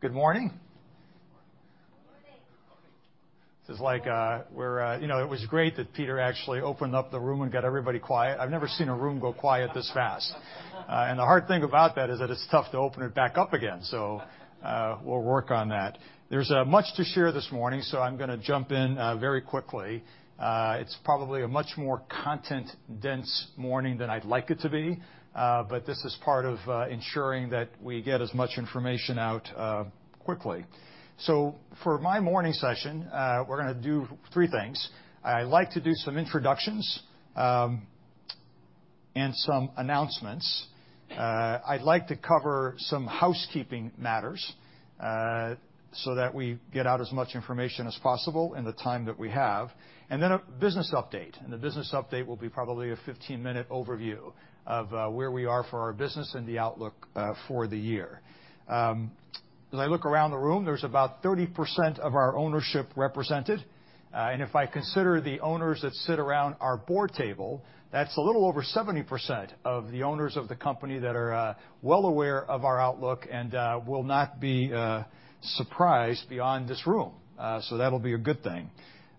Good morning. This is like, we're, you know, it was great that Peter actually opened up the room and got everybody quiet. I've never seen a room go quiet this fast, and the hard thing about that is that it's tough to open it back up again, so we'll work on that. There's much to share this morning, so I'm gonna jump in very quickly. It's probably a much more content-dense morning than I'd like it to be, but this is part of ensuring that we get as much information out quickly, so for my morning session, we're gonna do three things. I like to do some introductions, and some announcements. I'd like to cover some housekeeping matters, so that we get out as much information as possible in the time that we have, and then a business update. The business update will be probably a 15-minute overview of where we are for our business and the outlook for the year. As I look around the room, there's about 30% of our ownership represented. And if I consider the owners that sit around our board table, that's a little over 70% of the owners of the company that are well aware of our outlook and will not be surprised beyond this room. So that'll be a good thing.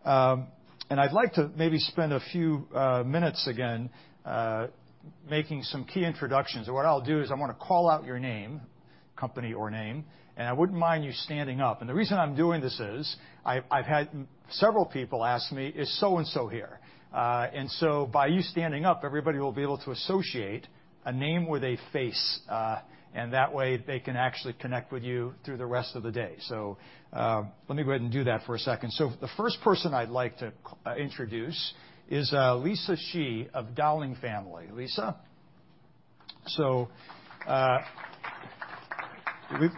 And I'd like to maybe spend a few minutes again making some key introductions. And what I'll do is I wanna call out your name, company or name, and I wouldn't mind you standing up. The reason I'm doing this is I've had several people ask me, "Is so-and-so here?" and so by you standing up, everybody will be able to associate a name with a face, and that way they can actually connect with you through the rest of the day. Let me go ahead and do that for a second. The first person I'd like to introduce is Lisa Shi of DaLing Family. Lisa?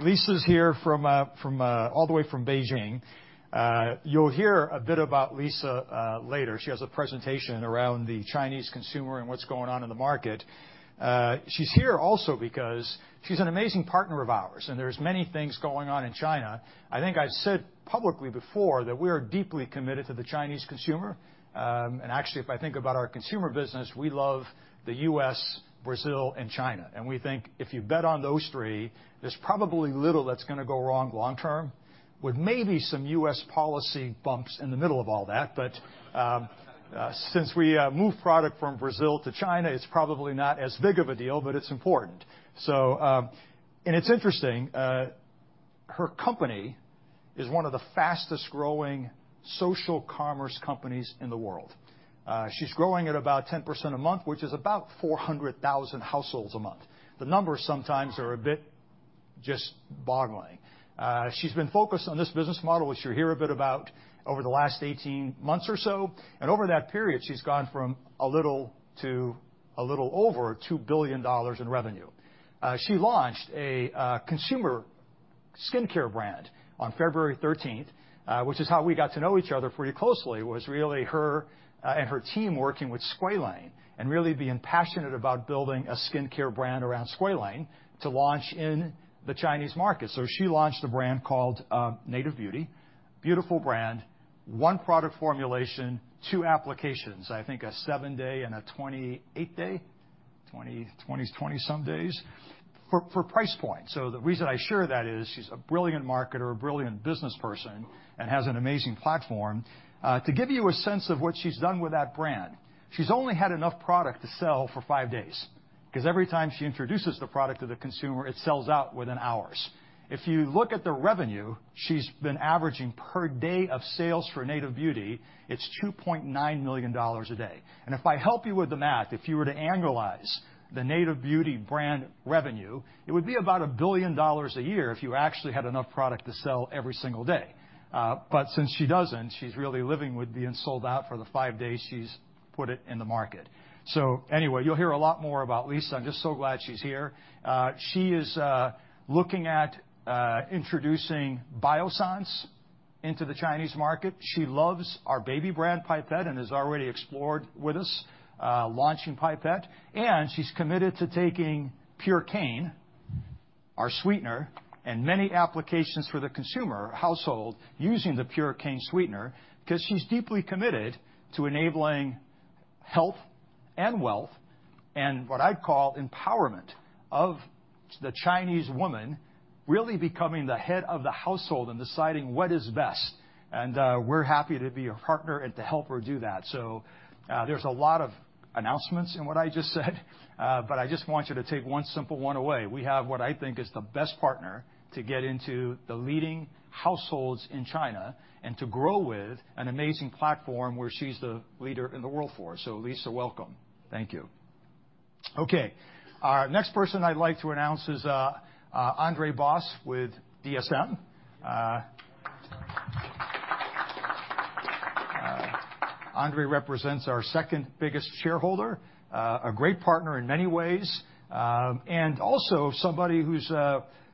Lisa's here from all the way from Beijing. You'll hear a bit about Lisa later. She has a presentation around the Chinese consumer and what's going on in the market. She's here also because she's an amazing partner of ours, and there's many things going on in China. I think I've said publicly before that we are deeply committed to the Chinese consumer. Actually, if I think about our consumer business, we love the U.S., Brazil, and China. We think if you bet on those three, there's probably little that's gonna go wrong long-term with maybe some U.S. policy bumps in the middle of all that. But since we move product from Brazil to China, it's probably not as big of a deal, but it's important. It's interesting, her company is one of the fastest-growing social commerce companies in the world. She's growing at about 10% a month, which is about 400,000 households a month. The numbers sometimes are a bit just boggling. She's been focused on this business model, which you'll hear a bit about over the last 18 months or so. Over that period, she's gone from a little to a little over $2 billion in revenue. She launched a consumer skincare brand on February 13th, which is how we got to know each other pretty closely. It was really her and her team working with squalane and really being passionate about building a skincare brand around squalane to launch in the Chinese market. So she launched a brand called Natural Beauty, beautiful brand, one product formulation, two applications, I think a 7-day and a 28-day, 20-some days for price point. So the reason I share that is she's a brilliant marketer, a brilliant business person, and has an amazing platform to give you a sense of what she's done with that brand. She's only had enough product to sell for five days 'cause every time she introduces the product to the consumer, it sells out within hours. If you look at the revenue, she's been averaging per day of sales for Natural Beauty, it's $2.9 million a day. And if I help you with the math, if you were to annualize the Natural Beauty brand revenue, it would be about a billion dollars a year if you actually had enough product to sell every single day. But since she doesn't, she's really living with being sold out for the five days she's put it in the market. So anyway, you'll hear a lot more about Lisa. I'm just so glad she's here. She is looking at introducing Biossance into the Chinese market. She loves our baby brand Pipette and has already explored with us launching Pipette. She's committed to taking Purecane, our sweetener, and many applications for the consumer household using the Purecane sweetener 'cause she's deeply committed to enabling health and wealth and what I'd call empowerment of the Chinese woman really becoming the head of the household and deciding what is best. We're happy to be a partner and to help her do that. There's a lot of announcements in what I just said, but I just want you to take one simple one away. We have what I think is the best partner to get into the leading households in China and to grow with an amazing platform where she's the leader in the world for. So Lisa, welcome. Thank you. Okay. Our next person I'd like to announce is André Bos with DSM. André represents our second biggest shareholder, a great partner in many ways, and also somebody who's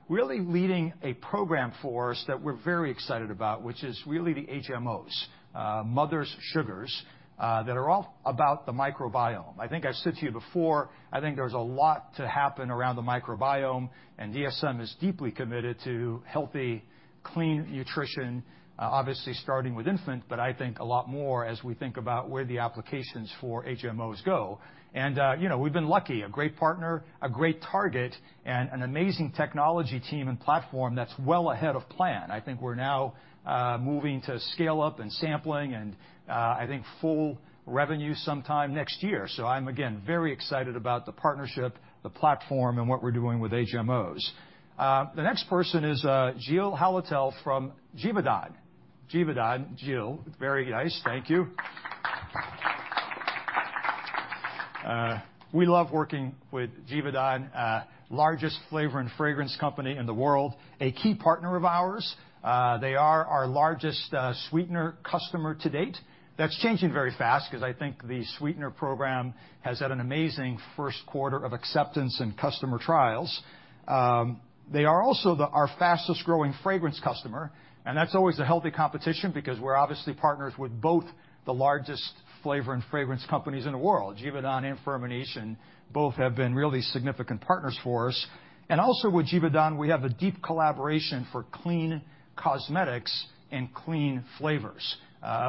really leading a program for us that we're very excited about, which is really the HMOs, mother's sugars, that are all about the microbiome. I think I've said to you before, I think there's a lot to happen around the microbiome, and DSM is deeply committed to healthy, clean nutrition, obviously starting with infant, but I think a lot more as we think about where the applications for HMOs go, and you know, we've been lucky, a great partner, a great target, and an amazing technology team and platform that's well ahead of plan. I think we're now moving to scale up and sampling and I think full revenue sometime next year, so I'm again very excited about the partnership, the platform, and what we're doing with HMOs. The next person is Jill Hallett from Givaudan. Givaudan, Jill, very nice. Thank you. We love working with Givaudan, largest flavor and fragrance company in the world, a key partner of ours. They are our largest sweetener customer to date. That's changing very fast 'cause I think the sweetener program has had an amazing first quarter of acceptance and customer trials. They are also our fastest-growing fragrance customer, and that's always a healthy competition because we're obviously partners with both the largest flavor and fragrance companies in the world. Givaudan and Firmenich both have been really significant partners for us. And also with Givaudan, we have a deep collaboration for clean cosmetics and clean flavors,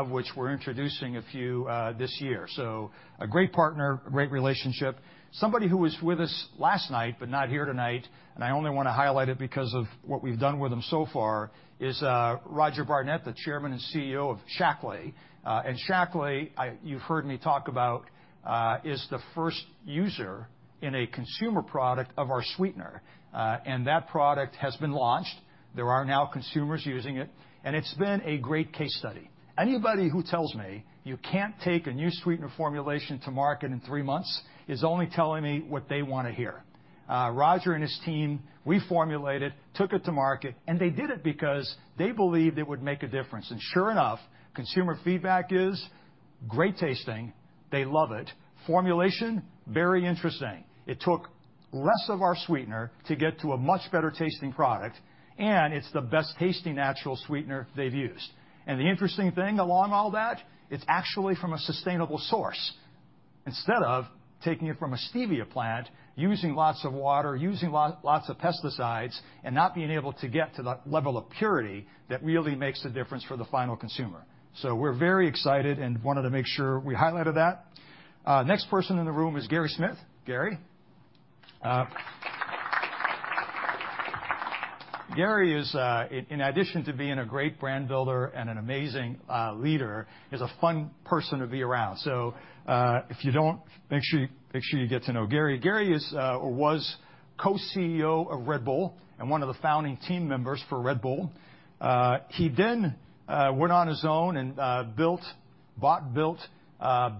which we're introducing a few this year. So a great partner, great relationship. Somebody who was with us last night but not here tonight, and I only wanna highlight it because of what we've done with them so far, is Roger Barnett, the Chairman and CEO of Shaklee. And Shaklee, you've heard me talk about, is the first user in a consumer product of our sweetener. And that product has been launched. There are now consumers using it, and it's been a great case study. Anybody who tells me you can't take a new sweetener formulation to market in three months is only telling me what they wanna hear. Roger and his team, we formulated, took it to market, and they did it because they believed it would make a difference. And sure enough, consumer feedback is great tasting. They love it. Formulation, very interesting. It took less of our sweetener to get to a much better-tasting product, and it's the best-tasting natural sweetener they've used, and the interesting thing along all that, it's actually from a sustainable source instead of taking it from a stevia plant, using lots of water, using lots of pesticides, and not being able to get to that level of purity that really makes a difference for the final consumer. So we're very excited and wanted to make sure we highlighted that. The next person in the room is Gary Smith. Gary. Gary is, in addition to being a great brand builder and an amazing leader, a fun person to be around. So, if you don't, make sure you get to know Gary. Gary is, or was co-CEO of Red Bull and one of the founding team members for Red Bull. He then went on his own and built, bought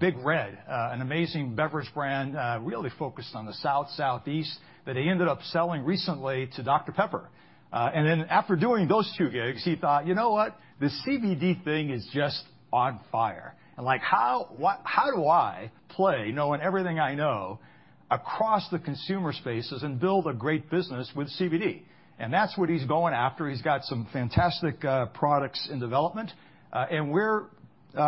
Big Red, an amazing beverage brand really focused on the South, Southeast, that he ended up selling recently to Dr Pepper. Then after doing those two gigs, he thought, "You know what? The CBD thing is just on fire. And like, how do I play, knowing everything I know, across the consumer spaces and build a great business with CBD?" And that's what he's going after. He's got some fantastic products in development. We're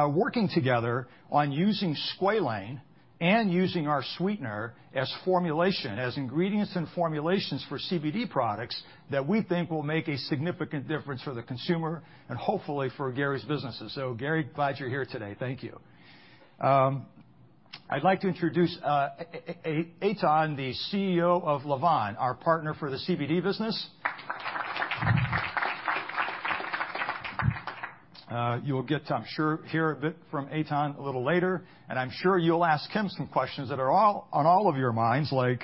working together on using squalane and using our sweetener as ingredients and formulations for CBD products that we think will make a significant difference for the consumer and hopefully for Gary's businesses. So Gary, glad you're here today. Thank you. I'd like to introduce Etan, the CEO of Lavvan, our partner for the CBD business. You'll get, I'm sure, to hear a bit from Etan a little later, and I'm sure you'll ask him some questions that are all on all of your minds, like,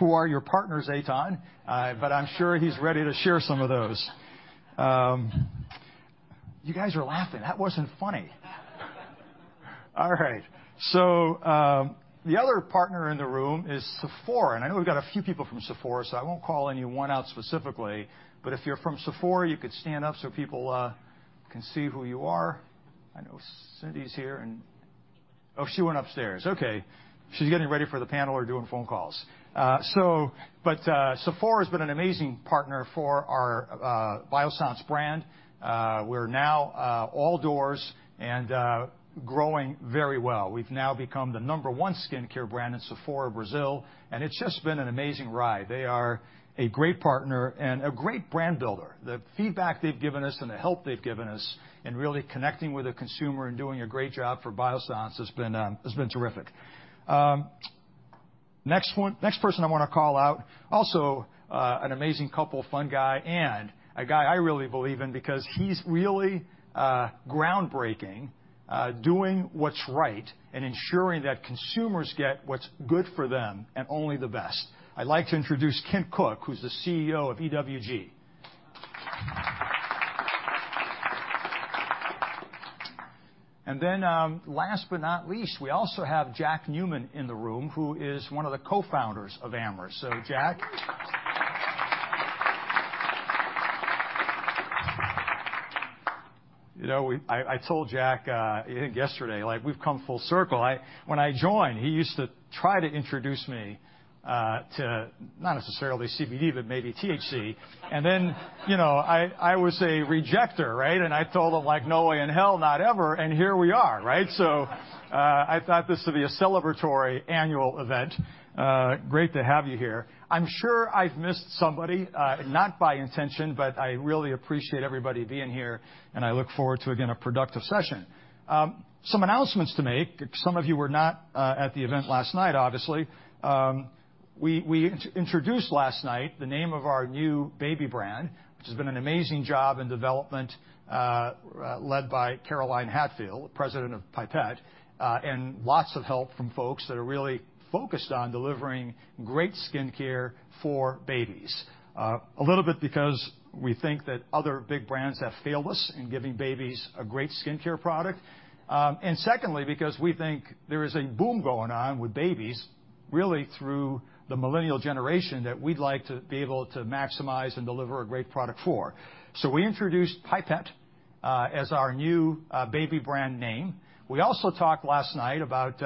"Who are your partners, Etan?" but I'm sure he's ready to share some of those. You guys are laughing. That wasn't funny. All right. So, the other partner in the room is Sephora. And I know we've got a few people from Sephora, so I won't call anyone out specifically. But if you're from Sephora, you could stand up so people can see who you are. I know Cindy's here, and oh, she went upstairs. Okay. She's getting ready for the panel or doing phone calls. So but, Sephora's been an amazing partner for our Biossance brand. We're now all doors and growing very well. We've now become the number one skincare brand in Sephora, Brazil, and it's just been an amazing ride. They are a great partner and a great brand builder. The feedback they've given us and the help they've given us in really connecting with the consumer and doing a great job for Biossance has been terrific. Next one, next person I wanna call out, also, an amazing couple, fun guy, and a guy I really believe in because he's really groundbreaking, doing what's right and ensuring that consumers get what's good for them and only the best. I'd like to introduce Ken Cook, who's the CEO of EWG. And then, last but not least, we also have Jack Newman in the room, who is one of the co-founders of Amyris. So Jack, you know, I told Jack, I think yesterday, like, we've come full circle. When I joined, he used to try to introduce me to not necessarily CBD, but maybe THC. And then, you know, I was a rejector, right? And I told him, like, "No way in hell, not ever." And here we are, right? So, I thought this would be a celebratory annual event. Great to have you here. I'm sure I've missed somebody, not by intention, but I really appreciate everybody being here, and I look forward to, again, a productive session. Some announcements to make. Some of you were not at the event last night, obviously. We introduced last night the name of our new baby brand, which has been an amazing job in development, led by Caroline Hadfield, President of Pipette, and lots of help from folks that are really focused on delivering great skincare for babies. A little bit because we think that other big brands have failed us in giving babies a great skincare product. And secondly, because we think there is a boom going on with babies, really through the millennial generation that we'd like to be able to maximize and deliver a great product for. So we introduced Pipette, as our new, baby brand name. We also talked last night about,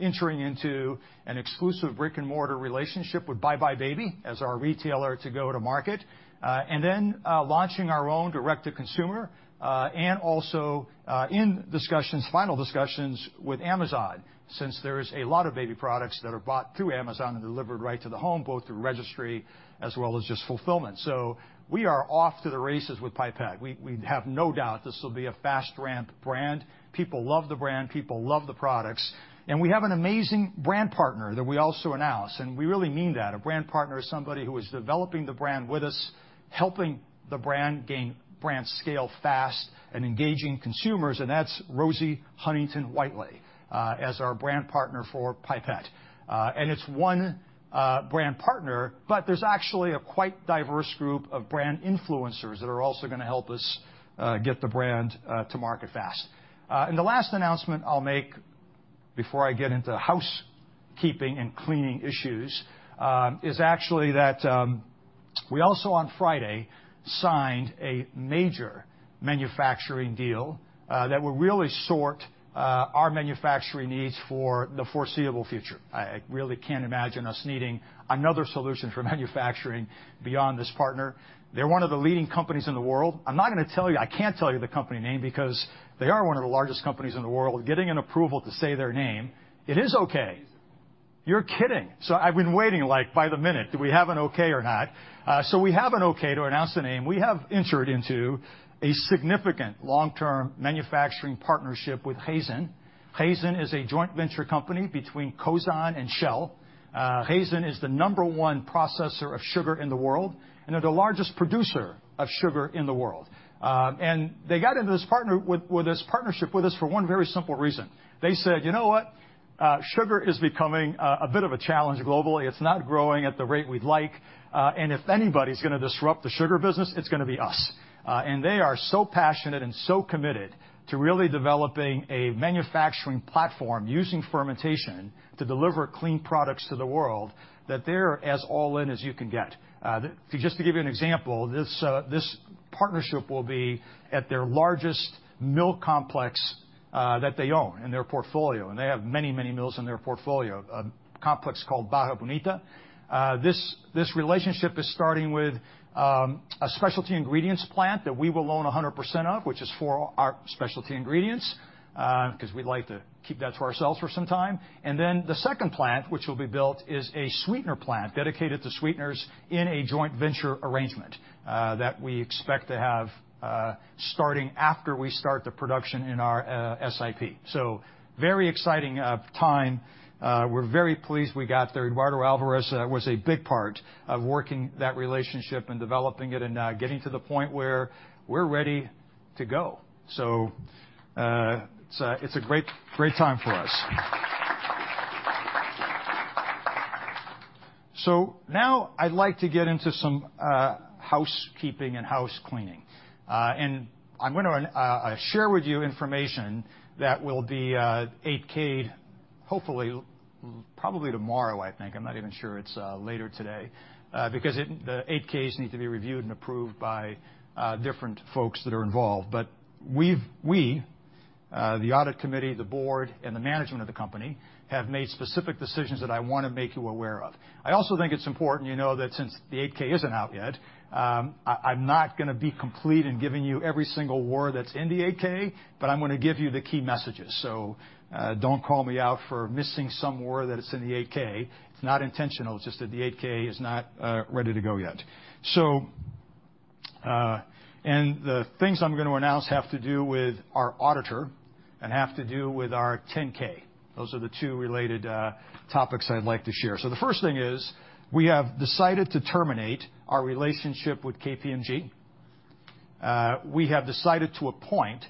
entering into an exclusive brick-and-mortar relationship with Buy Buy Baby as our retailer to go to market, and then, launching our own direct-to-consumer, and also, in discussions, final discussions with Amazon since there is a lot of baby products that are bought through Amazon and delivered right to the home, both through registry as well as just fulfillment. So we are off to the races with Pipette. We have no doubt this will be a fast-ramp brand. People love the brand. People love the products, and we have an amazing brand partner that we also announce, and we really mean that, a brand partner, somebody who is developing the brand with us, helping the brand gain brand scale fast and engaging consumers, and that's Rosie Huntington-Whiteley, as our brand partner for Pipette, and it's one, brand partner, but there's actually a quite diverse group of brand influencers that are also gonna help us, get the brand, to market fast, and the last announcement I'll make before I get into housekeeping and cleaning issues, is actually that, we also on Friday signed a major manufacturing deal, that will really sort, our manufacturing needs for the foreseeable future. I, I really can't imagine us needing another solution for manufacturing beyond this partner. They're one of the leading companies in the world. I'm not gonna tell you I can't tell you the company name because they are one of the largest companies in the world. Getting an approval to say their name, it is okay. You're kidding. I've been waiting, like, by the minute, do we have an okay or not? We have an okay to announce the name. We have entered into a significant long-term manufacturing partnership with Raízen. Raízen is a joint venture company between Cosan and Shell. Raízen is the number one processor of sugar in the world, and they're the largest producer of sugar in the world. They got into this partnership with us for one very simple reason. They said, "You know what? Sugar is becoming a bit of a challenge globally. It's not growing at the rate we'd like. And if anybody's gonna disrupt the sugar business, it's gonna be us." And they are so passionate and so committed to really developing a manufacturing platform using fermentation to deliver clean products to the world that they're as all-in as you can get. Just to give you an example, this partnership will be at their largest mill complex that they own in their portfolio, and they have many, many mills in their portfolio, a complex called Barra Bonita. This relationship is starting with a specialty ingredients plant that we will own 100% of, which is for our specialty ingredients, 'cause we'd like to keep that to ourselves for some time. And then the second plant which will be built is a sweetener plant dedicated to sweeteners in a joint venture arrangement that we expect to have starting after we start the production in our SIP. So, very exciting time. We're very pleased we got there. Eduardo Alvarez was a big part of working that relationship and developing it and getting to the point where we're ready to go. So, it's a it's a great, great time for us. So now I'd like to get into some housekeeping and house cleaning. And I'm gonna share with you information that will be 8-K'd hopefully probably tomorrow, I think. I'm not even sure it's later today, because the 8-Ks need to be reviewed and approved by different folks that are involved. But we've the audit committee, the board, and the management of the company have made specific decisions that I wanna make you aware of. I also think it's important, you know, that since the 8-K isn't out yet, I'm not gonna be complete in giving you every single word that's in the 8-K, but I'm gonna give you the key messages. So, don't call me out for missing some word that it's in the 8-K. It's not intentional. It's just that the 8-K is not ready to go yet. So, and the things I'm gonna announce have to do with our auditor and have to do with our 10-K. Those are the two related topics I'd like to share. So the first thing is we have decided to terminate our relationship with KPMG. We have decided to appoint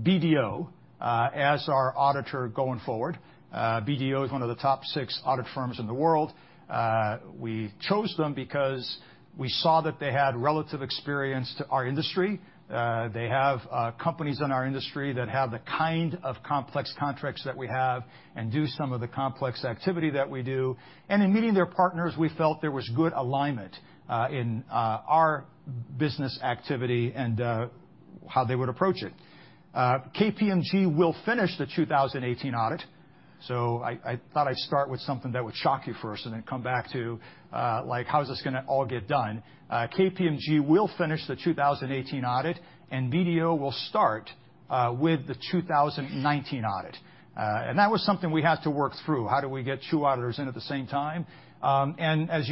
BDO as our auditor going forward. BDO is one of the top six audit firms in the world. We chose them because we saw that they had relevant experience to our industry. They have companies in our industry that have the kind of complex contracts that we have and do some of the complex activity that we do. And in meeting their partners, we felt there was good alignment in our business activity and how they would approach it. KPMG will finish the 2018 audit. I thought I'd start with something that would shock you first and then come back to, like, how's this gonna all get done. KPMG will finish the 2018 audit, and BDO will start with the 2019 audit. That was something we had to work through. How do we get two auditors in at the same time? As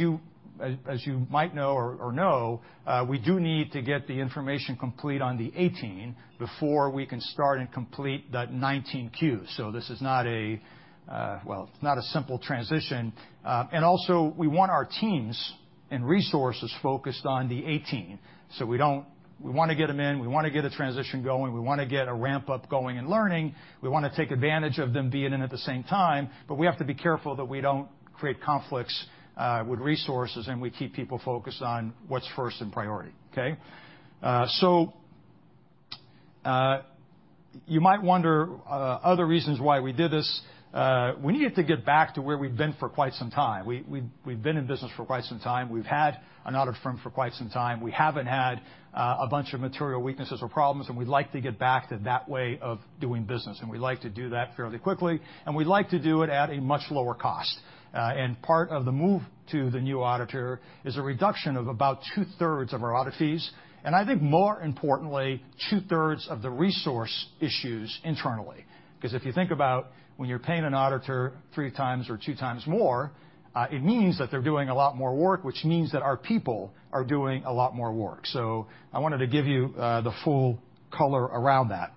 you might know, we do need to get the information complete on the 18 before we can start and complete that 19Q. This is not, well, a simple transition, and also we want our teams and resources focused on the 18. So we wanna get them in. We wanna get a transition going. We wanna get a ramp-up going and learning. We wanna take advantage of them being in at the same time. But we have to be careful that we don't create conflicts with resources and we keep people focused on what's first in priority, okay? So you might wonder other reasons why we did this. We needed to get back to where we've been for quite some time. We've been in business for quite some time. We've had an audit firm for quite some time. We haven't had a bunch of material weaknesses or problems, and we'd like to get back to that way of doing business. And we'd like to do that fairly quickly, and we'd like to do it at a much lower cost. And part of the move to the new auditor is a reduction of about two-thirds of our audit fees. And I think more importantly, two-thirds of the resource issues internally. 'Cause if you think about when you're paying an auditor three times or two times more, it means that they're doing a lot more work, which means that our people are doing a lot more work. So I wanted to give you the full color around that.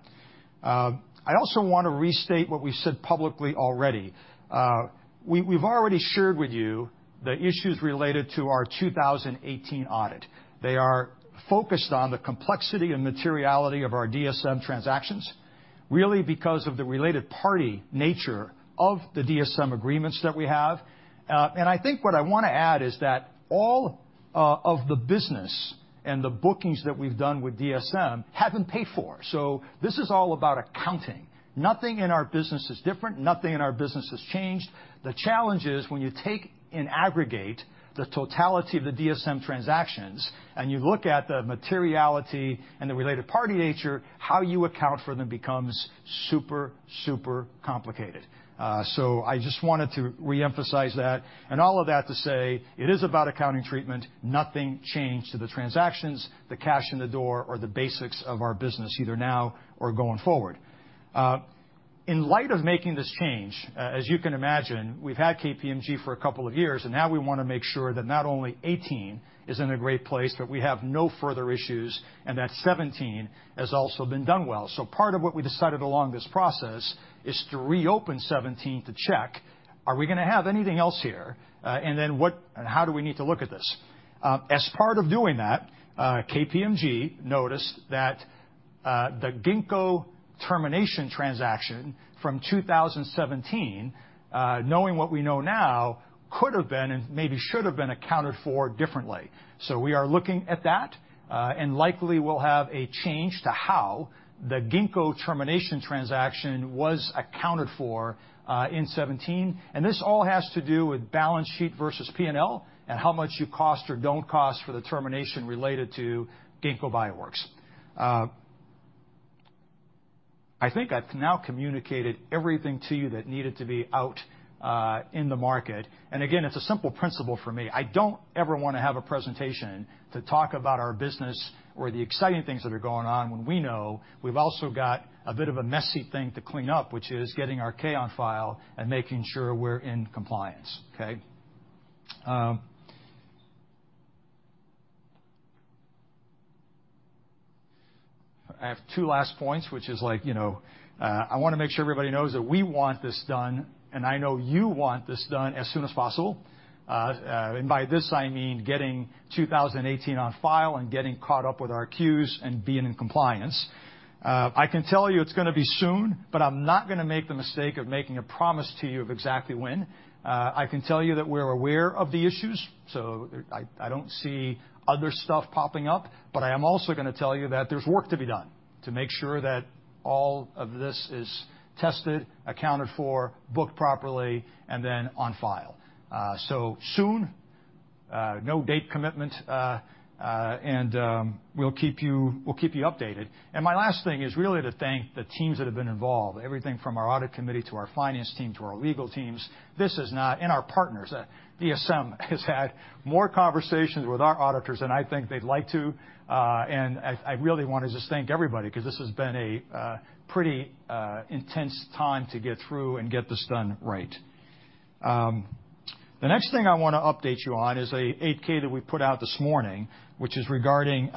I also wanna restate what we've said publicly already. We've already shared with you the issues related to our 2018 audit. They are focused on the complexity and materiality of our DSM transactions, really because of the related party nature of the DSM agreements that we have. And I think what I wanna add is that all of the business and the bookings that we've done with DSM have been paid for. So this is all about accounting. Nothing in our business is different. Nothing in our business has changed. The challenge is when you take and aggregate the totality of the DSM transactions and you look at the materiality and the related party nature, how you account for them becomes super, super complicated. So I just wanted to reemphasize that. And all of that to say it is about accounting treatment. Nothing changed to the transactions, the cash in the door, or the basics of our business either now or going forward. In light of making this change, as you can imagine, we've had KPMG for a couple of years, and now we wanna make sure that not only 2018 is in a great place, but we have no further issues, and that 2017 has also been done well. So part of what we decided along this process is to reopen 2017 to check, are we gonna have anything else here? And then what and how do we need to look at this? As part of doing that, KPMG noticed that the Ginkgo termination transaction from 2017, knowing what we know now, could have been and maybe should have been accounted for differently. So we are looking at that, and likely we'll have a change to how the Ginkgo termination transaction was accounted for, in 2017. This all has to do with balance sheet versus P&L and how much you cost or don't cost for the termination related to Ginkgo Bioworks. I think I've now communicated everything to you that needed to be out in the market. Again, it's a simple principle for me. I don't ever wanna have a presentation to talk about our business or the exciting things that are going on when we know we've also got a bit of a messy thing to clean up, which is getting our 10-K on file and making sure we're in compliance, okay? I have two last points, which is like, you know, I wanna make sure everybody knows that we want this done, and I know you want this done as soon as possible. And by this, I mean getting 2018 on file and getting caught up with our Qs and being in compliance. I can tell you it's gonna be soon, but I'm not gonna make the mistake of making a promise to you of exactly when. I can tell you that we're aware of the issues. So I don't see other stuff popping up, but I am also gonna tell you that there's work to be done to make sure that all of this is tested, accounted for, booked properly, and then on file. So soon, no date commitment, and we'll keep you updated. And my last thing is really to thank the teams that have been involved, everything from our audit committee to our finance team to our legal teams. This is not and our partners. DSM has had more conversations with our auditors than I think they'd like to, and I really wanna just thank everybody 'cause this has been a pretty intense time to get through and get this done right. The next thing I wanna update you on is a 8-K that we put out this morning, which is regarding,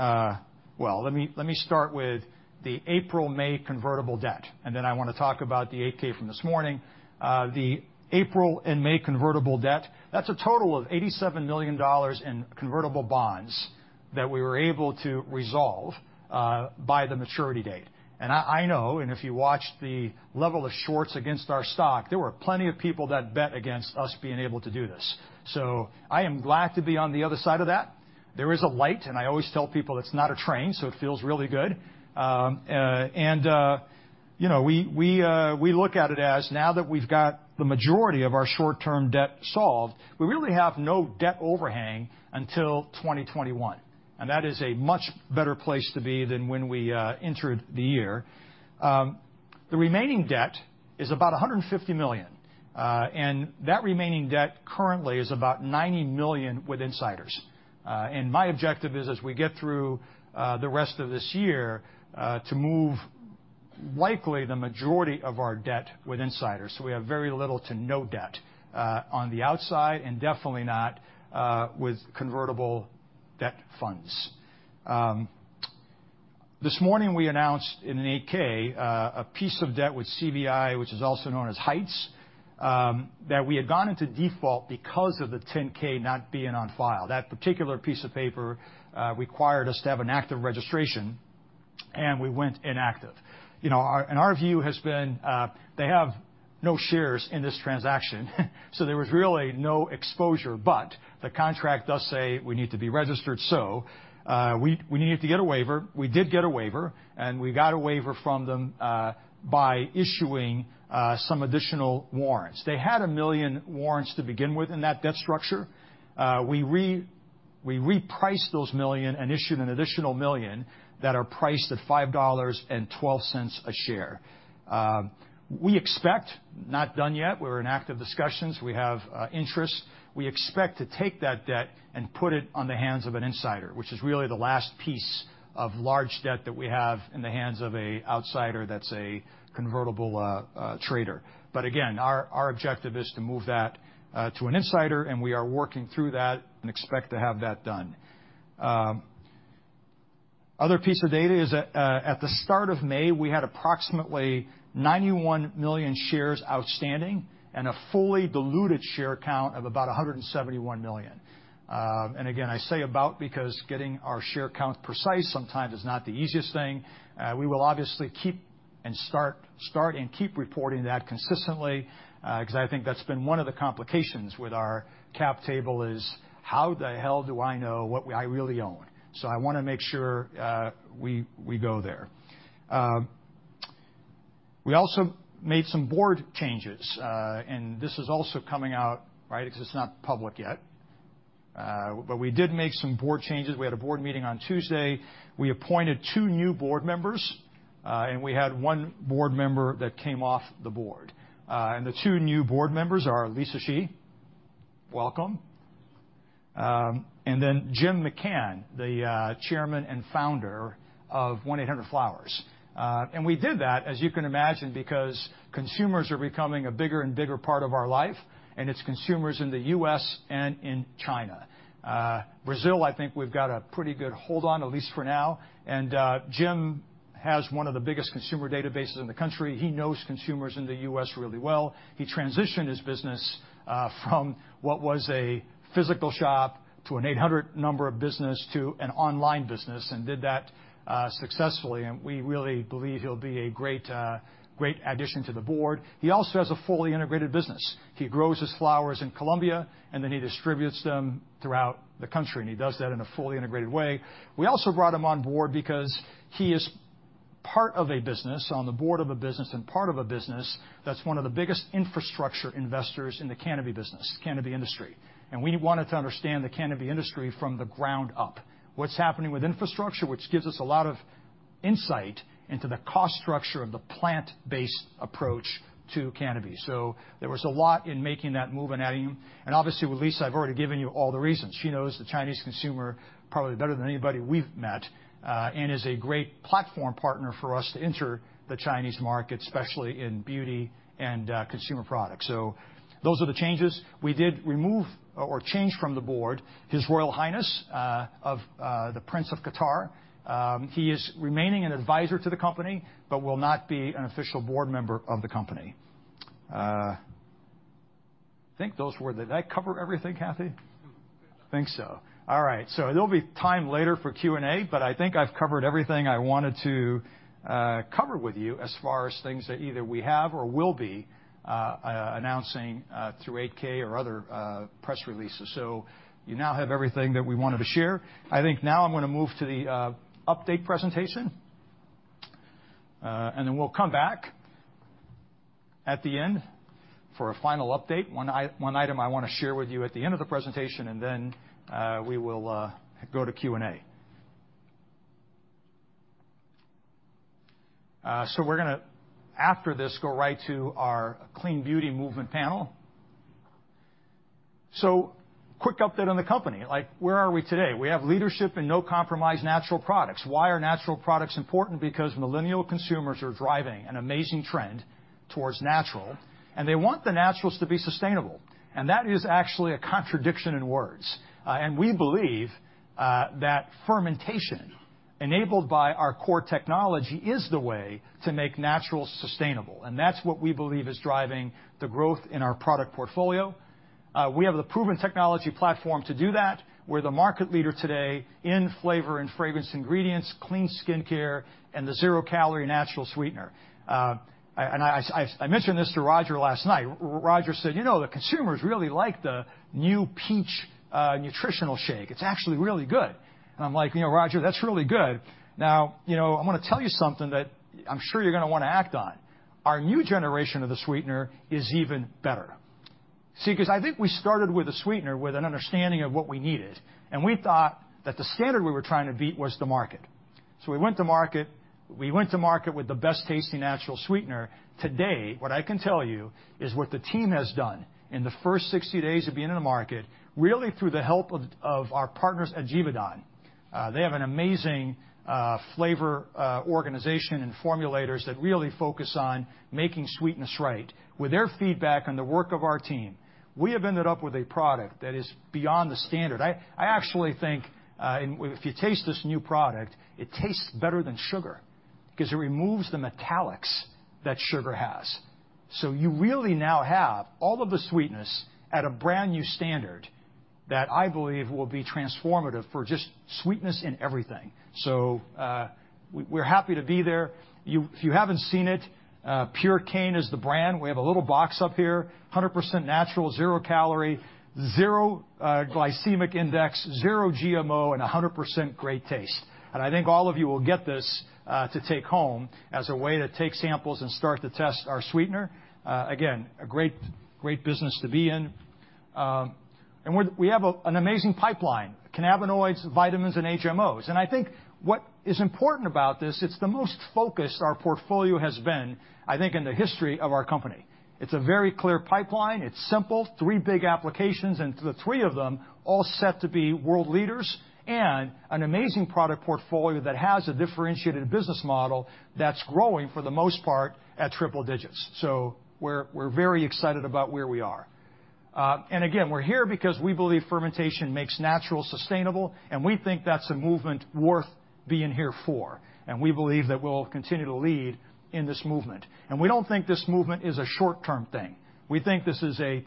well, let me start with the April-May convertible debt, and then I wanna talk about the 8-K from this morning. The April and May convertible debt, that's a total of $87 million in convertible bonds that we were able to resolve by the maturity date. And I know, if you watched the level of shorts against our stock, there were plenty of people that bet against us being able to do this. So I am glad to be on the other side of that. There is a light, and I always tell people it's not a train, so it feels really good. You know, we look at it as now that we've got the majority of our short-term debt solved, we really have no debt overhang until 2021. That is a much better place to be than when we entered the year. The remaining debt is about $150 million. That remaining debt currently is about $90 million with insiders. My objective is, as we get through the rest of this year, to move likely the majority of our debt with insiders. We have very little to no debt on the outside and definitely not with convertible debt funds. This morning, we announced in an 8-K, a piece of debt with CVI, which is also known as Heights, that we had gone into default because of the 10-K not being on file. That particular piece of paper required us to have an active registration, and we went inactive. You know, our view has been they have no shares in this transaction. So there was really no exposure. But the contract does say we need to be registered. So we needed to get a waiver. We did get a waiver, and we got a waiver from them by issuing some additional warrants. They had a million warrants to begin with in that debt structure. We repriced those million and issued an additional million that are priced at $5.12 a share. We expect not done yet. We're in active discussions. We have interest. We expect to take that debt and put it in the hands of an insider, which is really the last piece of large debt that we have in the hands of an outsider that's a convertible trader. But again, our objective is to move that to an insider, and we are working through that and expect to have that done. Other piece of data is that, at the start of May, we had approximately 91 million shares outstanding and a fully diluted share count of about 171 million. Again, I say about because getting our share count precise sometimes is not the easiest thing. We will obviously keep and start and keep reporting that consistently, 'cause I think that's been one of the complications with our cap table is how the hell do I know what I really own? I wanna make sure we go there. We also made some board changes. This is also coming out, right, 'cause it's not public yet. But we did make some board changes. We had a board meeting on Tuesday. We appointed two new board members, and we had one board member that came off the board. The two new board members are Lisa Shi. Welcome. Then Jim McCann, the chairman and founder of 1-800-Flowers. We did that, as you can imagine, because consumers are becoming a bigger and bigger part of our life, and it's consumers in the US and in China. Brazil, I think we've got a pretty good hold on, at least for now. Jim has one of the biggest consumer databases in the country. He knows consumers in the US really well. He transitioned his business from what was a physical shop to an 800-number business to an online business and did that successfully. We really believe he'll be a great, great addition to the board. He also has a fully integrated business. He grows his flowers in Colombia, and then he distributes them throughout the country. He does that in a fully integrated way. We also brought him on board because he is part of a business on the board of a business and part of a business that's one of the biggest infrastructure investors in the cannabis business, cannabis industry. We wanted to understand the cannabis industry from the ground up, what's happening with infrastructure, which gives us a lot of insight into the cost structure of the plant-based approach to cannabis. There was a lot in making that move and adding them. And obviously, with Lisa, I've already given you all the reasons. She knows the Chinese consumer probably better than anybody we've met, and is a great platform partner for us to enter the Chinese market, especially in beauty and consumer products. So those are the changes. We did remove or change from the board His Royal Highness, the Prince of Qatar. He is remaining an advisor to the company but will not be an official board member of the company. I think those were. Did I cover everything, Cathy? I think so. All right. So there'll be time later for Q&A, but I think I've covered everything I wanted to cover with you as far as things that either we have or will be announcing through 8-K or other press releases. So you now have everything that we wanted to share. I think now I'm gonna move to the update presentation. Then we'll come back at the end for a final update. One item I wanna share with you at the end of the presentation, and then we will go to Q&A. So we're gonna, after this, go right to our Clean Beauty Movement panel. So quick update on the company. Like, where are we today? We have leadership and no compromise natural products. Why are natural products important? Because millennial consumers are driving an amazing trend towards natural, and they want the naturals to be sustainable. And that is actually a contradiction in words, and we believe that fermentation enabled by our core technology is the way to make naturals sustainable. And that's what we believe is driving the growth in our product portfolio. We have the proven technology platform to do that. We're the market leader today in flavor and fragrance ingredients, clean skincare, and the zero-calorie natural sweetener, and I mentioned this to Roger last night. Roger said, "You know, the consumers really like the new peach nutritional shake. It's actually really good," and I'm like, "You know, Roger, that's really good." Now, you know, I wanna tell you something that I'm sure you're gonna wanna act on. Our new generation of the sweetener is even better. See, 'cause I think we started with a sweetener with an understanding of what we needed, and we thought that the standard we were trying to beat was the market. So we went to market. We went to market with the best-tasting natural sweetener. Today, what I can tell you is what the team has done in the first 60 days of being in the market, really through the help of our partners at Givaudan. They have an amazing flavor organization and formulators that really focus on making sweetness right. With their feedback and the work of our team, we have ended up with a product that is beyond the standard. I actually think, and if you taste this new product, it tastes better than sugar 'cause it removes the metallics that sugar has. So you really now have all of the sweetness at a brand new standard that I believe will be transformative for just sweetness in everything. So, we're happy to be there. You, if you haven't seen it, Purecane is the brand. We have a little box up here, 100% natural, zero-calorie, zero glycemic index, zero GMO, and 100% great taste. I think all of you will get this to take home as a way to take samples and start to test our sweetener. A great, great business to be in. We have an amazing pipeline, cannabinoids, vitamins, and HMOs. I think what is important about this. It's the most focused our portfolio has been, I think, in the history of our company. It's a very clear pipeline. It's simple, three big applications, and the three of them all set to be world leaders and an amazing product portfolio that has a differentiated business model that's growing for the most part at triple digits. We are very excited about where we are. And again, we're here because we believe fermentation makes naturals sustainable, and we think that's a movement worth being here for. And we believe that we'll continue to lead in this movement. And we don't think this movement is a short-term thing. We think this is a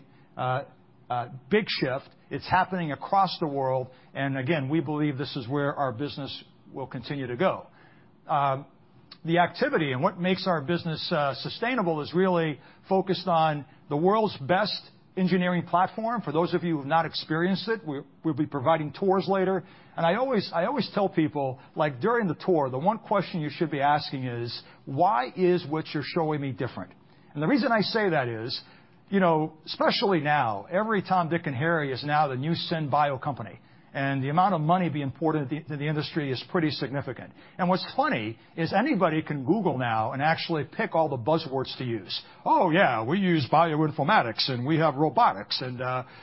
big shift. It's happening across the world. And again, we believe this is where our business will continue to go. The activity and what makes our business sustainable is really focused on the world's best engineering platform. For those of you who have not experienced it, we'll be providing tours later. And I always tell people, like, during the tour, the one question you should be asking is, "Why is what you're showing me different?" And the reason I say that is, you know, especially now, every Tom, Dick, and Harry is now the new syn bio company, and the amount of money being poured into the industry is pretty significant. And what's funny is anybody can Google now and actually pick all the buzzwords to use. "Oh, yeah, we use bioinformatics, and we have robotics, and,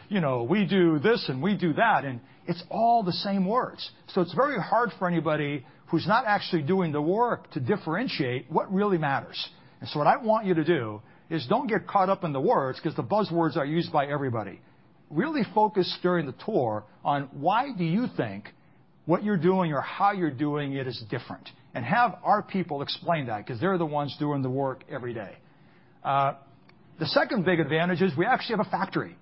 you know, we do this, and we do that." And it's all the same words. So it's very hard for anybody who's not actually doing the work to differentiate what really matters. And so what I want you to do is don't get caught up in the words 'cause the buzzwords are used by everybody. Really focus during the tour on why do you think what you're doing or how you're doing it is different. And have our people explain that 'cause they're the ones doing the work every day. The second big advantage is we actually have a factory.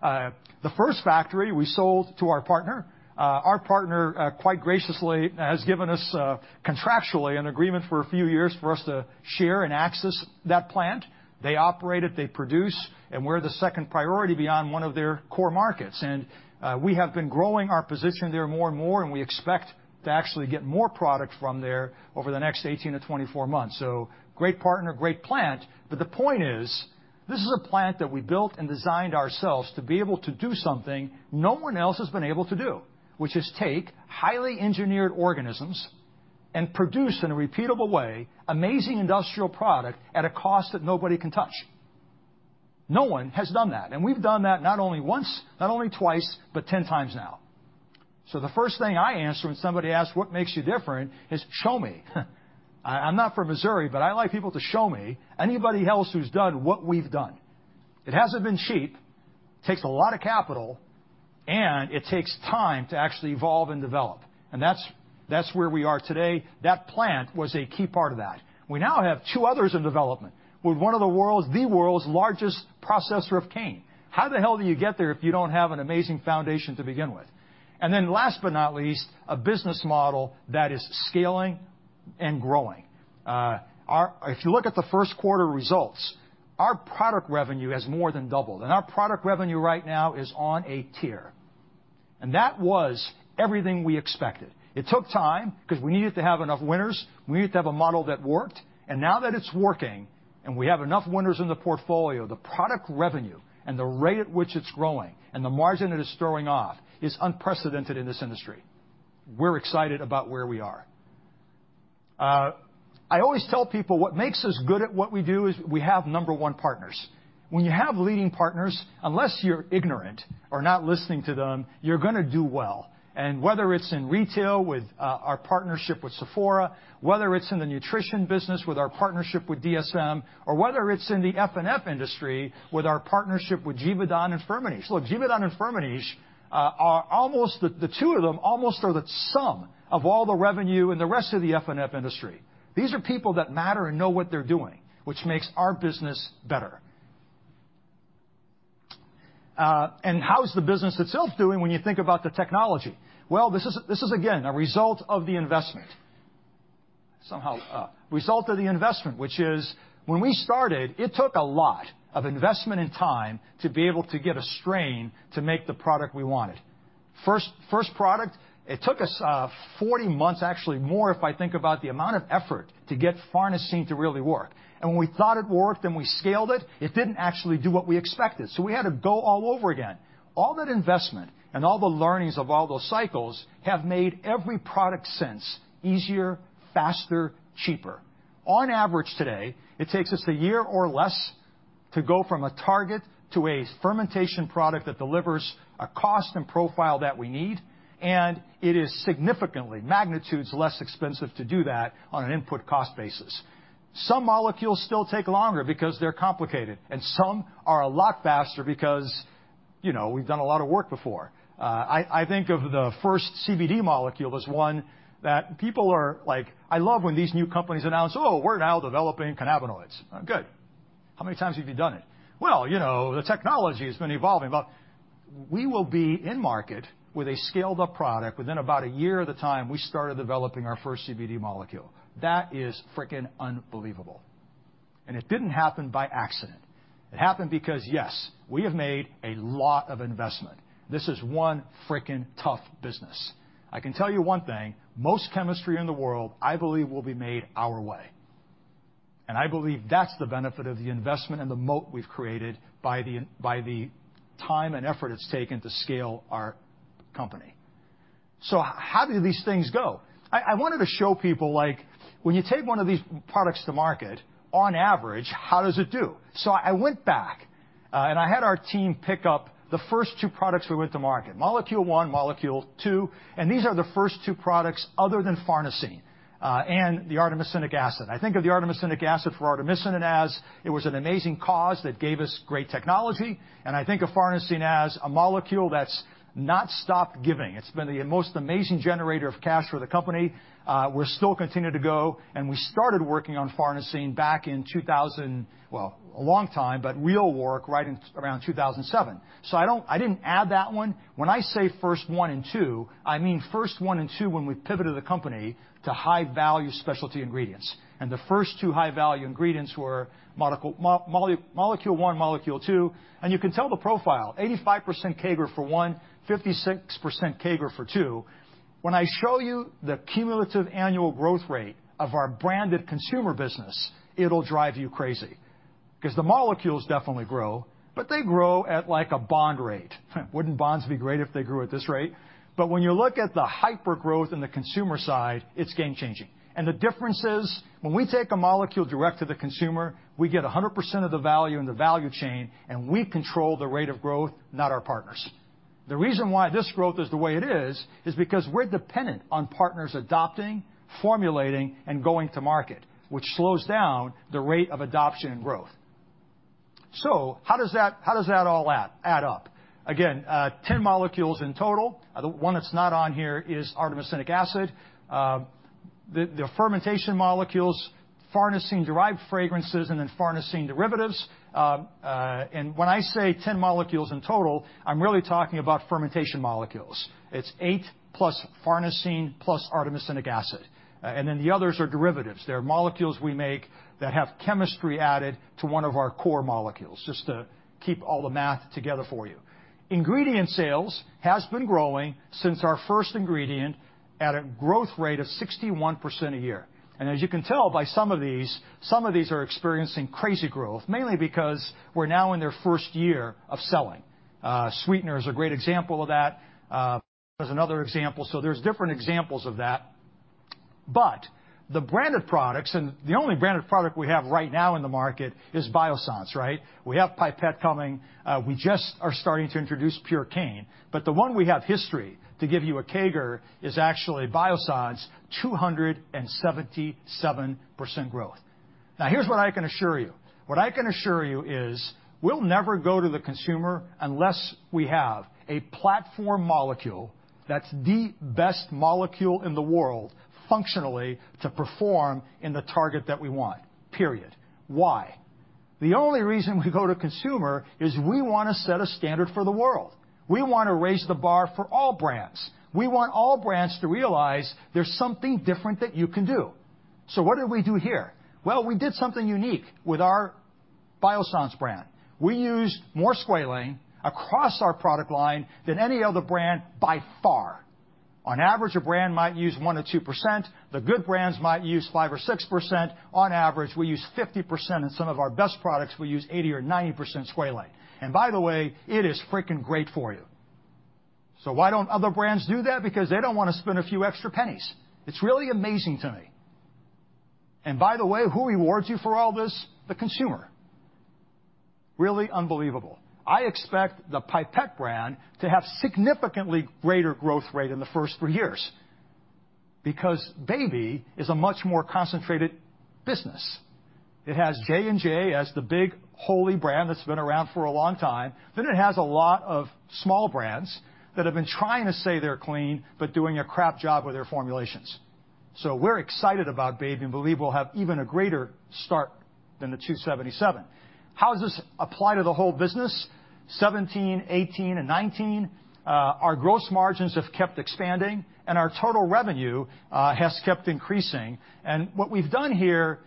The first factory we sold to our partner, our partner quite graciously has given us, contractually an agreement for a few years for us to share and access that plant. They operate it. They produce. And we're the second priority beyond one of their core markets. And we have been growing our position there more and more, and we expect to actually get more product from there over the next 18 to 24 months. So great partner, great plant. But the point is, this is a plant that we built and designed ourselves to be able to do something no one else has been able to do, which is take highly engineered organisms and produce in a repeatable way amazing industrial product at a cost that nobody can touch. No one has done that. And we've done that not only once, not only twice, but 10 times now. So the first thing I answer when somebody asks, "What makes you different?" is, "Show me." I'm not from Missouri, but I like people to show me anybody else who's done what we've done. It hasn't been cheap. It takes a lot of capital, and it takes time to actually evolve and develop. And that's where we are today. That plant was a key part of that. We now have two others in development with one of the world's largest processor of cane. How the hell do you get there if you don't have an amazing foundation to begin with? And then last but not least, a business model that is scaling and growing. Our, if you look at the first quarter results, our product revenue has more than doubled. And our product revenue right now is on a tear. And that was everything we expected. It took time 'cause we needed to have enough winners. We needed to have a model that worked. And now that it's working and we have enough winners in the portfolio, the product revenue and the rate at which it's growing and the margin it is throwing off is unprecedented in this industry. We're excited about where we are. I always tell people what makes us good at what we do is we have number one partners. When you have leading partners, unless you're ignorant or not listening to them, you're gonna do well. And whether it's in retail with our partnership with Sephora, whether it's in the nutrition business with our partnership with DSM, or whether it's in the F&F industry with our partnership with Givaudan and Firmenich. Look, Givaudan and Firmenich are almost the two of them almost are the sum of all the revenue and the rest of the F&F industry. These are people that matter and know what they're doing, which makes our business better. And how's the business itself doing when you think about the technology? Well, this is, again, a result of the investment. [as a] result of the investment, which is when we started, it took a lot of investment and time to be able to get a strain to make the product we wanted. First product, it took us 40 months, actually more, if I think about the amount of effort to get farnesene to really work. When we thought it worked and we scaled it, it didn't actually do what we expected. We had to go all over again. All that investment and all the learnings of all those cycles have made every product since easier, faster, cheaper. On average today, it takes us a year or less to go from a target to a fermentation product that delivers a cost and profile that we need. It is significantly magnitudes less expensive to do that on an input cost basis. Some molecules still take longer because they're complicated, and some are a lot faster because, you know, we've done a lot of work before. I, I think of the first CBD molecule as one that people are like, "I love when these new companies announce, 'Oh, we're now developing cannabinoids.'" Good. How many times have you done it? "Well, you know, the technology has been evolving." But we will be in market with a scaled-up product within about a year at the time we started developing our first CBD molecule. That is freaking unbelievable and it didn't happen by accident. It happened because, yes, we have made a lot of investment. This is one freaking tough business. I can tell you one thing. Most chemistry in the world, I believe, will be made our way. I believe that's the benefit of the investment and the moat we've created by the time and effort it's taken to scale our company. How do these things go? I wanted to show people, like, when you take one of these products to market, on average, how does it do? I went back, and I had our team pick up the first two products we went to market, molecule one, molecule two. These are the first two products other than farnesene, and the artemisinic acid. I think of the artemisinic acid for artemisinin as it was an amazing cause that gave us great technology. I think of farnesene as a molecule that's not stopped giving. It's been the most amazing generator of cash for the company. We're still continuing to go. We started working on farnesene back in 2000, well, a long time, but real work right around 2007. I didn't add that one. When I say first one and two, I mean first one and two when we pivoted the company to high-value specialty ingredients. The first two high-value ingredients were molecule one, molecule two. You can tell the profile, 85% CAGR for one, 56% CAGR for two. When I show you the cumulative annual growth rate of our branded consumer business, it'll drive you crazy 'cause the molecules definitely grow, but they grow at, like, a bond rate. Bonds would be great if they grew at this rate. When you look at the hypergrowth in the consumer side, it's game-changing. And the difference is when we take a molecule direct to the consumer, we get 100% of the value in the value chain, and we control the rate of growth, not our partners. The reason why this growth is the way it is is because we're dependent on partners adopting, formulating, and going to market, which slows down the rate of adoption and growth. So how does that all add up? Again, 10 molecules in total. The one that's not on here is artemisinic acid. The fermentation molecules, farnesene-derived fragrances, and then farnesene derivatives. And when I say 10 molecules in total, I'm really talking about fermentation molecules. It's eight plus farnesene plus artemisinic acid. And then the others are derivatives. They're molecules we make that have chemistry added to one of our core molecules just to keep all the math together for you. Ingredient sales has been growing since our first ingredient at a growth rate of 61% a year, and as you can tell by some of these, some of these are experiencing crazy growth, mainly because we're now in their first year of selling. Sweeteners are a great example of that. There's another example. So there's different examples of that, but the branded products and the only branded product we have right now in the market is Biossance, right? We have Pipette coming. We just are starting to introduce Purecane. But the one we have history to give you a CAGR is actually Biossance 277% growth. Now, here's what I can assure you. What I can assure you is we'll never go to the consumer unless we have a platform molecule that's the best molecule in the world functionally to perform in the target that we want, period. Why? The only reason we go to consumer is we wanna set a standard for the world. We wanna raise the bar for all brands. We want all brands to realize there's something different that you can do. So what did we do here? Well, we did something unique with our Biossance brand. We used more squalane across our product line than any other brand by far. On average, a brand might use one or two%. The good brands might use five or six%. On average, we use 50%. And some of our best products, we use 80 or 90% squalane. And by the way, it is freaking great for you. So why don't other brands do that? Because they don't wanna spend a few extra pennies. It's really amazing to me. And by the way, who rewards you for all this? The consumer. Really unbelievable. I expect the Pipette brand to have significantly greater growth rate in the first three years because Baby is a much more concentrated business. It has J&J as the big holy brand that's been around for a long time. Then it has a lot of small brands that have been trying to say they're clean but doing a crap job with their formulations. So we're excited about Baby and believe we'll have even a greater start than the 277. How does this apply to the whole business? 2017, 2018, and 2019, our gross margins have kept expanding, and our total revenue has kept increasing. And what we've done here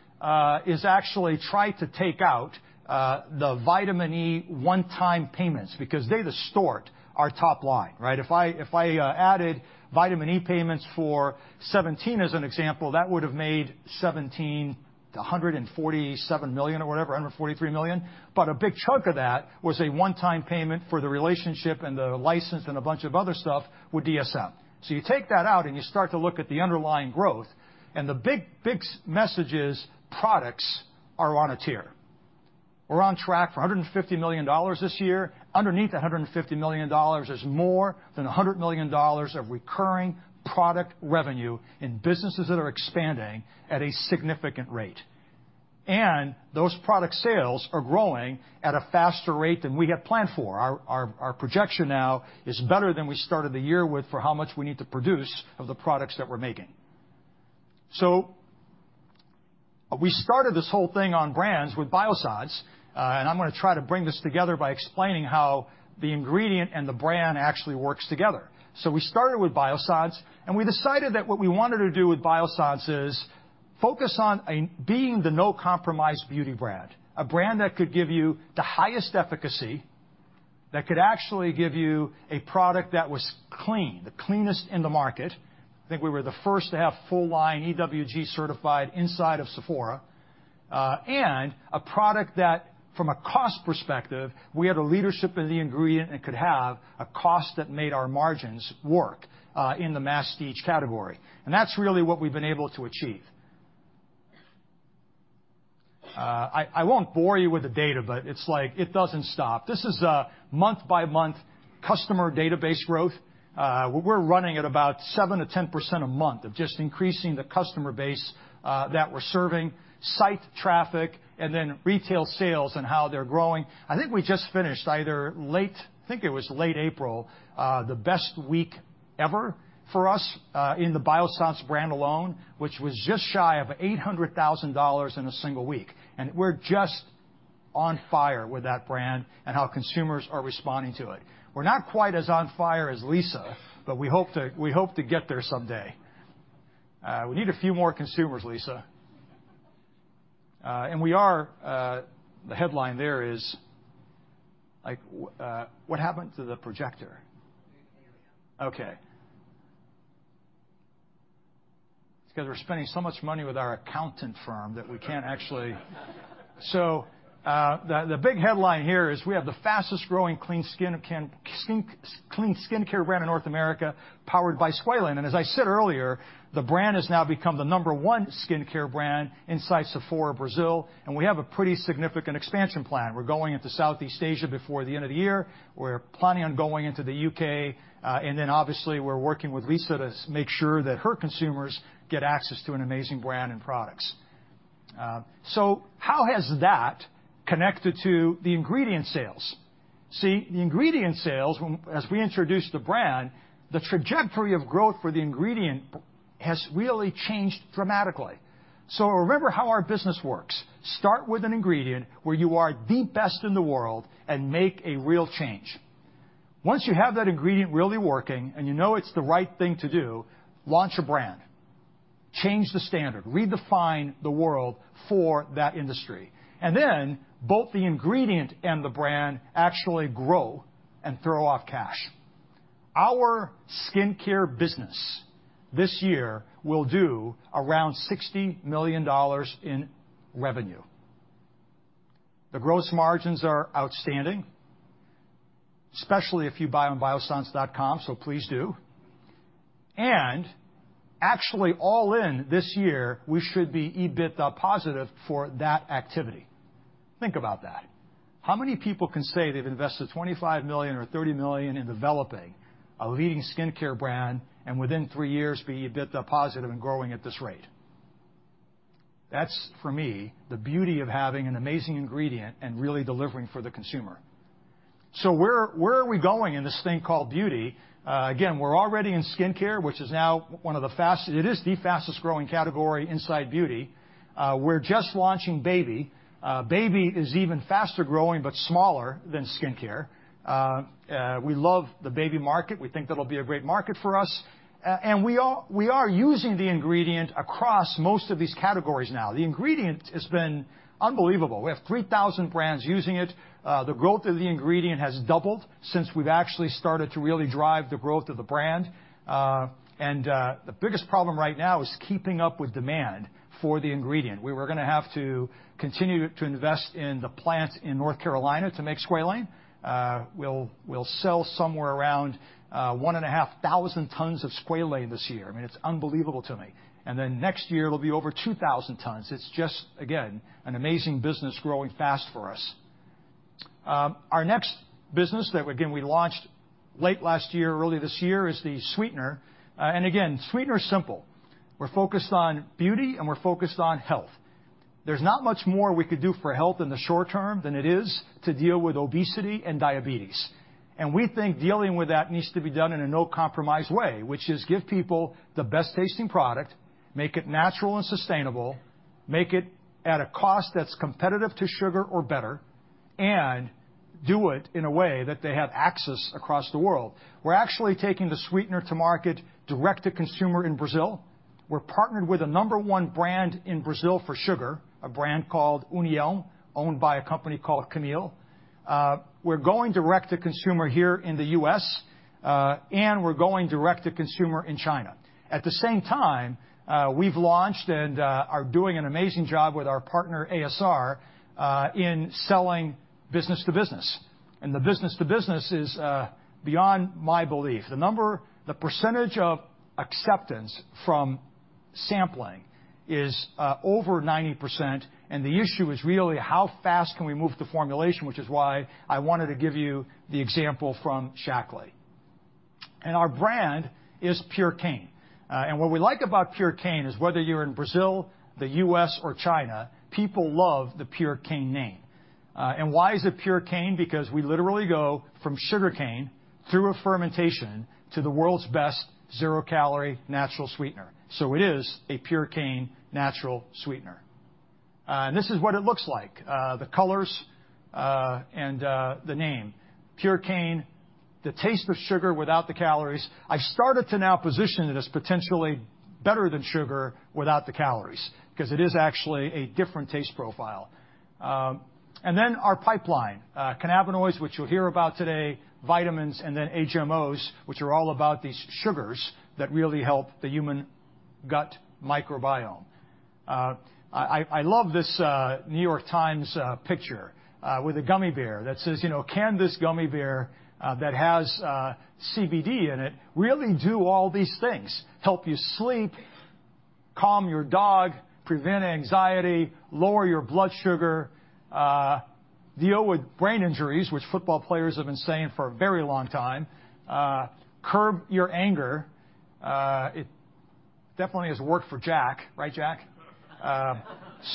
is actually try to take out the vitamin E one-time payments because they distort our top line, right? If I added vitamin E payments for 2017 as an example, that would've made 2017 $147 million or whatever, $143 million. But a big chunk of that was a one-time payment for the relationship and the license and a bunch of other stuff with DSM. So you take that out and you start to look at the underlying growth. And the big, big message is products are on a tier. We're on track for $150 million this year. Underneath that $150 million, there's more than $100 million of recurring product revenue in businesses that are expanding at a significant rate. And those product sales are growing at a faster rate than we had planned for. Our projection now is better than we started the year with for how much we need to produce of the products that we're making. So we started this whole thing on brands with Biossance, and I'm gonna try to bring this together by explaining how the ingredient and the brand actually works together. So we started with Biossance, and we decided that what we wanted to do with Biossance is focus on being the no-compromise beauty brand, a brand that could give you the highest efficacy, that could actually give you a product that was clean, the cleanest in the market. I think we were the first to have full-line EWG certified inside of Sephora, and a product that, from a cost perspective, we had a leadership in the ingredient and could have a cost that made our margins work, in the mass-market category. And that's really what we've been able to achieve. I, I won't bore you with the data, but it's like it doesn't stop. This is a month-by-month customer database growth. We're running at about 7%-10% a month of just increasing the customer base that we're serving, site traffic, and then retail sales and how they're growing. I think we just finished either late. I think it was late April, the best week ever for us in the Biossance brand alone, which was just shy of $800,000 in a single week, and we're just on fire with that brand and how consumers are responding to it. We're not quite as on fire as Lisa, but we hope to get there someday. We need a few more consumers, Lisa, and we are. The headline there is, like, what happened to the projector? Okay. The big headline here is we have the fastest-growing clean skincare brand in North America powered by squalane. And as I said earlier, the brand has now become the number one skincare brand inside Sephora, Brazil. And we have a pretty significant expansion plan. We're going into Southeast Asia before the end of the year. We're planning on going into the UK. And then obviously, we're working with Lisa to make sure that her consumers get access to an amazing brand and products. So how has that connected to the ingredient sales? See, the ingredient sales, when, as we introduced the brand, the trajectory of growth for the ingredient has really changed dramatically. So remember how our business works. Start with an ingredient where you are the best in the world and make a real change. Once you have that ingredient really working and you know it's the right thing to do, launch a brand, change the standard, redefine the world for that industry. And then both the ingredient and the brand actually grow and throw off cash. Our skincare business this year will do around $60 million in revenue. The gross margins are outstanding, especially if you buy on biossance.com, so please do. And actually, all in this year, we should be EBITDA positive for that activity. Think about that. How many people can say they've invested $25 million or $30 million in developing a leading skincare brand and within three years be EBITDA positive and growing at this rate? That's, for me, the beauty of having an amazing ingredient and really delivering for the consumer. So where are we going in this thing called beauty? Again, we're already in skincare, which is now one of the fastest; it is the fastest-growing category inside beauty. We're just launching baby. Baby is even faster-growing but smaller than skincare. We love the baby market. We think that'll be a great market for us. And we are using the ingredient across most of these categories now. The ingredient has been unbelievable. We have 3,000 brands using it. The growth of the ingredient has doubled since we've actually started to really drive the growth of the brand. And the biggest problem right now is keeping up with demand for the ingredient. We were gonna have to continue to invest in the plant in North Carolina to make squalane. We'll sell somewhere around 1,500 tons of squalane this year. I mean, it's unbelievable to me. And then next year, it'll be over 2,000 tons. It's just, again, an amazing business growing fast for us. Our next business that, again, we launched late last year, early this year is the sweetener. And again, sweetener is simple. We're focused on beauty, and we're focused on health. There's not much more we could do for health in the short term than it is to deal with obesity and diabetes. And we think dealing with that needs to be done in a no-compromise way, which is give people the best-tasting product, make it natural and sustainable, make it at a cost that's competitive to sugar or better, and do it in a way that they have access across the world. We're actually taking the sweetener to market direct-to-consumer in Brazil. We're partnered with a number one brand in Brazil for sugar, a brand called União, owned by a company called Camil. We're going direct-to-consumer here in the US, and we're going direct-to-consumer in China. At the same time, we've launched and are doing an amazing job with our partner ASR in selling business-to-business. And the business-to-business is beyond my belief. The number, the percentage of acceptance from sampling is over 90%. And the issue is really how fast can we move the formulation, which is why I wanted to give you the example from Shaklee. And our brand is Purecane. And what we like about Purecane is whether you're in Brazil, the US, or China, people love the Purecane name. And why is it Purecane? Because we literally go from sugarcane through a fermentation to the world's best zero-calorie natural sweetener. It is a Purecane natural sweetener, and this is what it looks like: the colors and the name, Purecane, the taste of sugar without the calories. I've started to now position it as potentially better than sugar without the calories 'cause it is actually a different taste profile, and then our pipeline, cannabinoids, which you'll hear about today, vitamins, and then HMOs, which are all about these sugars that really help the human gut microbiome. I love this New York Times picture with a gummy bear that says, you know, can this gummy bear that has CBD in it really do all these things? Help you sleep, calm your dog, prevent anxiety, lower your blood sugar, deal with brain injuries, which football players have been saying for a very long time, curb your anger. It definitely has worked for Jack, right, Jack?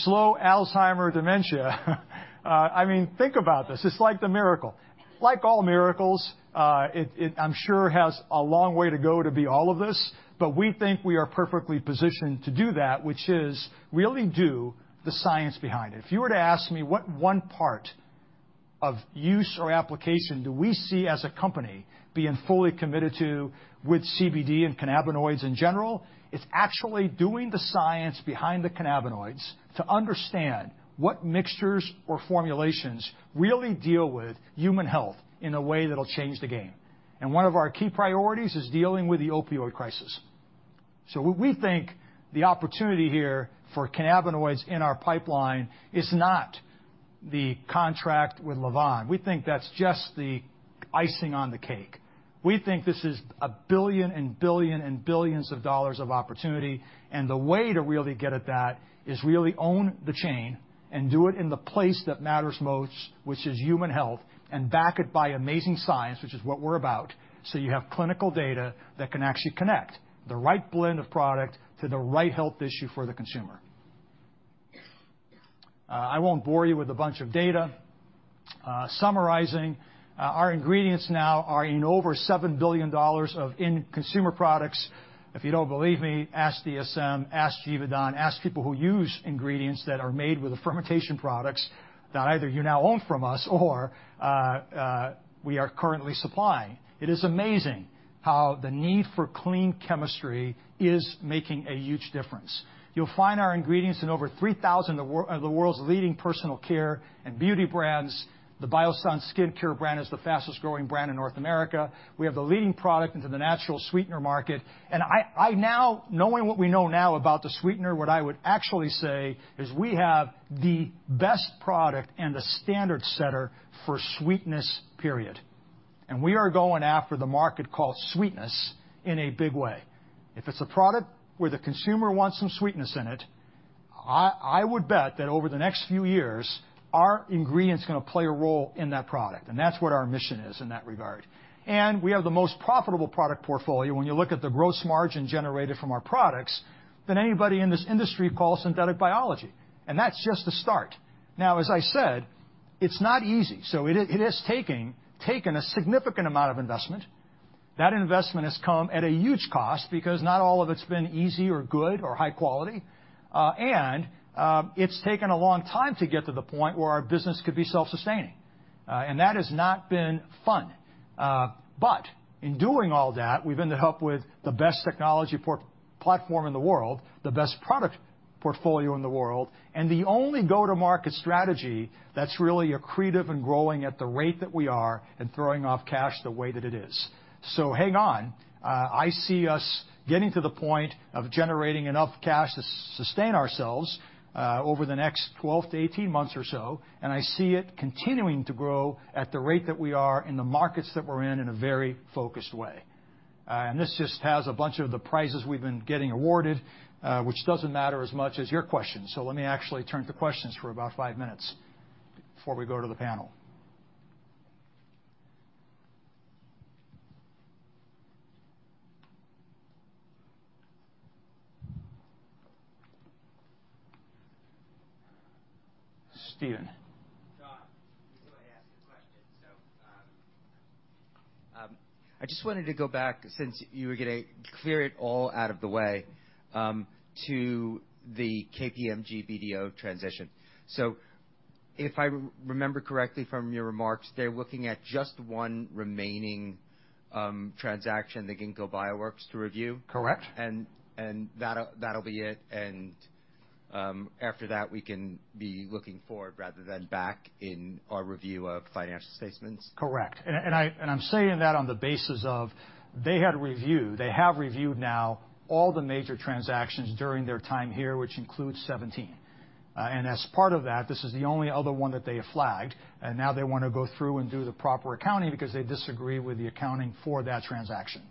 Slow Alzheimer's dementia. I mean, think about this. It's like the miracle. Like all miracles, it I'm sure has a long way to go to be all of this, but we think we are perfectly positioned to do that, which is really do the science behind it. If you were to ask me what one part of use or application do we see as a company being fully committed to with CBD and cannabinoids in general, it's actually doing the science behind the cannabinoids to understand what mixtures or formulations really deal with human health in a way that'll change the game, and one of our key priorities is dealing with the opioid crisis, so we think the opportunity here for cannabinoids in our pipeline is not the contract with Lavvan. We think that's just the icing on the cake. We think this is billions of dollars of opportunity. The way to really get at that is to really own the chain and do it in the place that matters most, which is human health, and back it by amazing science, which is what we're about. You have clinical data that can actually connect the right blend of product to the right health issue for the consumer. I won't bore you with a bunch of data. In summarizing, our ingredients now are in over $7 billion in consumer products. If you don't believe me, ask DSM, ask Givaudan, ask people who use ingredients that are made with the fermentation products that either you now own from us or we are currently supplying. It is amazing how the need for clean chemistry is making a huge difference. You'll find our ingredients in over 3,000 of the world's leading personal care and beauty brands. The Biossance skincare brand is the fastest-growing brand in North America. We have the leading product into the natural sweetener market. And I, I now knowing what we know now about the sweetener, what I would actually say is we have the best product and the standard setter for sweetness, period. And we are going after the market called sweetness in a big way. If it's a product where the consumer wants some sweetness in it, I, I would bet that over the next few years, our ingredient's gonna play a role in that product. And that's what our mission is in that regard. And we have the most profitable product portfolio. When you look at the gross margin generated from our products, than anybody in this industry called synthetic biology. That's just the start. Now, as I said, it's not easy. So it is taking a significant amount of investment. That investment has come at a huge cost because not all of it's been easy or good or high quality. It's taken a long time to get to the point where our business could be self-sustaining. That has not been fun. But in doing all that, we've been able to build the best technology platform in the world, the best product portfolio in the world, and the only go-to-market strategy that's really accretive and growing at the rate that we are and throwing off cash the way that it is. So hang on. I see us getting to the point of generating enough cash to sustain ourselves over the next 12-18 months or so. And I see it continuing to grow at the rate that we are in the markets that we're in in a very focused way. And this just has a bunch of the prizes we've been getting awarded, which doesn't matter as much as your questions. So let me actually turn to questions for about five minutes before we go to the panel. John, I just wanna ask a question, so I just wanted to go back since you were gonna clear it all out of the way, to the KPMG BDO transition, so if I remember correctly from your remarks, they're looking at just one remaining transaction, the Ginkgo Bioworks, to review. Correct. And, that'll be it. And, after that, we can be looking forward rather than back in our review of financial statements. Correct. I'm saying that on the basis that they had reviewed. They have reviewed now all the major transactions during their time here, which includes 17, and as part of that, this is the only other one that they have flagged, and now they wanna go through and do the proper accounting because they disagree with the accounting for that transaction.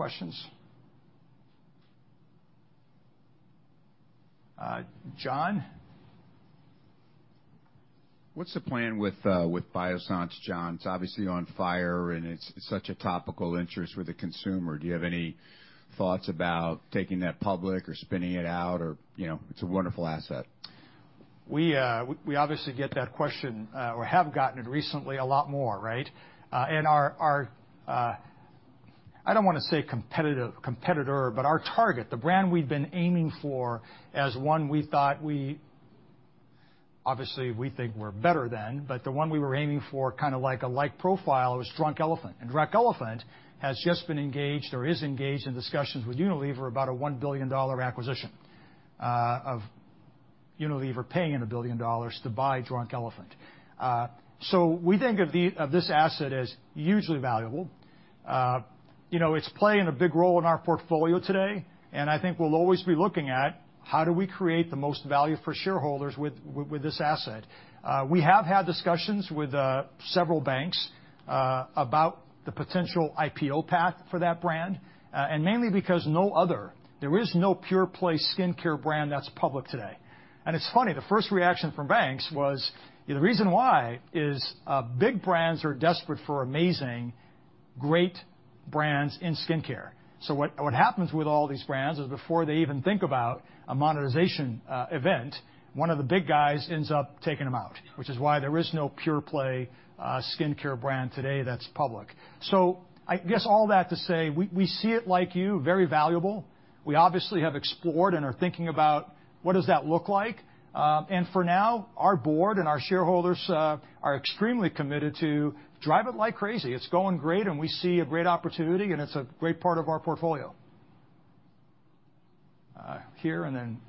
Thank you. Other questions? John? What's the plan with Biossance, John? It's obviously on fire, and it's such a topical interest with the consumer. Do you have any thoughts about taking that public or spinning it out or, you know, it's a wonderful asset? We obviously get that question, or have gotten it recently a lot more, right? And our, I don't wanna say competitive, competitor, but our target, the brand we've been aiming for as one we thought we obviously we think we're better than, but the one we were aiming for, kinda like a profile, it was Drunk Elephant. And Drunk Elephant has just been engaged or is engaged in discussions with Unilever about a $1 billion acquisition, of Unilever paying them a billion dollars to buy Drunk Elephant. So we think of this asset as hugely valuable. You know, it's playing a big role in our portfolio today. And I think we'll always be looking at how do we create the most value for shareholders with this asset. We have had discussions with several banks about the potential IPO path for that brand, and mainly because there is no pure play skincare brand that's public today. It's funny, the first reaction from banks was, you know, the reason why is big brands are desperate for amazing, great brands in skincare. So what happens with all these brands is before they even think about a monetization event, one of the big guys ends up taking them out, which is why there is no pure play skincare brand today that's public. So I guess all that to say, we see it like you, very valuable. We obviously have explored and are thinking about what does that look like. For now, our board and our shareholders are extremely committed to drive it like crazy. It's going great, and we see a great opportunity, and it's a great part of our portfolio here, and then.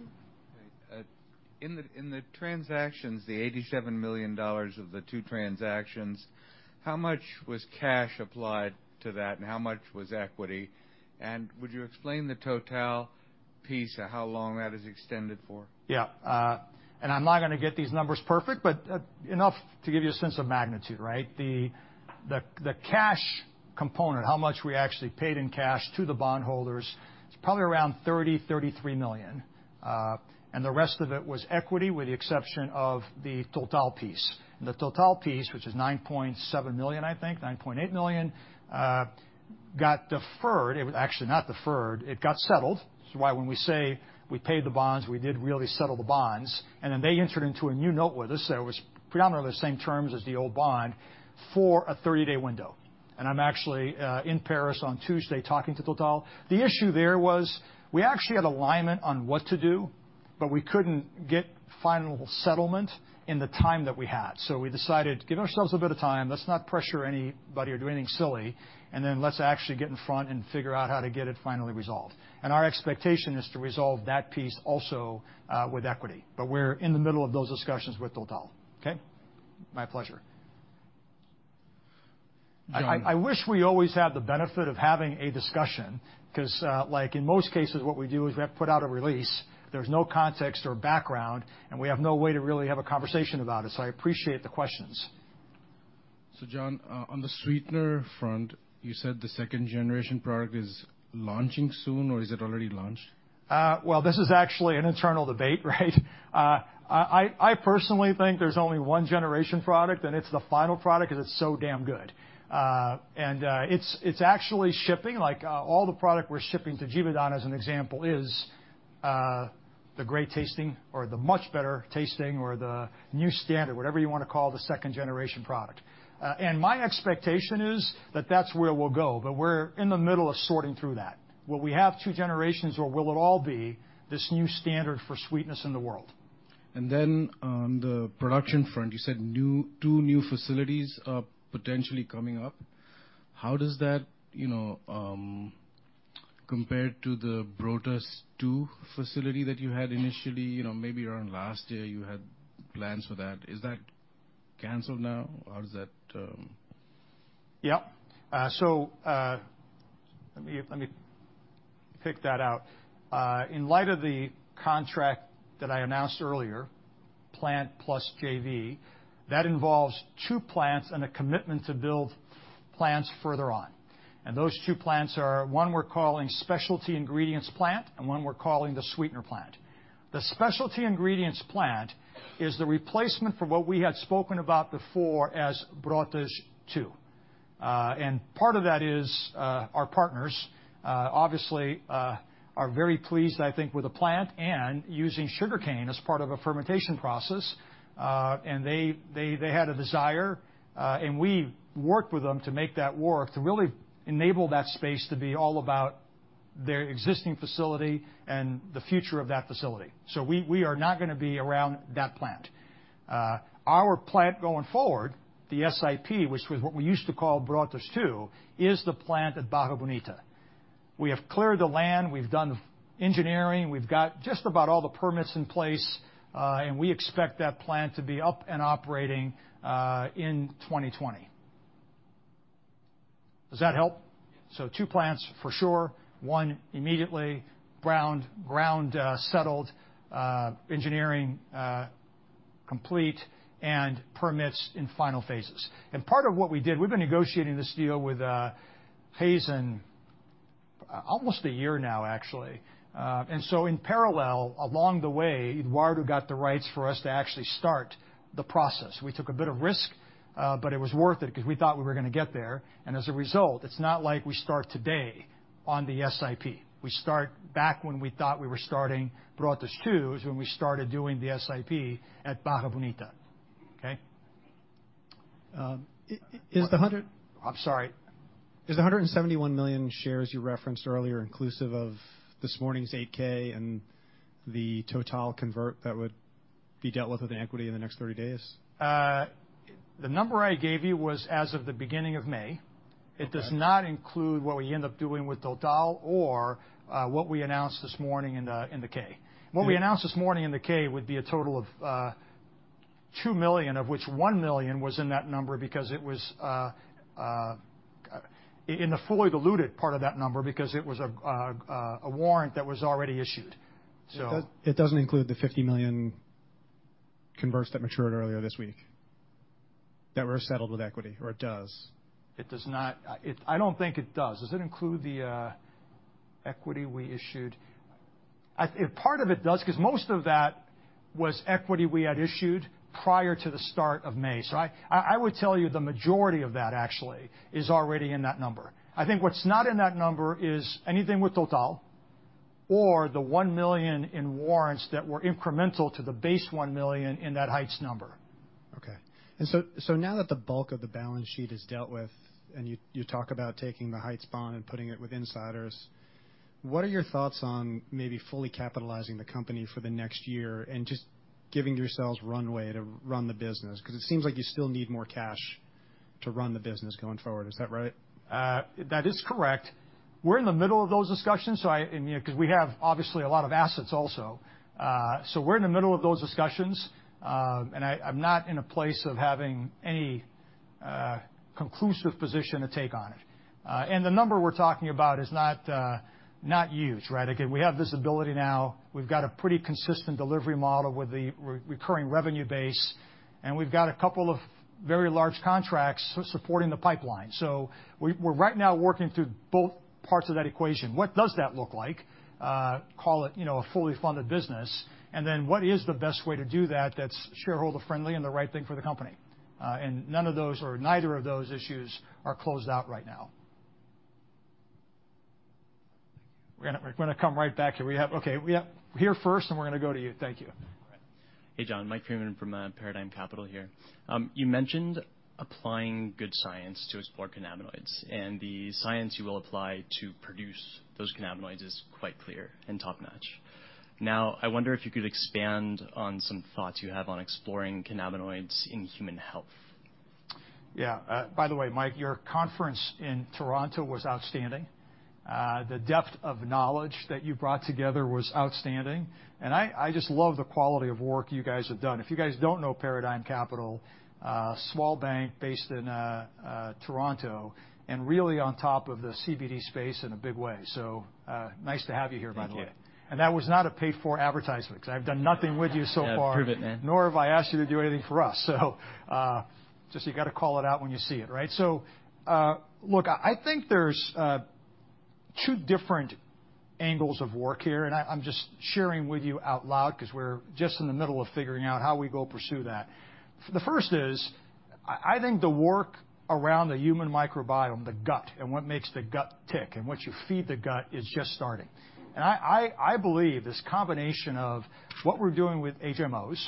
In the transactions, the $87 million of the two transactions, how much was cash applied to that, and how much was equity, and would you explain the total piece, how long that is extended for? Yeah. And I'm not gonna get these numbers perfect, but enough to give you a sense of magnitude, right? The cash component, how much we actually paid in cash to the bondholders, it's probably around $30-33 million. And the rest of it was equity with the exception of the Total piece. And the Total piece, which is $9.7 million, I think, $9.8 million, got deferred. It was actually not deferred. It got settled. This is why when we say we paid the bonds, we did really settle the bonds. And then they entered into a new note with us that was predominantly the same terms as the old bond for a 30-day window. And I'm actually in Paris on Tuesday talking to Total. The issue there was we actually had alignment on what to do, but we couldn't get final settlement in the time that we had. So we decided to give ourselves a bit of time. Let's not pressure anybody or do anything silly, and then let's actually get in front and figure out how to get it finally resolved. And our expectation is to resolve that piece also, with equity. But we're in the middle of those discussions with Total. Okay? My pleasure. I wish we always had the benefit of having a discussion 'cause, like in most cases, what we do is we have to put out a release. There's no context or background, and we have no way to really have a conversation about it. So I appreciate the questions. So, John, on the sweetener front, you said the second-generation product is launching soon, or is it already launched? Well, this is actually an internal debate, right? I personally think there's only one generation product, and it's the final product 'cause it's so damn good, and it's actually shipping like all the product we're shipping to Givaudan, as an example, is the great tasting or the much better tasting or the new standard, whatever you wanna call the second-generation product, and my expectation is that that's where we'll go, but we're in the middle of sorting through that. Will we have two generations, or will it all be this new standard for sweetness in the world? On the production front, you said two new facilities are potentially coming up. How does that, you know, compare to the Brotas 2 facility that you had initially? You know, maybe around last year, you had plans for that. Is that canceled now? How does that? Yep. So, let me pick that out. In light of the contract that I announced earlier, Plant 2 JV, that involves two plants and a commitment to build plants further on and those two plants are one we're calling specialty ingredients plant and one we're calling the sweetener plant. The specialty ingredients plant is the replacement for what we had spoken about before as Brotas 2, and part of that is, our partners, obviously, are very pleased, I think, with the plant and using sugarcane as part of a fermentation process, and they had a desire, and we worked with them to make that work to really enable that space to be all about their existing facility and the future of that facility, so we are not gonna be around that plant. Our plant going forward, the SIP, which was what we used to call Brotas 2, is the plant at Barra Bonita. We have cleared the land. We've done engineering. We've got just about all the permits in place, and we expect that plant to be up and operating in 2020. Does that help? Yes. Two plants for sure. One immediately ground, settled, engineering complete, and permits in final phases. Part of what we did, we've been negotiating this deal with Raízen almost a year now, actually. And so in parallel, along the way, Eduardo got the rights for us to actually start the process. We took a bit of risk, but it was worth it 'cause we thought we were gonna get there. And as a result, it's not like we start today on the SIP. We start back when we thought we were starting Brotas 2 is when we started doing the SIP at Barra Bonita. Okay? Is the 100? I'm sorry. Is the 171 million shares you referenced earlier inclusive of this morning's 8-K and the Total convert that would be dealt with an equity in the next 30 days? The number I gave you was as of the beginning of May. It does not include what we end up doing with Total or what we announced this morning in the 8-K. What we announced this morning in the 8-K would be a total of $2 million, of which $1 million was in that number because it was in the fully diluted part of that number because it was a warrant that was already issued. So. It doesn't include the 50 million converts that matured earlier this week that were settled with equity, or it does? It does not. I don't think it does. Does it include the equity we issued? I think part of it does 'cause most of that was equity we had issued prior to the start of May. So I would tell you the majority of that actually is already in that number. I think what's not in that number is anything with Total or the 1 million in warrants that were incremental to the base 1 million in that Heights number. Okay. And now that the bulk of the balance sheet is dealt with and you talk about taking the Heights bond and putting it with insiders, what are your thoughts on maybe fully capitalizing the company for the next year and just giving yourselves runway to run the business? 'Cause it seems like you still need more cash to run the business going forward. Is that right? That is correct. We're in the middle of those discussions. So I mean, 'cause we have obviously a lot of assets also. And I, I'm not in a place of having any conclusive position to take on it. And the number we're talking about is not huge, right? Again, we have visibility now. We've got a pretty consistent delivery model with the recurring revenue base, and we've got a couple of very large contracts supporting the pipeline. So we're right now working through both parts of that equation. What does that look like? Call it, you know, a fully funded business. And then what is the best way to do that that's shareholder-friendly and the right thing for the company? None of those or neither of those issues are closed out right now. We're gonna come right back here. We have here first, okay, and we're gonna go to you. Thank you. Hey, John. Mike Freeman from Paradigm Capital here. You mentioned applying good science to explore cannabinoids, and the science you will apply to produce those cannabinoids is quite clear and top-notch. Now, I wonder if you could expand on some thoughts you have on exploring cannabinoids in human health. Yeah. By the way, Mike, your conference in Toronto was outstanding. The depth of knowledge that you brought together was outstanding. And I, I just love the quality of work you guys have done. If you guys don't know Paradigm Capital, small bank based in Toronto and really on top of the CBD space in a big way. So, nice to have you here, by the way. Thank you. That was not a paid-for advertisement 'cause I've done nothing with you so far. Yeah. Prove it, man. Nor have I asked you to do anything for us. So, just you gotta call it out when you see it, right? So, look, I think there's two different angles of work here, and I'm just sharing with you out loud 'cause we're just in the middle of figuring out how we go pursue that. The first is, I think the work around the human microbiome, the gut and what makes the gut tick and what you feed the gut is just starting. I believe this combination of what we're doing with HMOs,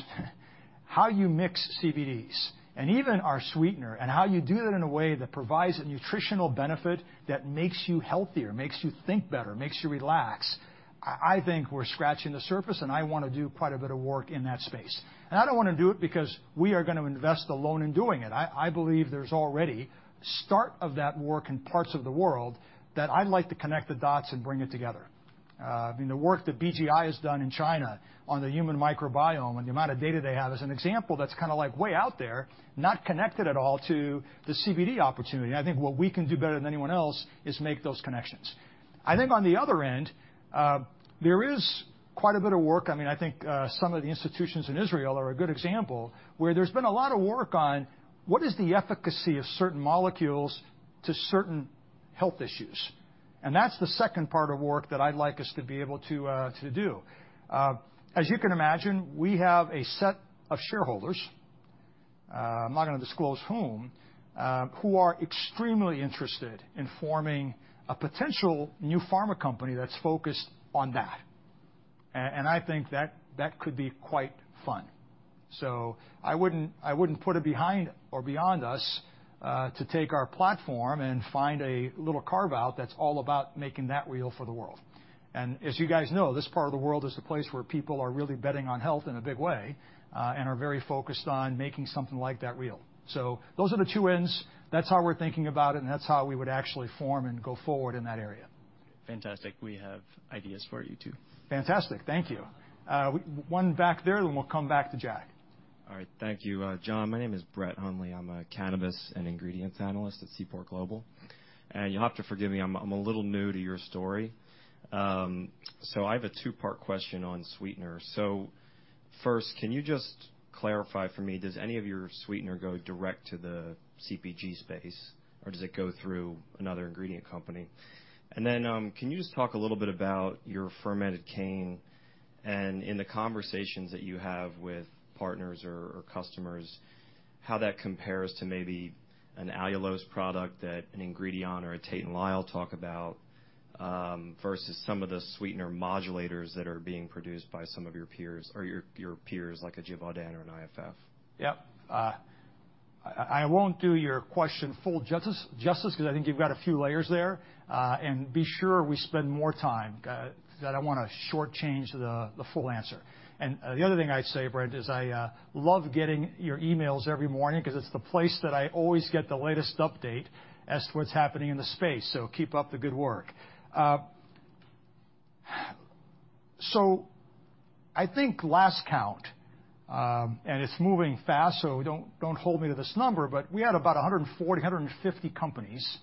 how you mix CBDs and even our sweetener and how you do that in a way that provides a nutritional benefit that makes you healthier, makes you think better, makes you relax. I think we're scratching the surface, and I wanna do quite a bit of work in that space. I don't wanna do it because we are gonna invest alone in doing it. I believe there's already start of that work in parts of the world that I'd like to connect the dots and bring it together. I mean, the work that BGI has done in China on the human microbiome and the amount of data they have is an example that's kinda like way out there, not connected at all to the CBD opportunity. I think what we can do better than anyone else is make those connections. I think on the other end, there is quite a bit of work. I mean, I think some of the institutions in Israel are a good example where there's been a lot of work on what is the efficacy of certain molecules to certain health issues. And that's the second part of work that I'd like us to be able to, to do. As you can imagine, we have a set of shareholders. I'm not gonna disclose whom, who are extremely interested in forming a potential new pharma company that's focused on that. And, and I think that, that could be quite fun. So I wouldn't, I wouldn't put it behind or beyond us, to take our platform and find a little carve-out that's all about making that real for the world. And as you guys know, this part of the world is the place where people are really betting on health in a big way, and are very focused on making something like that real. So those are the two ends. That's how we're thinking about it, and that's how we would actually form and go forward in that area. Fantastic. We have ideas for you too. Fantastic. Thank you. One back there, then we'll come back to Jack. All right. Thank you. John, my name is Brett Hundley. I'm a cannabis and ingredients analyst at Seaport Global. And you'll have to forgive me. I'm a little new to your story. So I have a two-part question on sweeteners. So first, can you just clarify for me, does any of your sweetener go direct to the CPG space, or does it go through another ingredient company? And then, can you just talk a little bit about your fermented cane and in the conversations that you have with partners or customers, how that compares to maybe an allulose product that an Ingredion or a Tate & Lyle talk about, versus some of the sweetener modulators that are being produced by some of your peers or your peers like a Givaudan or an IFF? Yep. I won't do your question full justice 'cause I think you've got a few layers there, and be sure we spend more time 'cause I don't wanna shortchange the full answer. The other thing I'd say, Brett, is I love getting your emails every morning 'cause it's the place that I always get the latest update as to what's happening in the space. So keep up the good work. I think last count, and it's moving fast, so don't hold me to this number, but we had about 140-150 companies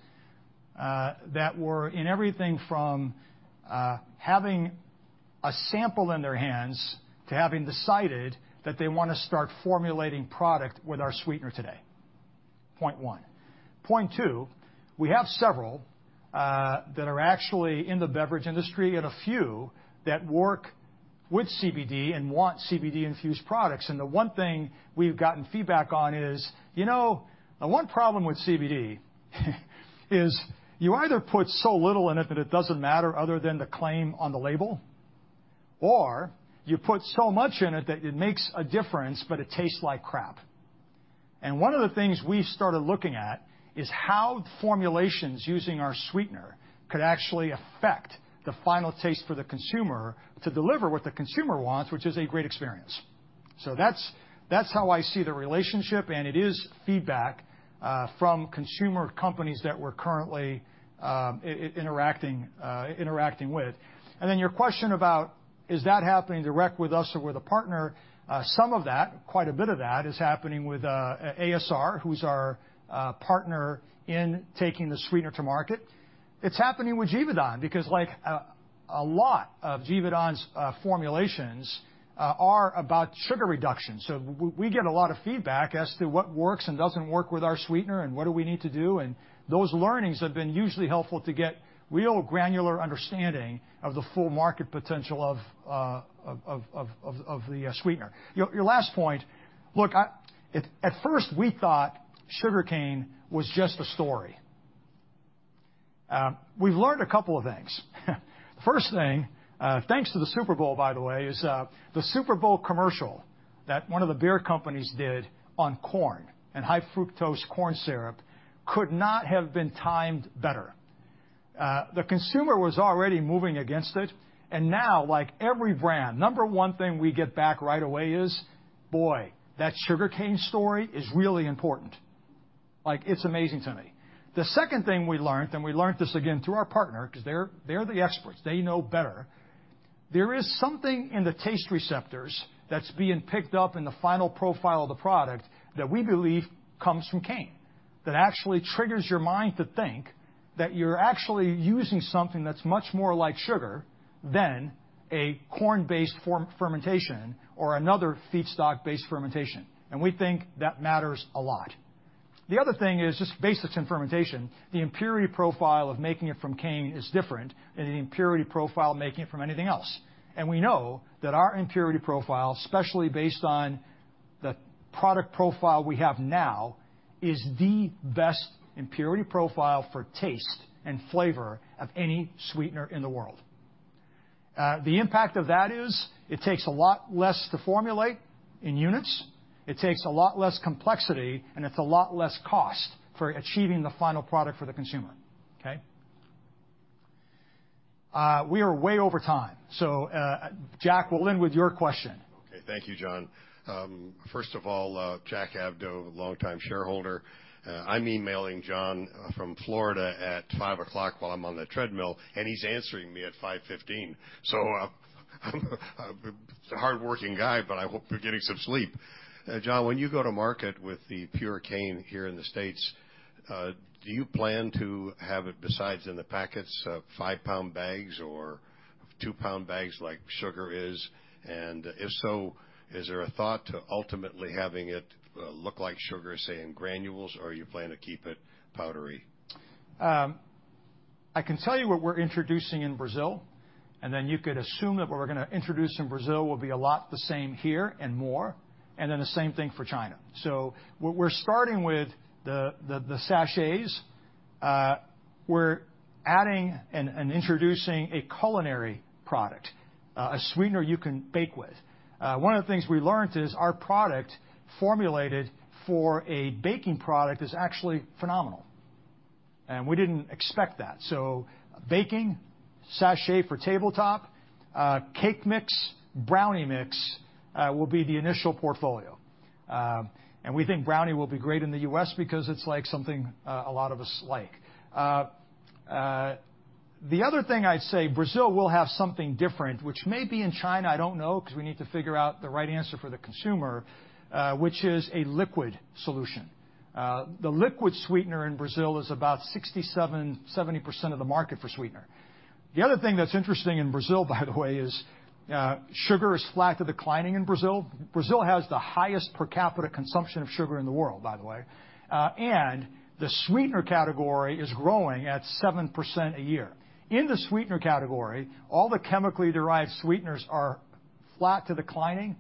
that were in everything from having a sample in their hands to having decided that they wanna start formulating product with our sweetener today. Point one. Point two, we have several that are actually in the beverage industry and a few that work with CBD and want CBD-infused products. The one thing we've gotten feedback on is, you know, the one problem with CBD is you either put so little in it that it doesn't matter other than the claim on the label, or you put so much in it that it makes a difference, but it tastes like crap. One of the things we've started looking at is how formulations using our sweetener could actually affect the final taste for the consumer to deliver what the consumer wants, which is a great experience. That's how I see the relationship, and it is feedback from consumer companies that we're currently interacting with. Then your question about is that happening direct with us or with a partner, some of that, quite a bit of that is happening with ASR, who's our partner in taking the sweetener to market. It's happening with Givaudan because, like, a lot of Givaudan's formulations are about sugar reduction. So we get a lot of feedback as to what works and doesn't work with our sweetener and what do we need to do. And those learnings have been usually helpful to get real granular understanding of the full market potential of the sweetener. Your last point, look, at first we thought sugarcane was just a story. We've learned a couple of things. The first thing, thanks to the Super Bowl, by the way, is the Super Bowl commercial that one of the beer companies did on corn and high-fructose corn syrup could not have been timed better. The consumer was already moving against it, and now, like every brand, number one thing we get back right away is, boy, that sugarcane story is really important. Like, it's amazing to me. The second thing we learned, and we learned this again through our partner 'cause they're the experts. They know better. There is something in the taste receptors that's being picked up in the final profile of the product that we believe comes from cane that actually triggers your mind to think that you're actually using something that's much more like sugar than a corn-based fermentation or another feedstock-based fermentation. And we think that matters a lot. The other thing is just basics in fermentation. The impurity profile of making it from cane is different than the impurity profile of making it from anything else. And we know that our impurity profile, especially based on the product profile we have now, is the best impurity profile for taste and flavor of any sweetener in the world. The impact of that is it takes a lot less to formulate in units. It takes a lot less complexity, and it's a lot less cost for achieving the final product for the consumer. Okay? We are way over time. So, Jack, we'll end with your question. Okay. Thank you, John. First of all, Jack Abdo, longtime shareholder. I'm emailing John from Florida at 5:00 while I'm on the treadmill, and he's answering me at 5:15. So, I'm a hardworking guy, but I hope you're getting some sleep. John, when you go to market with the pure cane here in the States, do you plan to have it besides in the packets, five-pound bags or two-pound bags like sugar is? And if so, is there a thought to ultimately having it look like sugar, say, in granules, or are you planning to keep it powdery? I can tell you what we're introducing in Brazil, and then you could assume that what we're gonna introduce in Brazil will be a lot the same here and more, and then the same thing for China. So we're starting with the sachets. We're adding and introducing a culinary product, a sweetener you can bake with. One of the things we learned is our product formulated for a baking product is actually phenomenal, and we didn't expect that. So baking sachet for tabletop, cake mix, brownie mix will be the initial portfolio. And we think brownie will be great in the US because it's like something, a lot of us like. The other thing I'd say, Brazil will have something different, which may be in China. I don't know 'cause we need to figure out the right answer for the consumer, which is a liquid solution. The liquid sweetener in Brazil is about 67-70% of the market for sweetener. The other thing that's interesting in Brazil, by the way, is sugar is flat to the climbing in Brazil. Brazil has the highest per capita consumption of sugar in the world, by the way, and the sweetener category is growing at 7% a year. In the sweetener category, all the chemically derived sweeteners are flat to the climbing.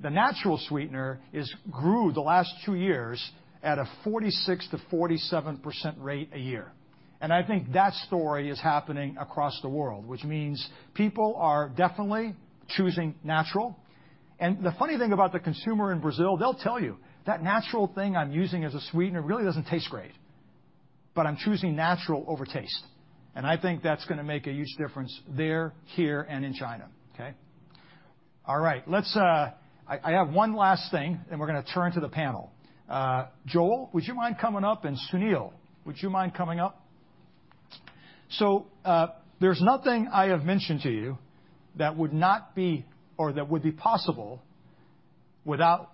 The natural sweetener has grew the last two years at a 46-47% rate a year. I think that story is happening across the world, which means people are definitely choosing natural. The funny thing about the consumer in Brazil, they'll tell you that natural thing I'm using as a sweetener really doesn't taste great, but I'm choosing natural over taste. I think that's gonna make a huge difference there, here, and in China. Okay? All right. Let's, I have one last thing, and we're gonna turn to the panel. Joel, would you mind coming up? And Sunil, would you mind coming up? So, there's nothing I have mentioned to you that would not be or that would be possible without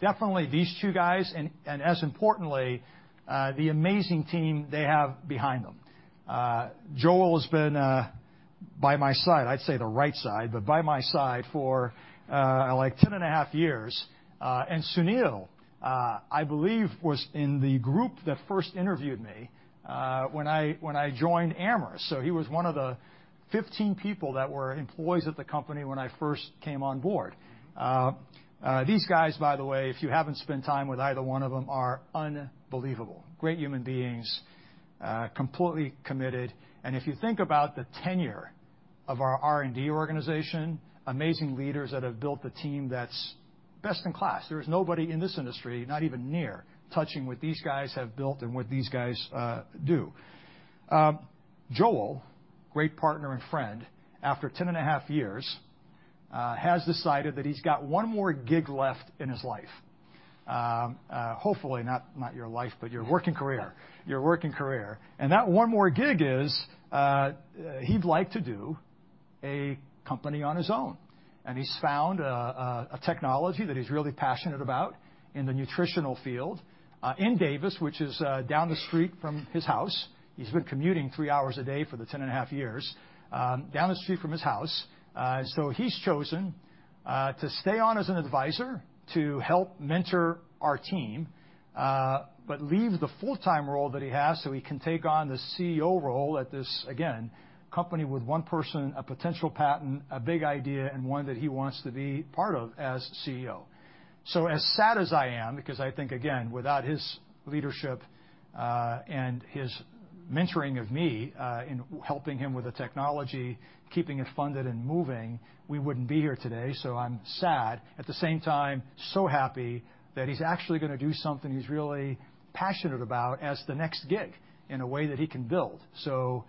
definitely these two guys and as importantly, the amazing team they have behind them. Joel has been by my side. I'd say the right side, but by my side for like 10 and a half years. And Sunil, I believe was in the group that first interviewed me when I joined Amyris. So he was one of the 15 people that were employees at the company when I first came on board. These guys, by the way, if you haven't spent time with either one of them, are unbelievable. Great human beings, completely committed. And if you think about the tenure of our R&D organization, amazing leaders that have built the team that's best in class. There is nobody in this industry, not even near, touching what these guys have built and what these guys do. Joel, great partner and friend, after 10 and a half years, has decided that he's got one more gig left in his life. Hopefully not your life, but your working career. And that one more gig is he'd like to do a company on his own. And he's found a technology that he's really passionate about in the nutritional field, in Davis, which is down the street from his house. He's been commuting three hours a day for the 10 and a half years, down the street from his house. So he's chosen to stay on as an advisor to help mentor our team, but leave the full-time role that he has so he can take on the CEO role at this, again, company with one person, a potential patent, a big idea, and one that he wants to be part of as CEO. So as sad as I am, because I think, again, without his leadership, and his mentoring of me, in helping him with the technology, keeping it funded and moving, we wouldn't be here today. So I'm sad. At the same time, so happy that he's actually gonna do something he's really passionate about as the next gig in a way that he can build. So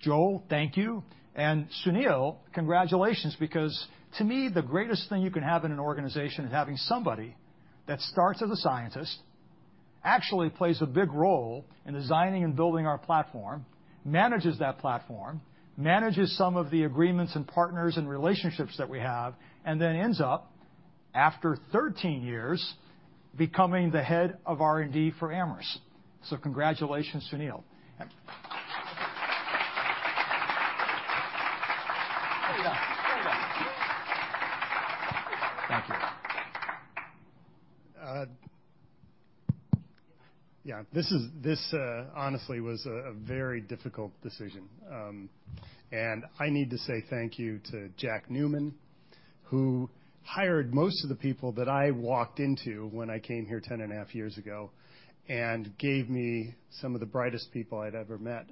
Joel, thank you. Sunil, congratulations, because to me, the greatest thing you can have in an organization is having somebody that starts as a scientist, actually plays a big role in designing and building our platform, manages that platform, manages some of the agreements and partners and relationships that we have, and then ends up, after 13 years, becoming the head of R&D for Amyris. Congratulations, Sunil. Yeah, this is, honestly, a very difficult decision. I need to say thank you to Jack Newman, who hired most of the people that I walked into when I came here 10 and a half years ago and gave me some of the brightest people I'd ever met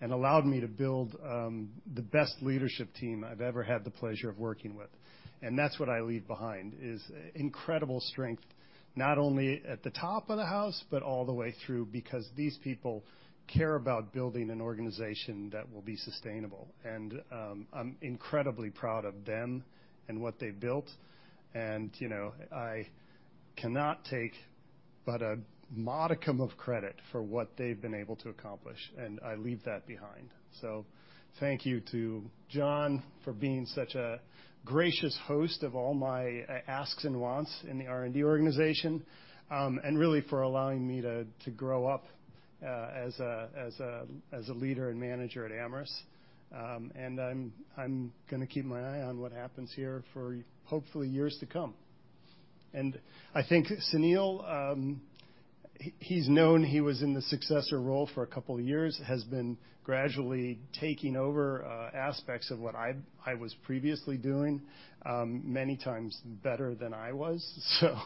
and allowed me to build the best leadership team I've ever had the pleasure of working with. That's what I leave behind is incredible strength, not only at the top of the house, but all the way through, because these people care about building an organization that will be sustainable. I'm incredibly proud of them and what they've built. You know, I cannot take but a modicum of credit for what they've been able to accomplish, and I leave that behind. So thank you to John for being such a gracious host of all my asks and wants in the R&D organization, and really for allowing me to grow up as a leader and manager at Amyris. And I'm gonna keep my eye on what happens here for hopefully years to come. And I think Sunil, he's known he was in the successor role for a couple of years, has been gradually taking over aspects of what I was previously doing, many times better than I was. So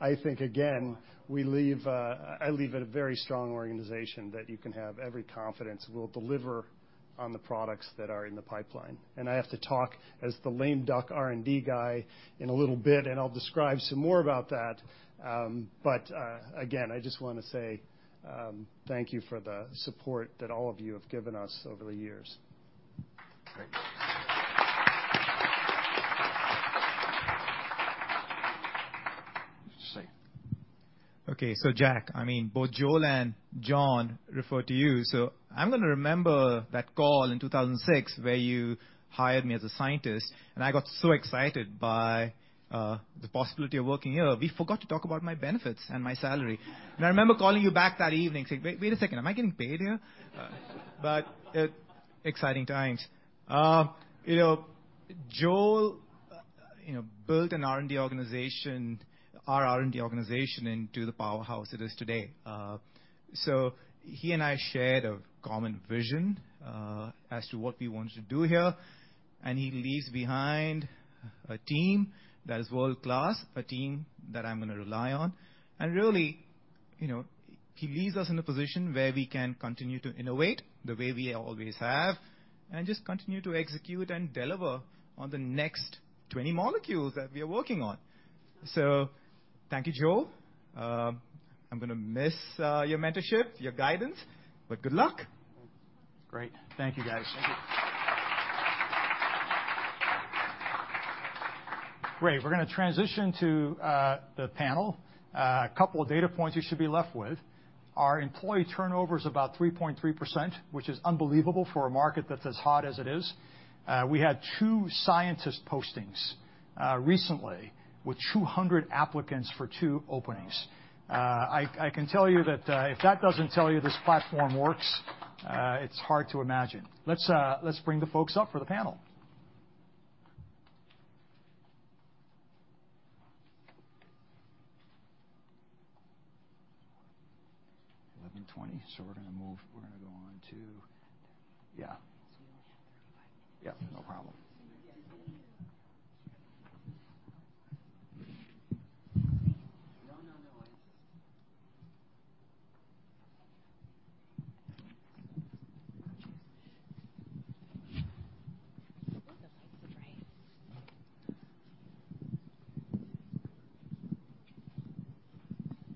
I think, again, I leave at a very strong organization that you can have every confidence will deliver on the products that are in the pipeline. And I have to talk as the lame duck R&D guy in a little bit, and I'll describe some more about that. But, again, I just wanna say, thank you for the support that all of you have given us over the years. Great. Okay. So Jack, I mean, both Joel and John refer to you. So I'm gonna remember that call in 2006 where you hired me as a scientist, and I got so excited by the possibility of working here. We forgot to talk about my benefits and my salary. And I remember calling you back that evening, saying, "Wait, wait a second. Am I getting paid here?" but exciting times, you know. Joel, you know, built an R&D organization, our R&D organization into the powerhouse it is today. So he and I shared a common vision as to what we wanted to do here. And he leaves behind a team that is world-class, a team that I'm gonna rely on. And really, you know, he leaves us in a position where we can continue to innovate the way we always have and just continue to execute and deliver on the next 20 molecules that we are working on. So thank you, Joel. I'm gonna miss your mentorship, your guidance, but good luck. Great. Thank you, guys. Thank you. Great. We're gonna transition to the panel. A couple of data points you should be left with. Our employee turnover is about 3.3%, which is unbelievable for a market that's as hot as it is. We had two scientist postings recently with 200 applicants for two openings. I can tell you that if that doesn't tell you this platform works, it's hard to imagine. Let's bring the folks up for the panel. So we're gonna move. We're gonna go on to, yeah. You only have 35 minutes. Yeah. No problem.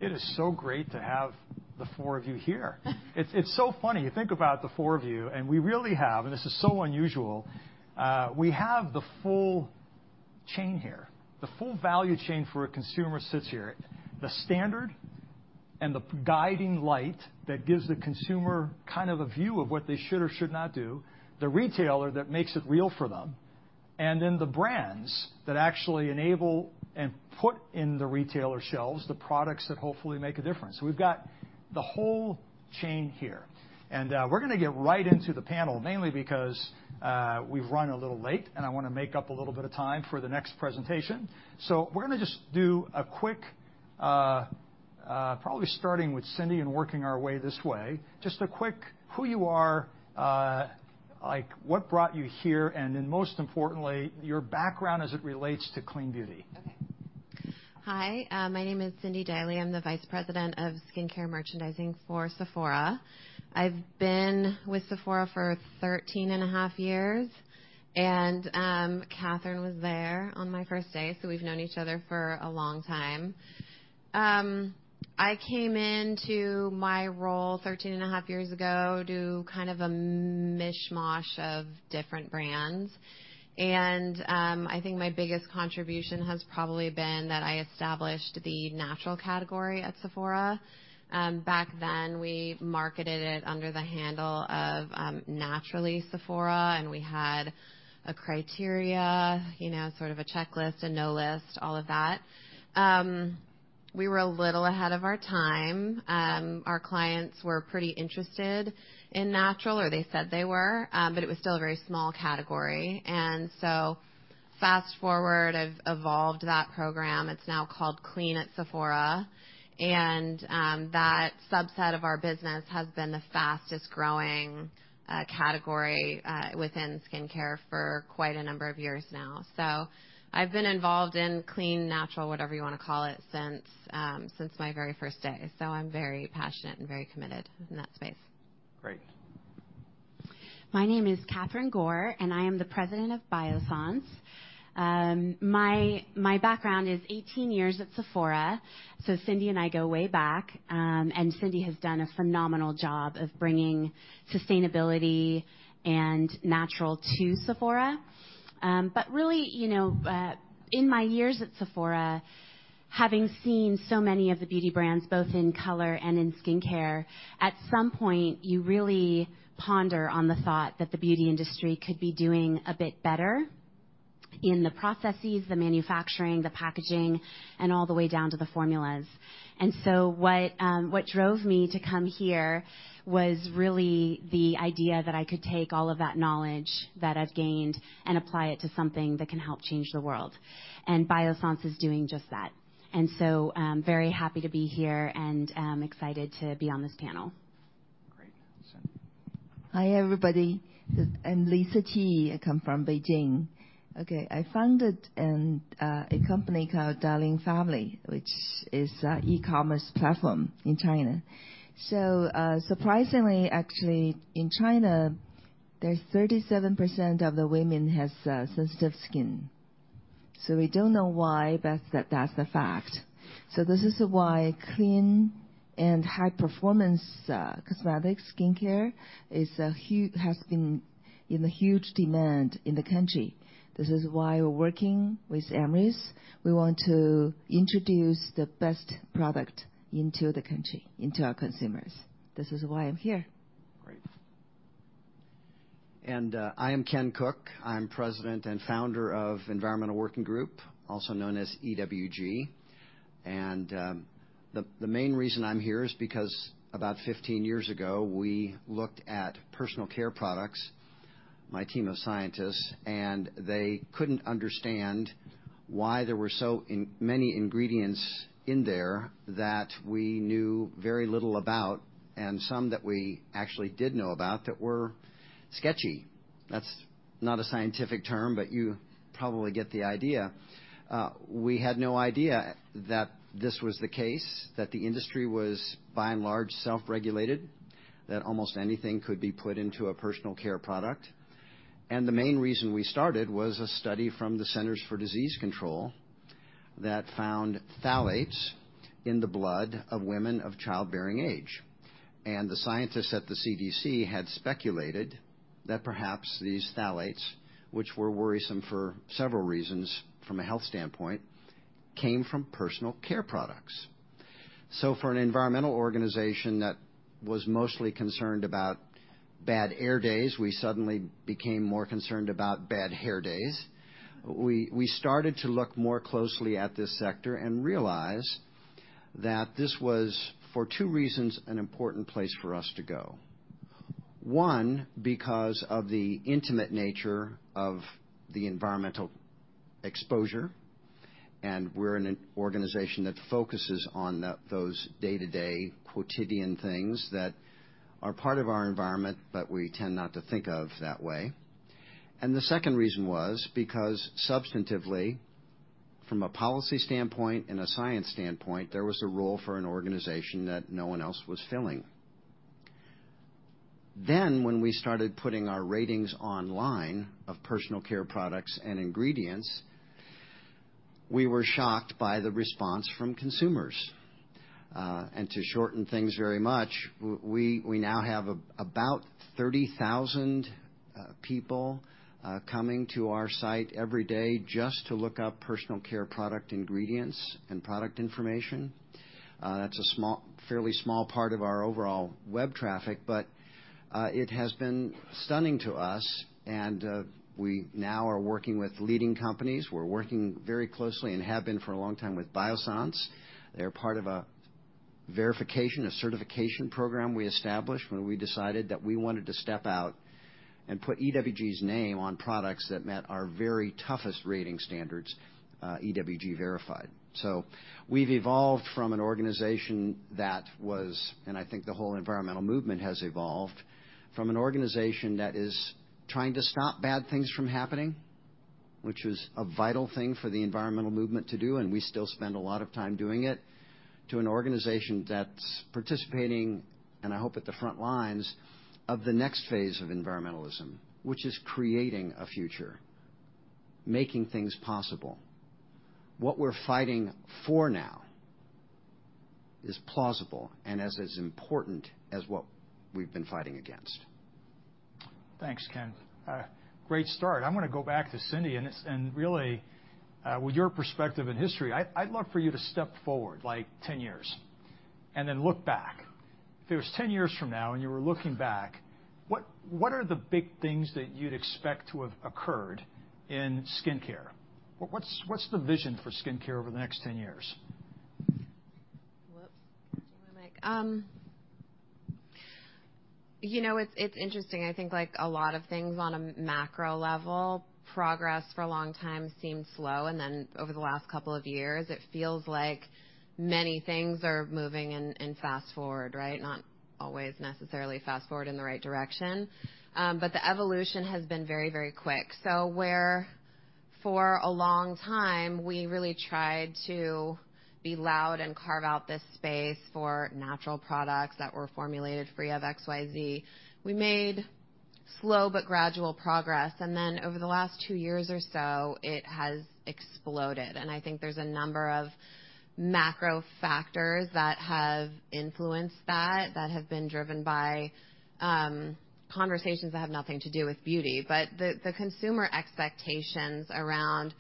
It is so great to have the four of you here. It's so funny. You think about the four of you, and we really have, and this is so unusual, we have the full chain here, the full value chain for a consumer sits here, the standard and the guiding light that gives the consumer kind of a view of what they should or should not do, the retailer that makes it real for them, and then the brands that actually enable and put in the retailer shelves the products that hopefully make a difference. So we've got the whole chain here. And we're gonna get right into the panel mainly because we've run a little late, and I wanna make up a little bit of time for the next presentation. So we're gonna just do a quick, probably starting with Cindy and working our way this way, just a quick who you are, like what brought you here, and then most importantly, your background as it relates to clean beauty. Okay. Hi. My name is Cindy Deily. I'm the Vice President of Skincare Merchandising for Sephora. I've been with Sephora for 13 and a half years. And, Catherine was there on my first day, so we've known each other for a long time. I came into my role 13 and a half years ago to do kind of a mishmash of different brands. And, I think my biggest contribution has probably been that I established the natural category at Sephora. Back then, we marketed it under the handle of, Naturally Sephora, and we had a criteria, you know, sort of a checklist, a no list, all of that. We were a little ahead of our time. Our clients were pretty interested in natural, or they said they were, but it was still a very small category. And so fast forward, I've evolved that program. It's now called Clean at Sephora. That subset of our business has been the fastest growing category within skincare for quite a number of years now. I've been involved in clean, natural, whatever you wanna call it, since my very first day. I'm very passionate and very committed in that space. Great. My name is Catherine Gore, and I am the President of Biossance. My background is 18 years at Sephora. So Cindy and I go way back, and Cindy has done a phenomenal job of bringing sustainability and natural to Sephora, but really, you know, in my years at Sephora, having seen so many of the beauty brands, both in color and in skincare, at some point, you really ponder on the thought that the beauty industry could be doing a bit better in the processes, the manufacturing, the packaging, and all the way down to the formulas. What drove me to come here was really the idea that I could take all of that knowledge that I've gained and apply it to something that can help change the world, and Biossance is doing just that. Very happy to be here and excited to be on this panel. Great. Hi, everybody. I'm Lisa Shi. I come from Beijing. Okay. I founded a company called DaLing Family, which is an e-commerce platform in China. So, surprisingly, actually, in China, there's 37% of the women has sensitive skin. So we don't know why, but that's the fact. So this is why clean and high-performance, cosmetic skincare is huge, has been in huge demand in the country. This is why we're working with Amyris. We want to introduce the best product into the country, into our consumers. This is why I'm here. Great. And, I am Ken Cook. I'm president and founder of Environmental Working Group, also known as EWG. And, the main reason I'm here is because about 15 years ago, we looked at personal care products, my team of scientists, and they couldn't understand why there were so many ingredients in there that we knew very little about, and some that we actually did know about that were sketchy. That's not a scientific term, but you probably get the idea. We had no idea that this was the case, that the industry was by and large self-regulated, that almost anything could be put into a personal care product. And the main reason we started was a study from the Centers for Disease Control that found phthalates in the blood of women of childbearing age. The scientists at the CDC had speculated that perhaps these phthalates, which were worrisome for several reasons from a health standpoint, came from personal care products. For an environmental organization that was mostly concerned about bad air days, we suddenly became more concerned about bad hair days. We started to look more closely at this sector and realize that this was, for two reasons, an important place for us to go. One, because of the intimate nature of the environmental exposure. We're an organization that focuses on those day-to-day quotidian things that are part of our environment, but we tend not to think of that way. The second reason was because substantively, from a policy standpoint and a science standpoint, there was a role for an organization that no one else was filling. Then when we started putting our ratings online of personal care products and ingredients, we were shocked by the response from consumers. And to shorten things very much, we now have about 30,000 people coming to our site every day just to look up personal care product ingredients and product information. That's a small, fairly small part of our overall web traffic, but it has been stunning to us. And we now are working with leading companies. We're working very closely and have been for a long time with Biossance. They're part of a verification, a certification program we established when we decided that we wanted to step out and put EWG's name on products that met our very toughest rating standards, EWG Verified. So we've evolved from an organization that was, and I think the whole environmental movement has evolved, from an organization that is trying to stop bad things from happening, which is a vital thing for the environmental movement to do, and we still spend a lot of time doing it, to an organization that's participating, and I hope at the front lines of the next phase of environmentalism, which is creating a future, making things possible. What we're fighting for now is plausible and as important as what we've been fighting against. Thanks, Ken. Great start. I'm gonna go back to Cindy and really, with your perspective and history, I'd love for you to step forward like 10 years and then look back. If it was 10 years from now and you were looking back, what are the big things that you'd expect to have occurred in skincare? What's the vision for skincare over the next 10 years? Whoops. Do you wanna make? You know, it's interesting. I think like a lot of things on a macro level, progress for a long time seemed slow, and then over the last couple of years, it feels like many things are moving in fast forward, right? Not always necessarily fast forward in the right direction, but the evolution has been very, very quick, so where for a long time, we really tried to be loud and carve out this space for natural products that were formulated free of X, Y, Z, we made slow but gradual progress, and then over the last two years or so, it has exploded, and I think there's a number of macro factors that have influenced that that have been driven by conversations that have nothing to do with beauty. But the consumer expectations around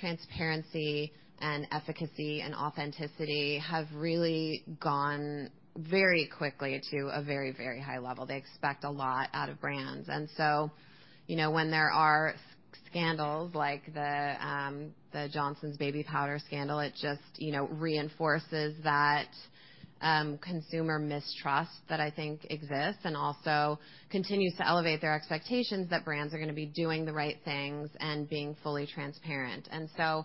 transparency and efficacy and authenticity have really gone very quickly to a very, very high level. They expect a lot out of brands. And so, you know, when there are scandals like the Johnson's baby powder scandal, it just, you know, reinforces that consumer mistrust that I think exists and also continues to elevate their expectations that brands are gonna be doing the right things and being fully transparent. And so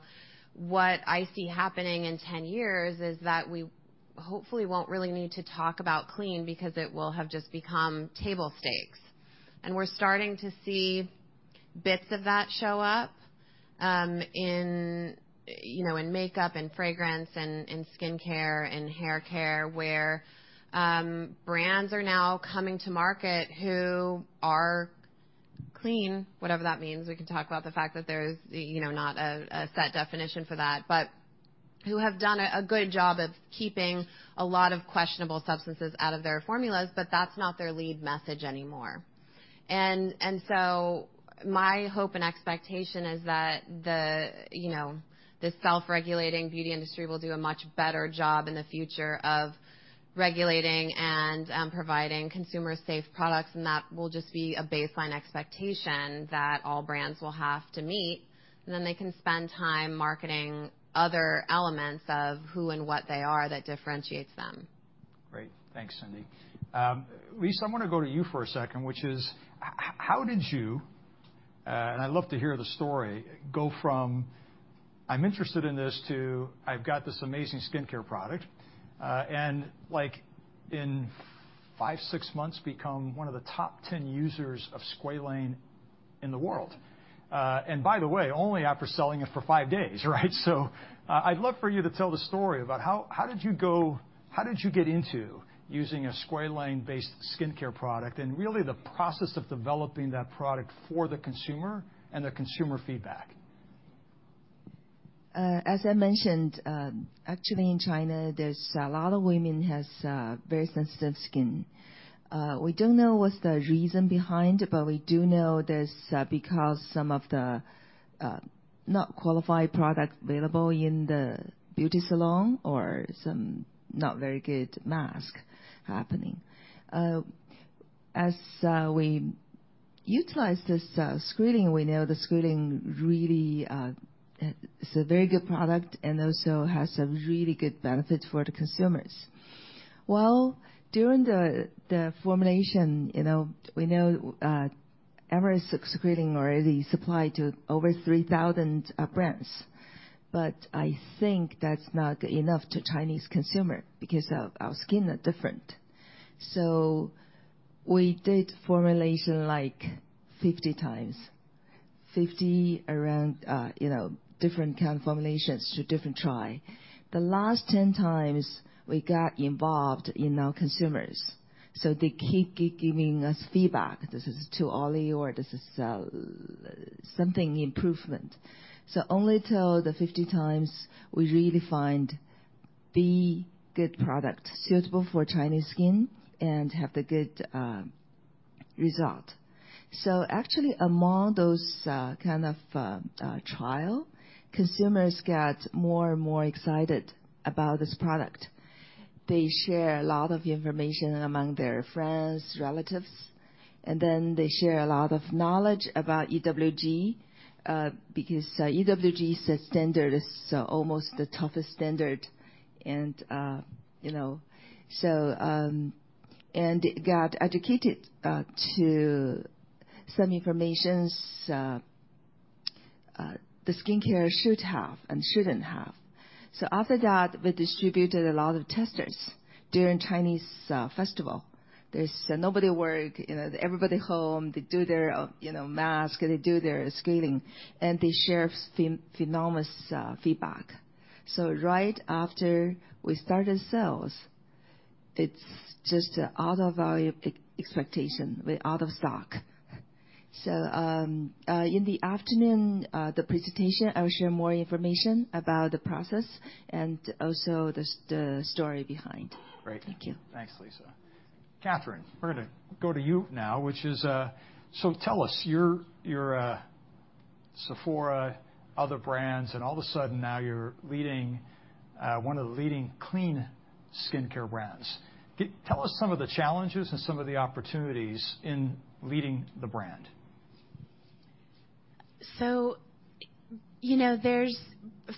what I see happening in 10 years is that we hopefully won't really need to talk about clean because it will have just become table stakes. And we're starting to see bits of that show up in, you know, in makeup and fragrance and skincare and haircare where brands are now coming to market who are clean, whatever that means. We can talk about the fact that there's, you know, not a set definition for that, but who have done a good job of keeping a lot of questionable substances out of their formulas, but that's not their lead message anymore. And so my hope and expectation is that the, you know, the self-regulating beauty industry will do a much better job in the future of regulating and providing consumer-safe products. That will just be a baseline expectation that all brands will have to meet, and then they can spend time marketing other elements of who and what they are that differentiates them. Great. Thanks, Cindy. Lisa, I wanna go to you for a second, which is how, how did you, and I'd love to hear the story, go from, "I'm interested in this," to, "I've got this amazing skincare product," and like in five, six months become one of the top 10 users of squalane in the world. And by the way, only after selling it for five days, right? So, I'd love for you to tell the story about how, how did you go, how did you get into using a squalane-based skincare product and really the process of developing that product for the consumer and the consumer feedback? As I mentioned, actually in China, there's a lot of women who have very sensitive skin. We don't know what's the reason behind, but we do know there's because some of the not qualified products available in the beauty salon or some not very good masks happening. As we utilize this squalane, we know the squalane really it's a very good product and also has some really good benefits for the consumers. Well, during the formulation, you know, we know Amyris squalane already supplied to over 3,000 brands. But I think that's not good enough to Chinese consumer because our skin are different. So we did formulation like 50 times, 50 around, you know, different kind of formulations to different try. The last 10 times, we got our consumers involved. They keep giving us feedback, "This is too oily," or "This is something improvement." Only till the 50 times, we really find the good product suitable for Chinese skin and have the good result. Actually among those kind of trial, consumers get more and more excited about this product. They share a lot of information among their friends, relatives, and then they share a lot of knowledge about EWG, because EWG's standard is almost the toughest standard. And you know, so and it got educated to some information, the skincare should have and shouldn't have. After that, we distributed a lot of testers during Chinese festival. There's nobody work, you know, everybody home, they do their you know mask, they do their skincare, and they share phenomenal feedback. Right after we started sales, it's just out of our expectation. We're out of stock. In the afternoon, the presentation, I'll share more information about the process and also the story behind. Great. Thank you. Thanks, Lisa. Catherine, we're gonna go to you now, which is, so tell us your Sephora, other brands, and all of a sudden now you're leading one of the leading clean skincare brands. Tell us some of the challenges and some of the opportunities in leading the brand. You know, there's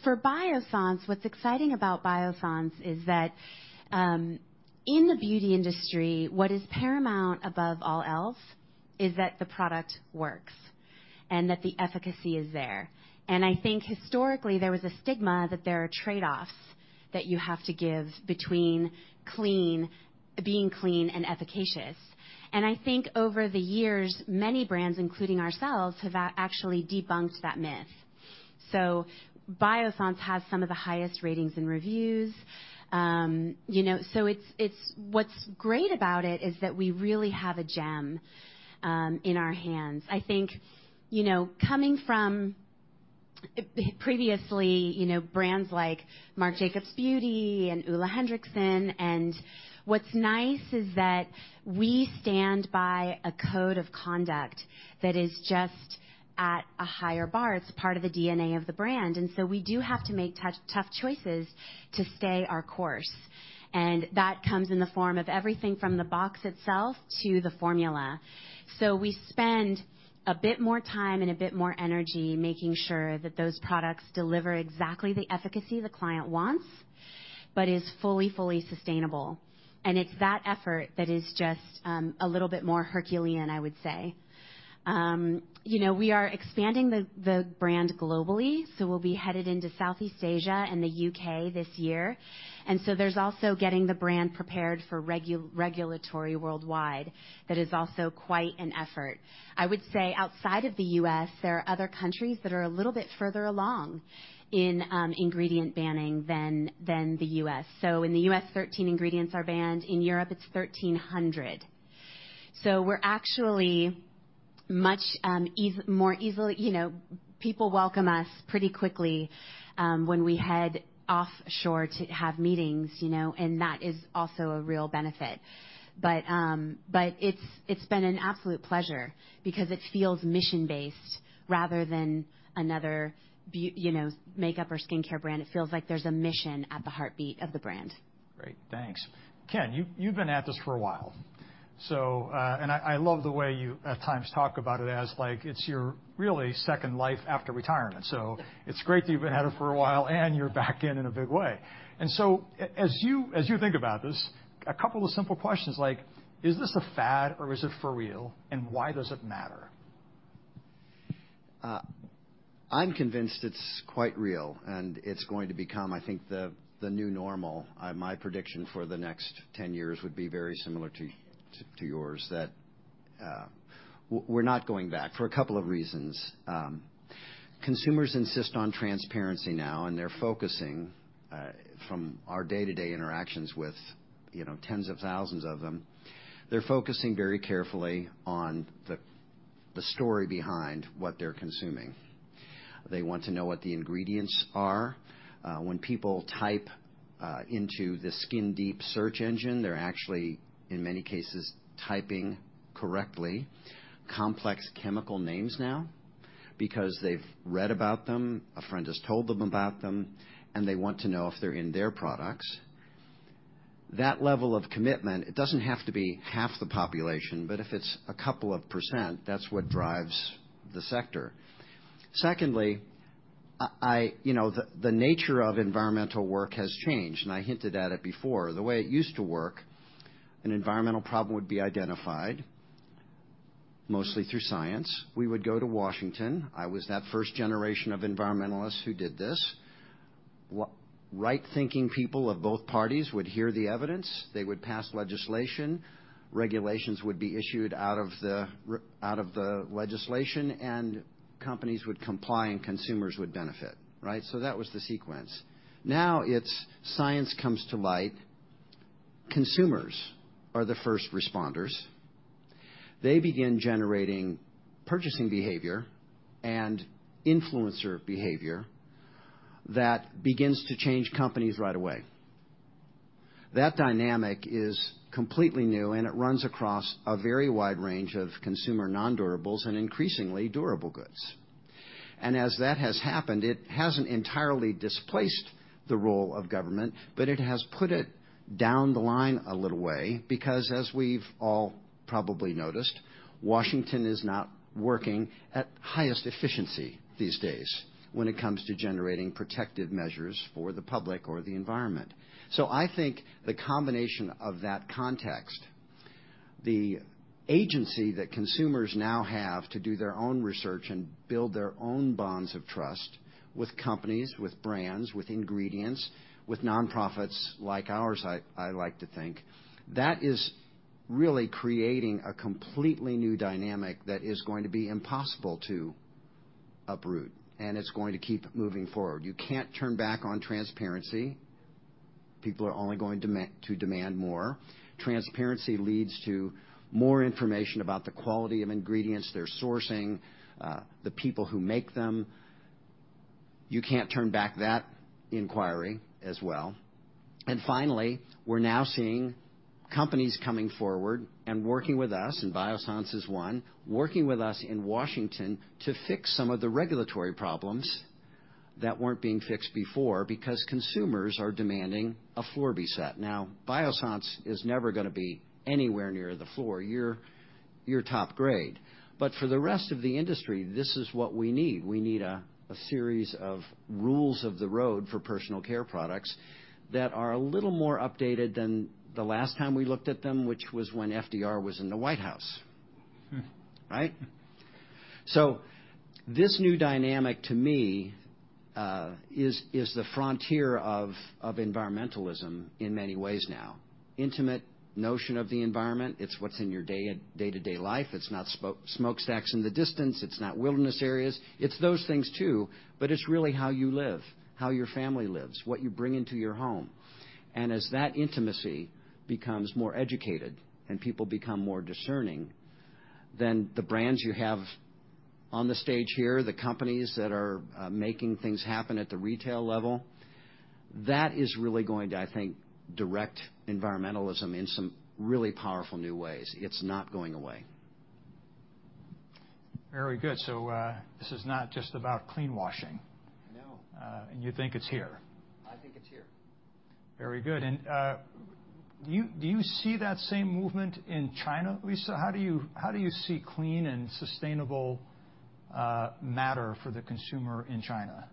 for Biossance, what's exciting about Biossance is that, in the beauty industry, what is paramount above all else is that the product works and that the efficacy is there. And I think historically there was a stigma that there are trade-offs that you have to give between clean, being clean and efficacious. And I think over the years, many brands, including ourselves, have actually debunked that myth. So Biossance has some of the highest ratings and reviews. You know, so it's what's great about it is that we really have a gem in our hands. I think, you know, coming from previously, you know, brands like Marc Jacobs Beauty and Ole Henriksen. And what's nice is that we stand by a code of conduct that is just at a higher bar. It's part of the DNA of the brand. And so we do have to make tough, tough choices to stay our course. And that comes in the form of everything from the box itself to the formula. So we spend a bit more time and a bit more energy making sure that those products deliver exactly the efficacy the client wants, but is fully, fully sustainable. And it's that effort that is just, a little bit more Herculean, I would say. You know, we are expanding the brand globally. So we'll be headed into Southeast Asia and the U.K. this year. And so there's also getting the brand prepared for regulatory worldwide that is also quite an effort. I would say outside of the U.S., there are other countries that are a little bit further along in ingredient banning than the U.S. So in the U.S., 13 ingredients are banned. In Europe, it's 1,300. So we're actually much more easily, you know, people welcome us pretty quickly when we head offshore to have meetings, you know, and that is also a real benefit. But it's been an absolute pleasure because it feels mission-based rather than another beauty, you know, makeup or skincare brand. It feels like there's a mission at the heartbeat of the brand. Great. Thanks. Ken, you've been at this for a while. So, I love the way you at times talk about it as like it's your really second life after retirement. So it's great that you've been at it for a while and you're back in a big way. And so as you think about this, a couple of simple questions like, is this a fad or is it for real and why does it matter? I'm convinced it's quite real and it's going to become, I think, the new normal. My prediction for the next 10 years would be very similar to yours that we're not going back for a couple of reasons. Consumers insist on transparency now and they're focusing, from our day-to-day interactions with, you know, tens of thousands of them, they're focusing very carefully on the story behind what they're consuming. They want to know what the ingredients are. When people type into the Skin Deep search engine, they're actually, in many cases, typing correctly complex chemical names now because they've read about them, a friend has told them about them, and they want to know if they're in their products. That level of commitment, it doesn't have to be half the population, but if it's a couple of %, that's what drives the sector. Secondly, you know, the nature of environmental work has changed and I hinted at it before. The way it used to work, an environmental problem would be identified mostly through science. We would go to Washington. I was that first generation of environmentalists who did this. What right-thinking people of both parties would hear the evidence, they would pass legislation, regulations would be issued out of the legislation, and companies would comply and consumers would benefit, right? So that was the sequence. Now it's science comes to light. Consumers are the first responders. They begin generating purchasing behavior and influencer behavior that begins to change companies right away. That dynamic is completely new and it runs across a very wide range of consumer non-durables and increasingly durable goods. As that has happened, it hasn't entirely displaced the role of government, but it has put it down the line a little way because as we've all probably noticed, Washington is not working at highest efficiency these days when it comes to generating protective measures for the public or the environment. I think the combination of that context, the agency that consumers now have to do their own research and build their own bonds of trust with companies, with brands, with ingredients, with nonprofits like ours, I, I like to think that is really creating a completely new dynamic that is going to be impossible to uproot and it's going to keep moving forward. You can't turn back on transparency. People are only going to demand more. Transparency leads to more information about the quality of ingredients, their sourcing, the people who make them. You can't turn back that inquiry as well. And finally, we're now seeing companies coming forward and working with us, and Biossance is one, working with us in Washington to fix some of the regulatory problems that weren't being fixed before because consumers are demanding a floor be set. Now, Biossance is never gonna be anywhere near the floor. You're top grade. But for the rest of the industry, this is what we need. We need a series of rules of the road for personal care products that are a little more updated than the last time we looked at them, which was when FDR was in the White House, right? So this new dynamic to me is the frontier of environmentalism in many ways now. Intimate notion of the environment, it's what's in your day-to-day life. It's not smoke stacks in the distance. It's not wilderness areas. It's those things too, but it's really how you live, how your family lives, what you bring into your home. And as that intimacy becomes more educated and people become more discerning, then the brands you have on the stage here, the companies that are, making things happen at the retail level, that is really going to, I think, direct environmentalism in some really powerful new ways. It's not going away. Very good. So, this is not just about clean washing. No. And you think it's here? I think it's here. Very good. And, do you see that same movement in China, Lisa? How do you see clean and sustainable matter for the consumer in China?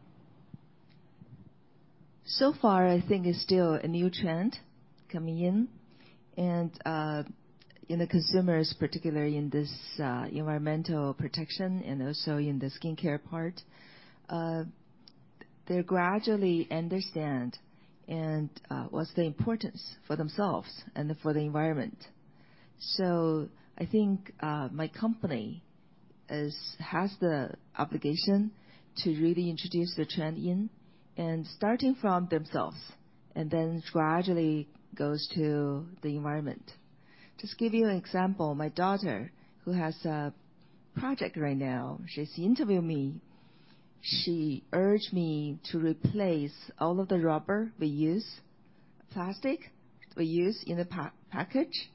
So far, I think it's still a new trend coming in. And in the consumers, particularly in this environmental protection and also in the skincare part, they're gradually understand and what's the importance for themselves and for the environment. So I think my company has the obligation to really introduce the trend in and starting from themselves and then gradually goes to the environment. Just give you an example. My daughter, who has a project right now, she's interviewed me. She urged me to replace all of the rubber we use, plastic we use in the package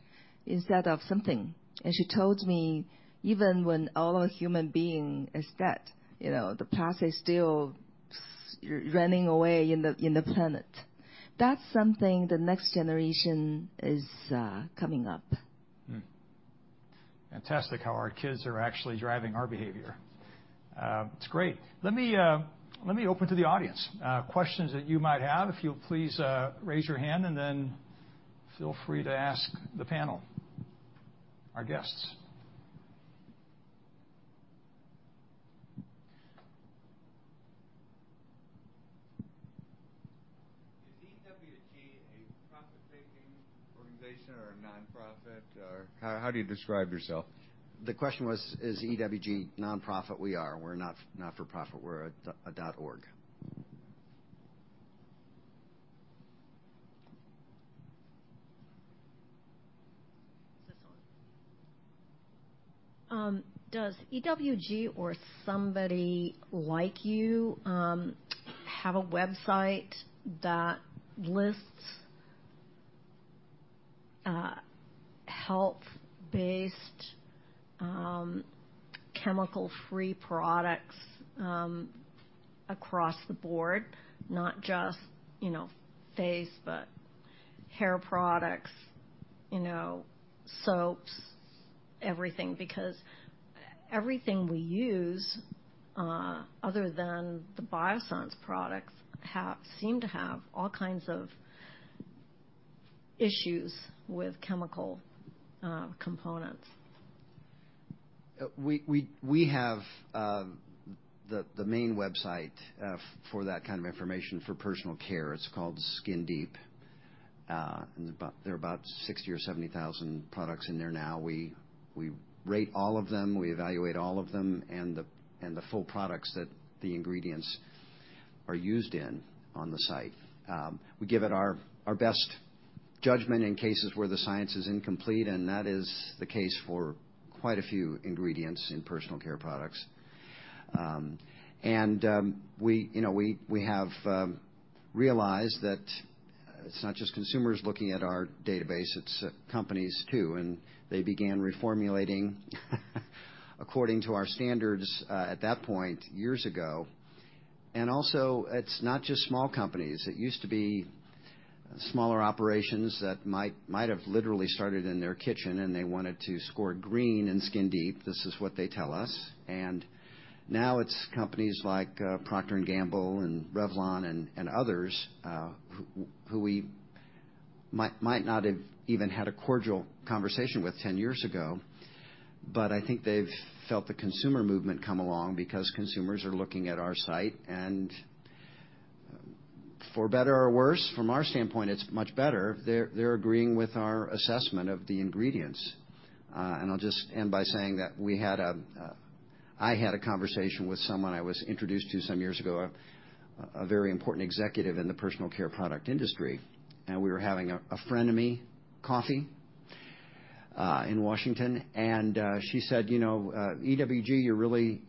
instead of something. And she told me even when all of human being is dead, you know, the plastic is still running away in the, in the planet. That's something the next generation is coming up. Fantastic how our kids are actually driving our behavior. It's great. Let me, let me open to the audience questions that you might have. If you'll please raise your hand and then feel free to ask the panel, our guests. Is EWG a for-profit organization or a nonprofit? Or how do you describe yourself? The question was, is EWG nonprofit? We are. We're not for profit. We're a dot org. Does EWG or somebody like you have a website that lists health-based chemical-free products across the board, not just, you know, face, but hair products, you know, soaps, everything? Because everything we use, other than the Biossance products, have seem to have all kinds of issues with chemical components. We have the main website for that kind of information for personal care. It's called Skin Deep. And there are about 60 or 70,000 products in there now. We rate all of them, we evaluate all of them, and the full products that the ingredients are used in on the site. We give it our best judgment in cases where the science is incomplete. And that is the case for quite a few ingredients in personal care products. And we, you know, have realized that it's not just consumers looking at our database, it's companies too. And they began reformulating according to our standards, at that point years ago. And also, it's not just small companies. It used to be smaller operations that might have literally started in their kitchen and they wanted to score green in Skin Deep. This is what they tell us. Now it's companies like Procter & Gamble and Revlon and others who we might not have even had a cordial conversation with 10 years ago. But I think they've felt the consumer movement come along because consumers are looking at our site. And for better or worse, from our standpoint, it's much better. They're agreeing with our assessment of the ingredients. I'll just end by saying that I had a conversation with someone I was introduced to some years ago, a very important executive in the personal care product industry. We were having a friendly coffee in Washington. She said, you know, "EWG,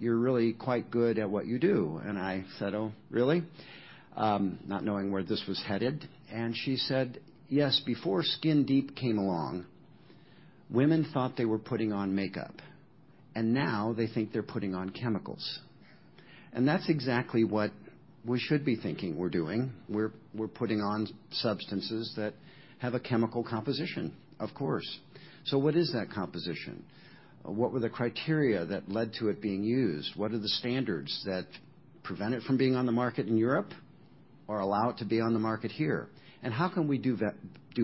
you're really quite good at what you do." I said, "Oh, really?" not knowing where this was headed. And she said, "Yes, before Skin Deep came along, women thought they were putting on makeup. And now they think they're putting on chemicals." And that's exactly what we should be thinking we're doing. We're putting on substances that have a chemical composition, of course. So what is that composition? What were the criteria that led to it being used? What are the standards that prevent it from being on the market in Europe or allow it to be on the market here? And how can we do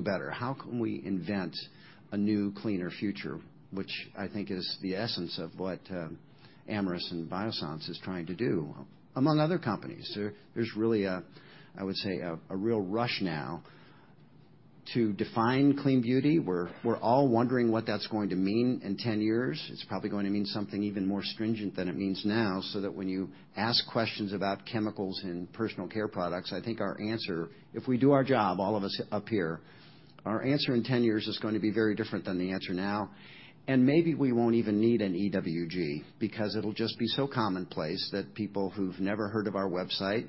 better? How can we invent a new, cleaner future, which I think is the essence of what Amyris and Biossance is trying to do among other companies? There's really a real rush now to define clean beauty. I would say we're all wondering what that's going to mean in 10 years. It's probably going to mean something even more stringent than it means now, so that when you ask questions about chemicals in personal care products, I think our answer, if we do our job, all of us up here, our answer in 10 years is going to be very different than the answer now, and maybe we won't even need an EWG because it'll just be so commonplace that people who've never heard of our website,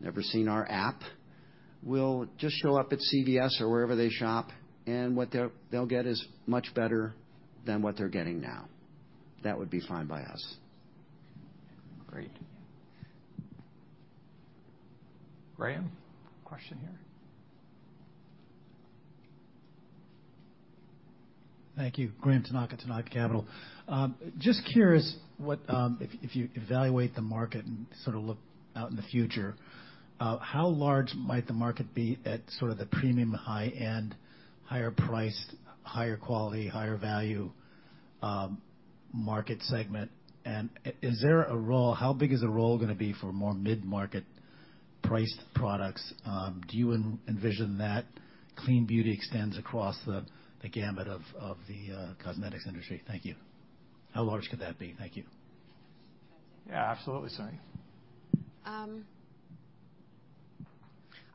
never seen our app, will just show up at CVS or wherever they shop, and what they'll, they'll get is much better than what they're getting now. That would be fine by us. Great. Graham, question here. Thank you. Graham Tanaka, Tanaka Capital. Just curious what, if you evaluate the market and sort of look out in the future, how large might the market be at sort of the premium, high-end, higher-priced, higher-quality, higher-value market segment? And is there a role? How big is the role gonna be for more mid-market priced products? Do you envision that clean beauty extends across the gamut of the cosmetics industry? Thank you. How large could that be? Thank you. Yeah, absolutely. Sorry.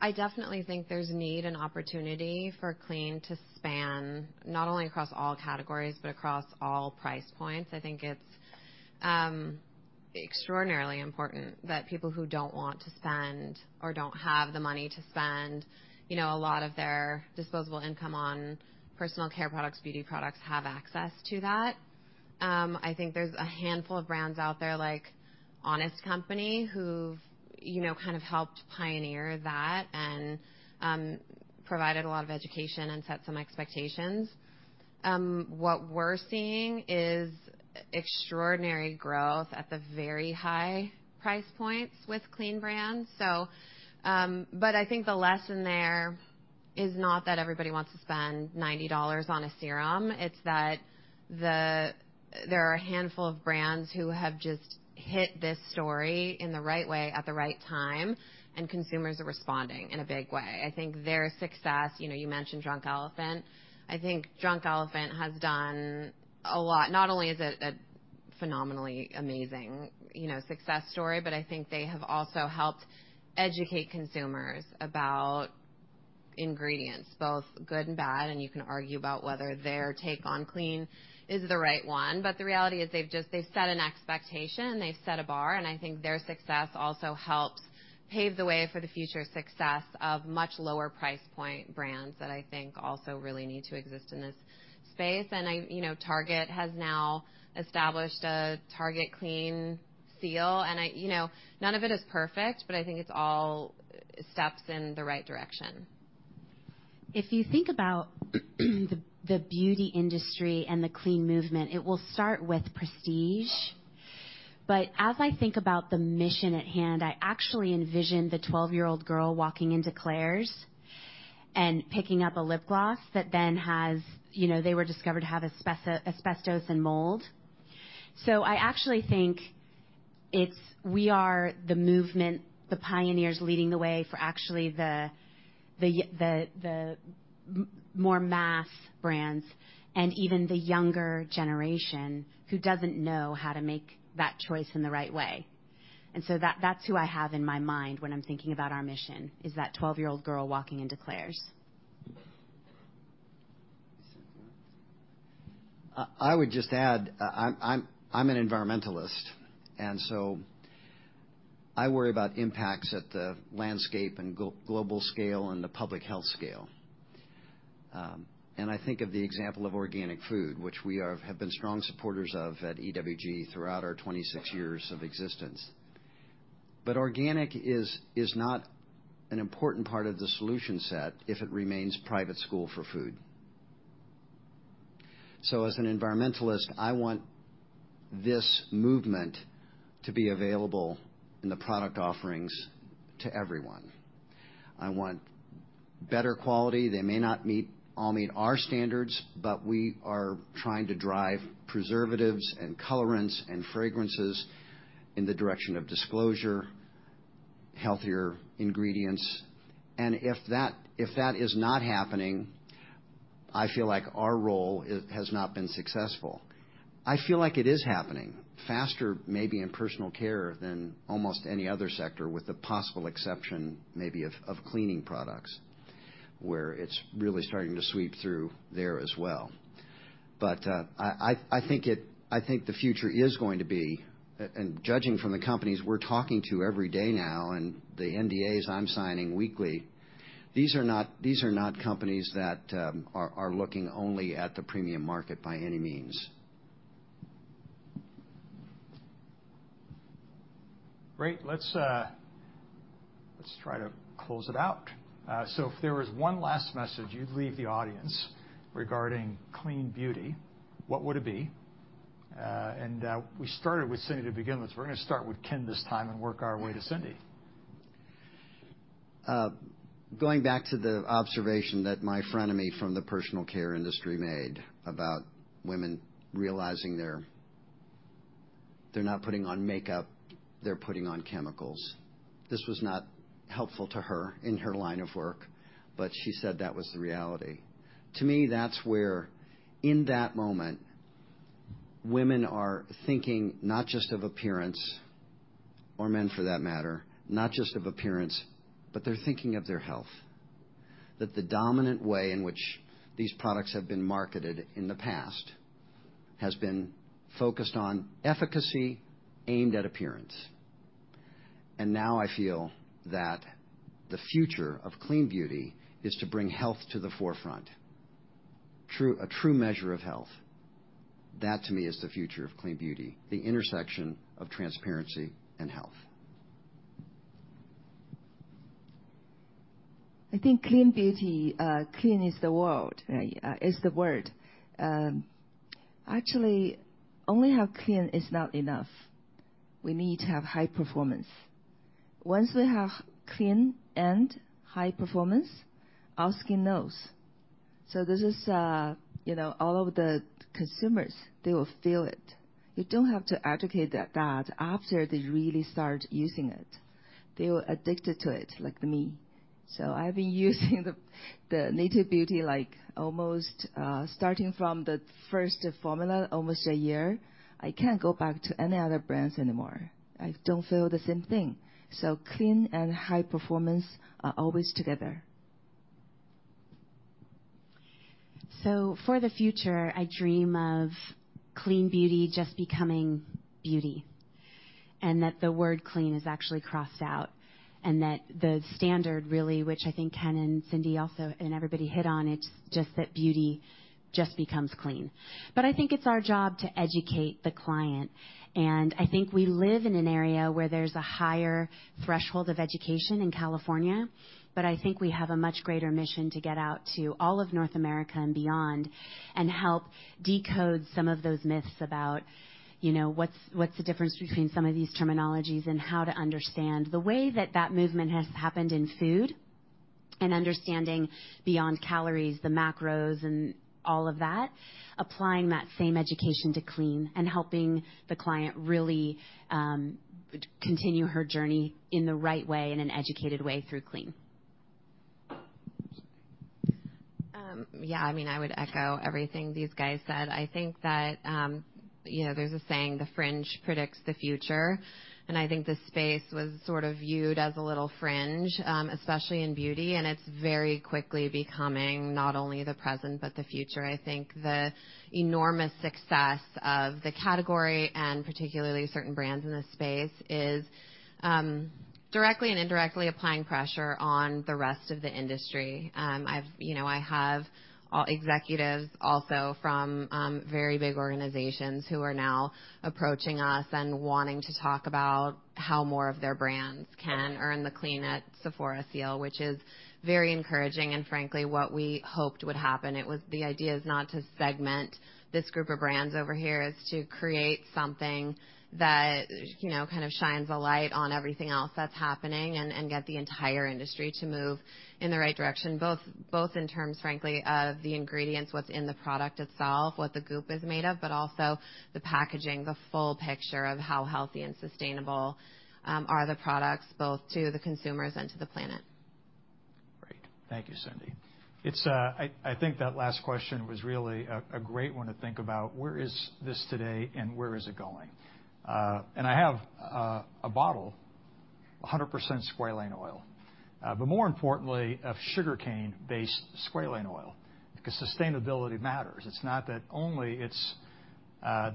I definitely think there's a need and opportunity for clean to span not only across all categories, but across all price points. I think it's extraordinarily important that people who don't want to spend or don't have the money to spend, you know, a lot of their disposable income on personal care products, beauty products, have access to that. I think there's a handful of brands out there like Honest Company who've, you know, kind of helped pioneer that and provided a lot of education and set some expectations. What we're seeing is extraordinary growth at the very high price points with clean brands. So, but I think the lesson there is not that everybody wants to spend $90 on a serum. It's that there are a handful of brands who have just hit this story in the right way at the right time, and consumers are responding in a big way. I think their success, you know, you mentioned Drunk Elephant. I think Drunk Elephant has done a lot. Not only is it a phenomenally amazing, you know, success story, but I think they have also helped educate consumers about ingredients, both good and bad. And you can argue about whether their take on clean is the right one. But the reality is they've just set an expectation and they've set a bar. And I, you know, Target has now established a Target Clean seal. And I, you know, none of it is perfect, but I think it's all steps in the right direction. If you think about the beauty industry and the clean movement, it will start with prestige. But as I think about the mission at hand, I actually envision the 12-year-old girl walking into Claire's and picking up a lip gloss that then has, you know, they were discovered to have asbestos and mold. So I actually think it's, we are the movement, the pioneers leading the way for actually the more mass brands and even the younger generation who doesn't know how to make that choice in the right way. And so that, that's who I have in my mind when I'm thinking about our mission is that 12-year-old girl walking into Claire's. I would just add, I'm an environmentalist, and so I worry about impacts at the landscape and global scale and the public health scale, and I think of the example of organic food, which we have been strong supporters of at EWG throughout our 26 years of existence, but organic is not an important part of the solution set if it remains private school for food. As an environmentalist, I want this movement to be available in the product offerings to everyone. I want better quality. They may not all meet our standards, but we are trying to drive preservatives and colorants and fragrances in the direction of disclosure, healthier ingredients, and if that is not happening, I feel like our role has not been successful. I feel like it is happening faster, maybe in personal care than almost any other sector, with the possible exception maybe of cleaning products where it's really starting to sweep through there as well. But I think the future is going to be, and judging from the companies we're talking to every day now and the NDAs I'm signing weekly, these are not companies that are looking only at the premium market by any means. Great. Let's, let's try to close it out, so if there was one last message you'd leave the audience regarding clean beauty, what would it be, and we started with Cindy to begin with. We're gonna start with Ken this time and work our way to Cindy. Going back to the observation that my friend of me from the personal care industry made about women realizing they're not putting on makeup, they're putting on chemicals. This was not helpful to her in her line of work, but she said that was the reality. To me, that's where in that moment, women are thinking not just of appearance or men for that matter, not just of appearance, but they're thinking of their health. That the dominant way in which these products have been marketed in the past has been focused on efficacy aimed at appearance. And now I feel that the future of clean beauty is to bring health to the forefront, true, a true measure of health. That to me is the future of clean beauty, the intersection of transparency and health. I think clean beauty, clean is the word, is the word. Actually, only have clean is not enough. We need to have high performance. Once we have clean and high performance, our skin knows. So this is, you know, all of the consumers, they will feel it. You don't have to educate that after they really start using it, they will addict to it like me. So I've been using the Natural Beauty like almost, starting from the first formula, almost a year. I can't go back to any other brands anymore. I don't feel the same thing. So clean and high performance are always together. So, for the future, I dream of clean beauty just becoming beauty and that the word clean is actually crossed out and that the standard really, which I think Ken and Cindy also and everybody hit on, it's just that beauty just becomes clean. But I think it's our job to educate the client. And I think we live in an area where there's a higher threshold of education in California. But I think we have a much greater mission to get out to all of North America and beyond and help decode some of those myths about, you know, what's the difference between some of these terminologies and how to understand the way that that movement has happened in food and understanding beyond calories, the macros and all of that, applying that same education to clean and helping the client really continue her journey in the right way and an educated way through clean. Yeah, I mean, I would echo everything these guys said. I think that, you know, there's a saying, "The fringe predicts the future." And I think the space was sort of viewed as a little fringe, especially in beauty. And it's very quickly becoming not only the present, but the future. I think the enormous success of the category and particularly certain brands in this space is, directly and indirectly, applying pressure on the rest of the industry. You know, I have executives also from very big organizations who are now approaching us and wanting to talk about how more of their brands can earn the Clean at Sephora seal, which is very encouraging. Frankly, what we hoped would happen. It was the idea is not to segment this group of brands over here, is to create something that, you know, kind of shines a light on everything else that's happening and, and get the entire industry to move in the right direction, both, both in terms, frankly, of the ingredients, what's in the product itself, what the goop is made of, but also the packaging, the full picture of how healthy and sustainable are the products both to the consumers and to the planet. Great. Thank you, Cindy. It's. I think that last question was really a great one to think about. Where is this today and where is it going? And I have a bottle, 100% squalane oil, but more importantly, of sugarcane-based squalane oil because sustainability matters. It's not only that it's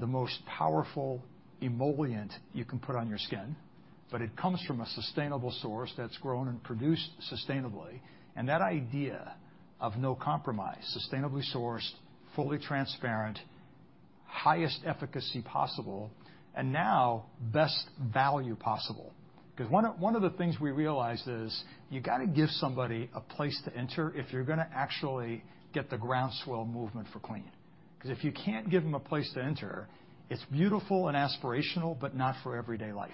the most powerful emollient you can put on your skin, but it comes from a sustainable source that's grown and produced sustainably. And that idea of no compromise, sustainably sourced, fully transparent, highest efficacy possible, and now best value possible. Because one of the things we realized is you gotta give somebody a place to enter if you're gonna actually get the groundswell movement for clean. Because if you can't give them a place to enter, it's beautiful and aspirational, but not for everyday life.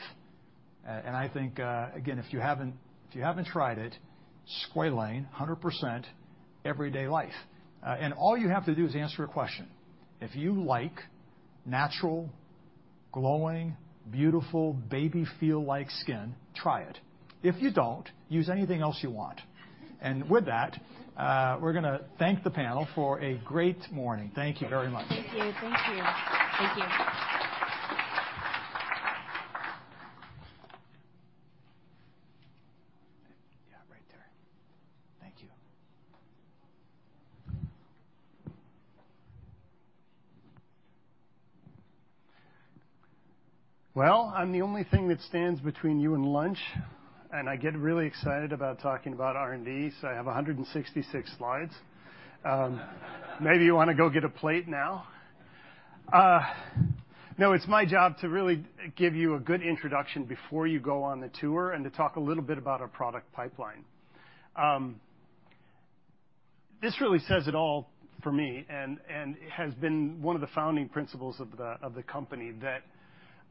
I think, again, if you haven't tried it, squalane, 100% everyday life, and all you have to do is answer a question. If you like natural, glowing, beautiful, baby-feel-like skin, try it. If you don't, use anything else you want, and with that, we're gonna thank the panel for a great morning. Thank you very much. Thank you. Thank you. Thank you. Well, I'm the only thing that stands between you and lunch, and I get really excited about talking about R&D, so I have 166 slides. Maybe you wanna go get a plate now. No, it's my job to really give you a good introduction before you go on the tour and to talk a little bit about our product pipeline. This really says it all for me and, and has been one of the founding principles of the, of the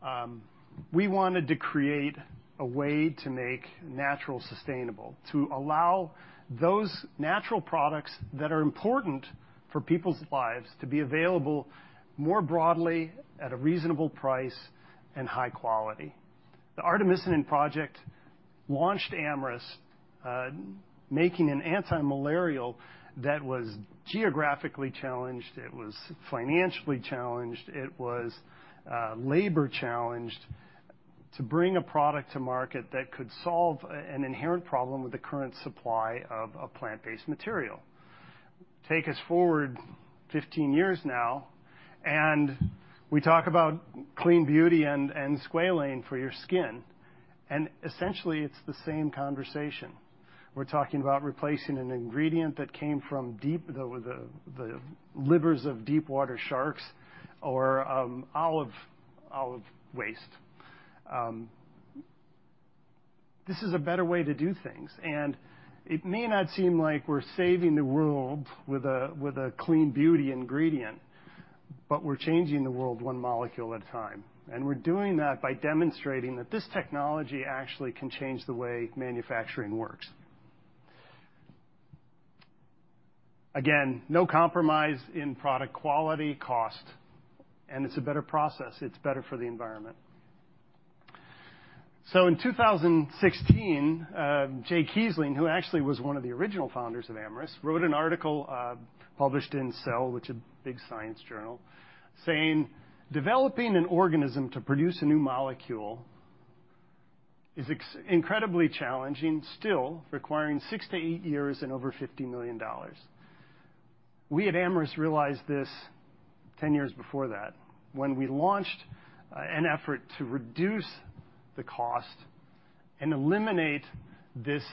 company that, we wanted to create a way to make natural sustainable, to allow those natural products that are important for people's lives to be available more broadly at a reasonable price and high quality. The Artemisinic project launched Amyris, making an antimalarial that was geographically challenged. It was financially challenged. It was labor challenged to bring a product to market that could solve an inherent problem with the current supply of a plant-based material. Take us forward 15 years now and we talk about clean beauty and squalane for your skin. Essentially, it's the same conversation. We're talking about replacing an ingredient that came from the livers of deep water sharks or olive waste. This is a better way to do things. It may not seem like we're saving the world with a clean beauty ingredient, but we're changing the world one molecule at a time. We're doing that by demonstrating that this technology actually can change the way manufacturing works. Again, no compromise in product quality, cost, and it's a better process. It's better for the environment. In 2016, Jay Keasling, who actually was one of the original founders of Amyris, wrote an article, published in Cell, which is a big science journal, saying developing an organism to produce a new molecule is incredibly challenging still, requiring six to eight years and over $50 million. We at Amyris realized this 10 years before that when we launched an effort to reduce the cost and eliminate this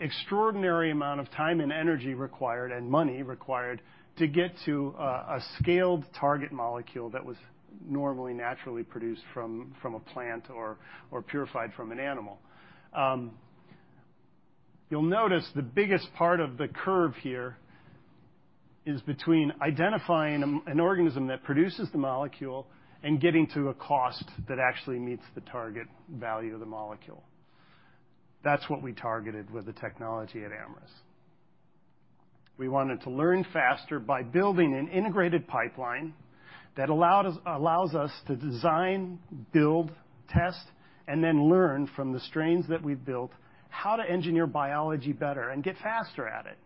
extraordinary amount of time and energy required and money required to get to a scaled target molecule that was normally naturally produced from a plant or purified from an animal. You'll notice the biggest part of the curve here is between identifying an organism that produces the molecule and getting to a cost that actually meets the target value of the molecule. That's what we targeted with the technology at Amyris. We wanted to learn faster by building an integrated pipeline that allowed us, allows us to design, build, test, and then learn from the strains that we've built how to engineer biology better and get faster at it.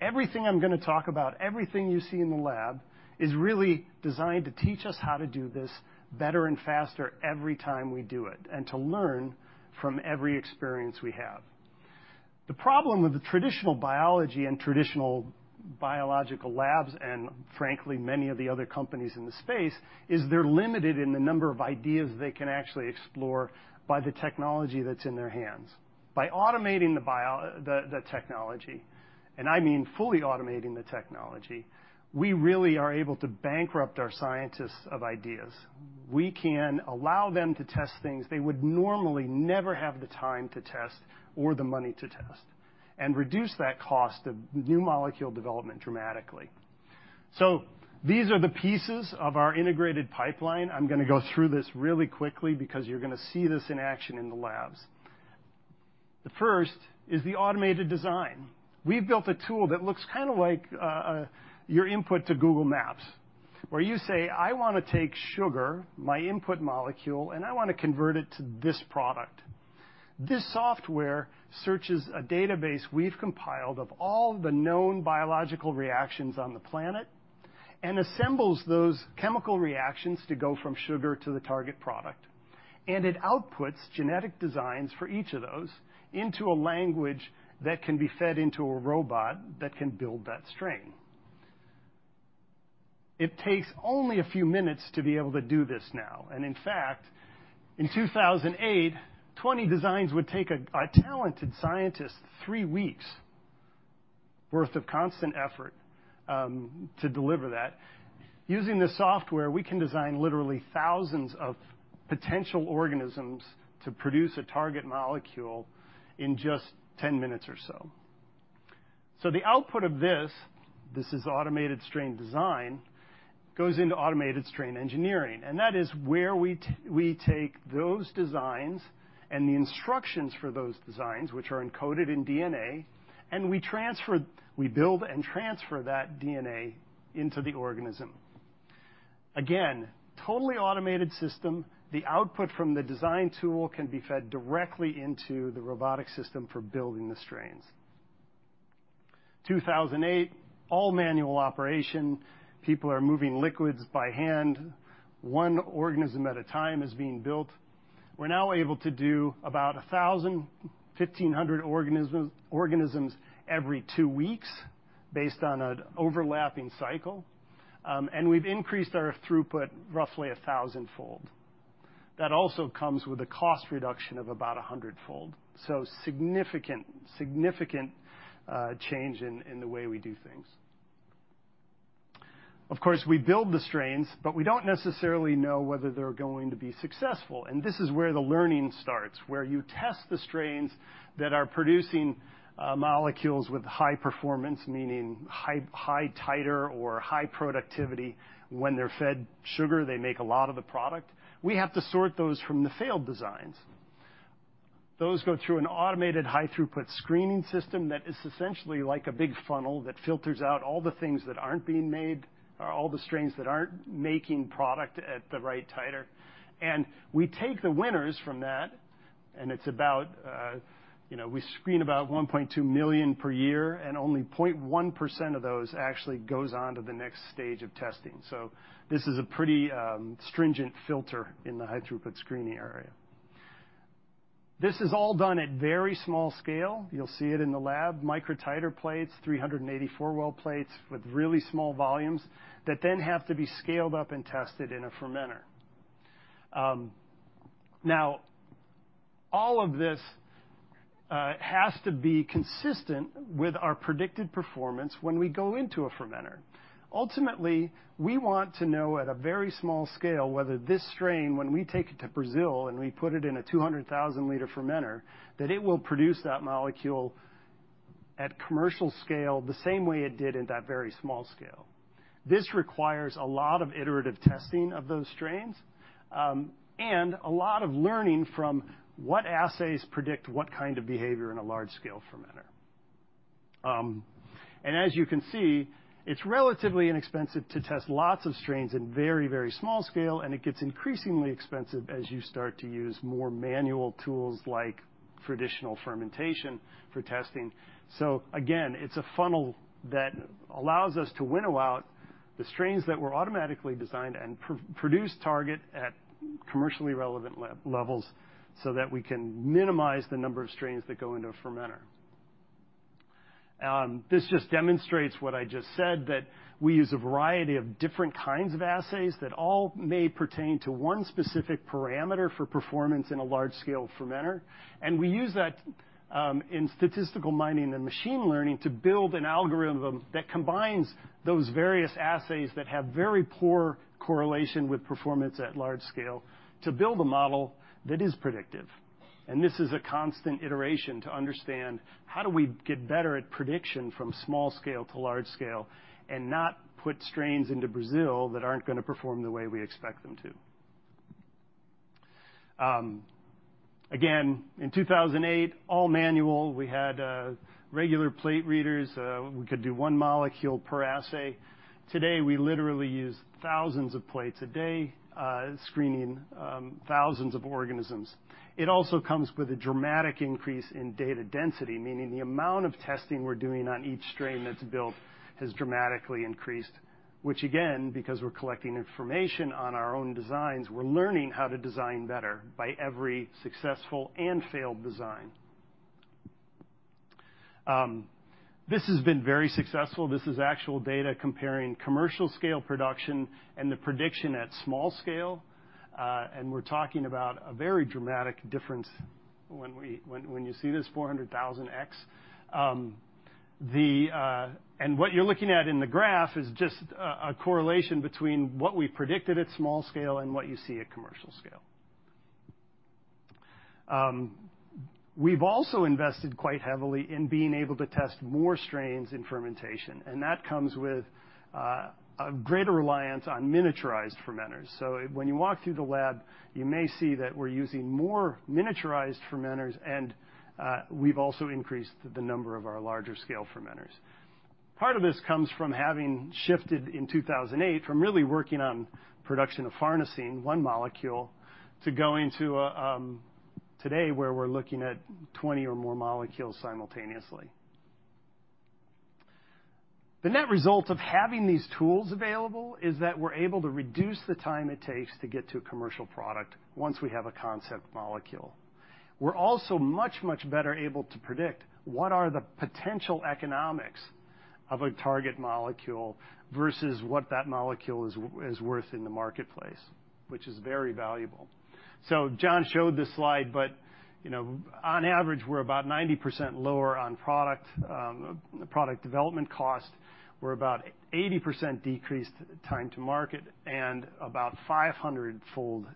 Everything I'm gonna talk about, everything you see in the lab is really designed to teach us how to do this better and faster every time we do it and to learn from every experience we have. The problem with the traditional biology and traditional biological labs and frankly, many of the other companies in the space is they're limited in the number of ideas they can actually explore by the technology that's in their hands. By automating the bio, the technology, and I mean fully automating the technology, we really are able to bankrupt our scientists of ideas. We can allow them to test things they would normally never have the time to test or the money to test and reduce that cost of new molecule development dramatically. So these are the pieces of our integrated pipeline. I'm gonna go through this really quickly because you're gonna see this in action in the labs. The first is the automated design. We've built a tool that looks kinda like your input to Google Maps where you say, "I wanna take sugar, my input molecule, and I wanna convert it to this product." This software searches a database we've compiled of all the known biological reactions on the planet and assembles those chemical reactions to go from sugar to the target product, and it outputs genetic designs for each of those into a language that can be fed into a robot that can build that strain. It takes only a few minutes to be able to do this now. And in fact, in 2008, 20 designs would take a talented scientist three weeks' worth of constant effort to deliver that. Using the software, we can design literally thousands of potential organisms to produce a target molecule in just 10 minutes or so. So the output of this is automated strain design, goes into automated strain engineering. And that is where we take those designs and the instructions for those designs, which are encoded in DNA, and we build and transfer that DNA into the organism. Again, totally automated system. The output from the design tool can be fed directly into the robotic system for building the strains. 2008, all manual operation. People are moving liquids by hand. One organism at a time is being built. We're now able to do about 1,000, 1,500 organisms every two weeks based on an overlapping cycle, and we've increased our throughput roughly a thousandfold. That also comes with a cost reduction of about a hundredfold, so significant change in the way we do things. Of course, we build the strains, but we don't necessarily know whether they're going to be successful, and this is where the learning starts, where you test the strains that are producing molecules with high performance, meaning high titer or high productivity. When they're fed sugar, they make a lot of the product. We have to sort those from the failed designs. Those go through an automated high-throughput screening system that is essentially like a big funnel that filters out all the things that aren't being made or all the strains that aren't making product at the right titer. We take the winners from that. It's about, you know, we screen about 1.2 million per year, and only 0.1% of those actually goes on to the next stage of testing. So this is a pretty stringent filter in the high-throughput screening area. This is all done at very small scale. You'll see it in the lab, microtiter plates, 384-well plates with really small volumes that then have to be scaled up and tested in a fermenter. Now all of this has to be consistent with our predicted performance when we go into a fermenter. Ultimately, we want to know at a very small scale whether this strain, when we take it to Brazil and we put it in a 200,000-liter fermenter, that it will produce that molecule at commercial scale the same way it did at that very small scale. This requires a lot of iterative testing of those strains, and a lot of learning from what assays predict what kind of behavior in a large-scale fermenter, and as you can see, it's relatively inexpensive to test lots of strains in very, very small scale, and it gets increasingly expensive as you start to use more manual tools like traditional fermentation for testing, so again, it's a funnel that allows us to winnow out the strains that were automatically designed and produce target at commercially relevant levels so that we can minimize the number of strains that go into a fermenter, this just demonstrates what I just said, that we use a variety of different kinds of assays that all may pertain to one specific parameter for performance in a large-scale fermenter. And we use that in statistical mining and machine learning to build an algorithm that combines those various assays that have very poor correlation with performance at large scale to build a model that is predictive. And this is a constant iteration to understand how do we get better at prediction from small scale to large scale and not put strains into Brazil that aren't gonna perform the way we expect them to. Again, in 2008, all manual. We had regular plate readers. We could do one molecule per assay. Today, we literally use thousands of plates a day, screening thousands of organisms. It also comes with a dramatic increase in data density, meaning the amount of testing we're doing on each strain that's built has dramatically increased, which again, because we're collecting information on our own designs, we're learning how to design better by every successful and failed design. This has been very successful. This is actual data comparing commercial-scale production and the prediction at small scale, and we're talking about a very dramatic difference when we, when you see this 400,000X. And what you're looking at in the graph is just a correlation between what we predicted at small scale and what you see at commercial scale. We've also invested quite heavily in being able to test more strains in fermentation, and that comes with a greater reliance on miniaturized fermenters. So when you walk through the lab, you may see that we're using more miniaturized fermenters, and we've also increased the number of our larger-scale fermenters. Part of this comes from having shifted in 2008 from really working on production of artemisinic acid, one molecule, to going to a today where we're looking at 20 or more molecules simultaneously. The net result of having these tools available is that we're able to reduce the time it takes to get to a commercial product once we have a concept molecule. We're also much, much better able to predict what are the potential economics of a target molecule versus what that molecule is worth in the marketplace, which is very valuable. So John showed this slide, but, you know, on average, we're about 90% lower on product development cost. We're about 80% decreased time to market and about 500-fold,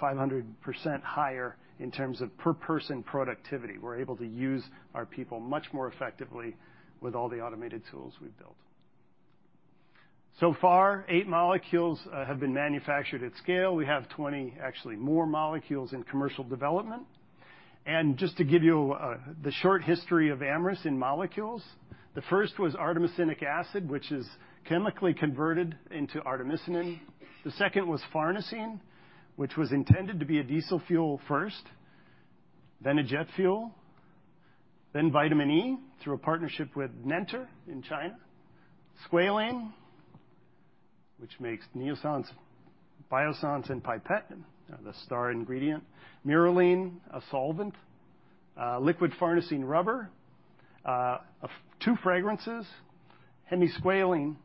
500% higher in terms of per-person productivity. We're able to use our people much more effectively with all the automated tools we've built. So far, eight molecules have been manufactured at scale. We have 20, actually more molecules in commercial development. And just to give you the short history of Amyris in molecules, the first was artemisinic acid, which is chemically converted into artemisinin. The second was farnesene, which was intended to be a diesel fuel first, then a jet fuel, then vitamin E through a partnership with Nenter in China, squalane, which makes Neossance, Biossance, and Pipette, the star ingredient, Myralene, a solvent, liquid farnesene rubber, two fragrances, hemisqualane.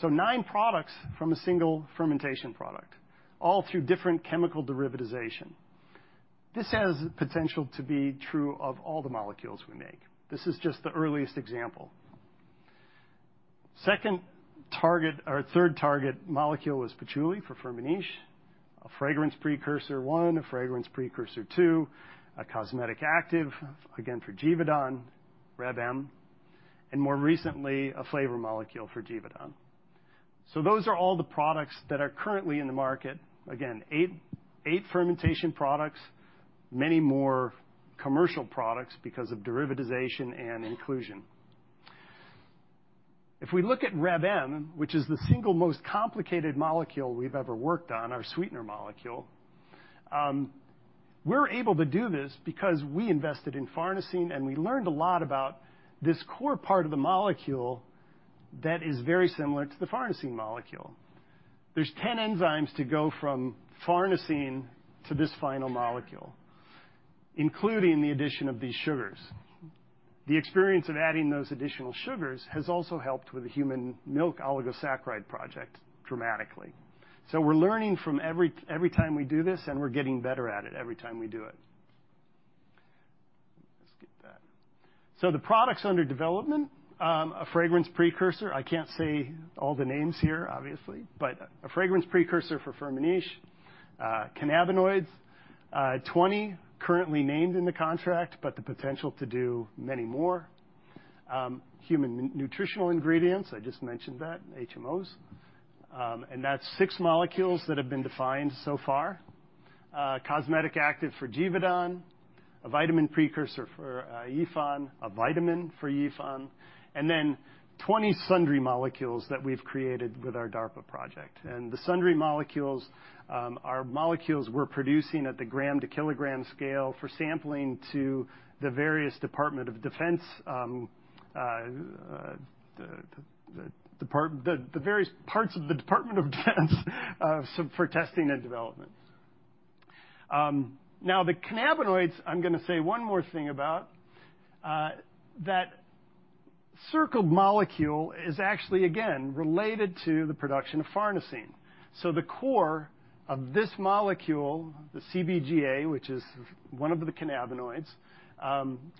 So nine products from a single fermentation product, all through different chemical derivatization. This has potential to be true of all the molecules we make. This is just the earliest example. Second target or third target molecule was patchouli for Firmenich, a fragrance precursor one, a fragrance precursor two, a cosmetic active, again, for Givaudan, Reb M, and more recently, a flavor molecule for Givaudan. So those are all the products that are currently in the market. Again, eight fermentation products, many more commercial products because of derivatization and inclusion. If we look at Reb M, which is the single most complicated molecule we've ever worked on, our sweetener molecule, we're able to do this because we invested in phlorizin, and we learned a lot about this core part of the molecule that is very similar to the phlorizin molecule. There's 10 enzymes to go from phlorizin to this final molecule, including the addition of these sugars. The experience of adding those additional sugars has also helped with the human milk oligosaccharide project dramatically. So we're learning from every time we do this, and we're getting better at it every time we do it. Let's get that. So the products under development, a fragrance precursor. I can't say all the names here, obviously, but a fragrance precursor for Firmenich, cannabinoids, 20 currently named in the contract, but the potential to do many more. Human nutritional ingredients. I just mentioned that, HMOs. And that's six molecules that have been defined so far. Cosmetic active for Givaudan, a vitamin precursor for DSM, a vitamin for DSM, and then 20 sundry molecules that we've created with our DARPA project. And the sundry molecules are molecules we're producing at the gram-to-kilogram scale for sampling to the various parts of the Department of Defense for testing and development. Now the cannabinoids, I'm gonna say one more thing about, that circled molecule is actually, again, related to the production of farnesene. So the core of this molecule, the CBGA, which is one of the cannabinoids,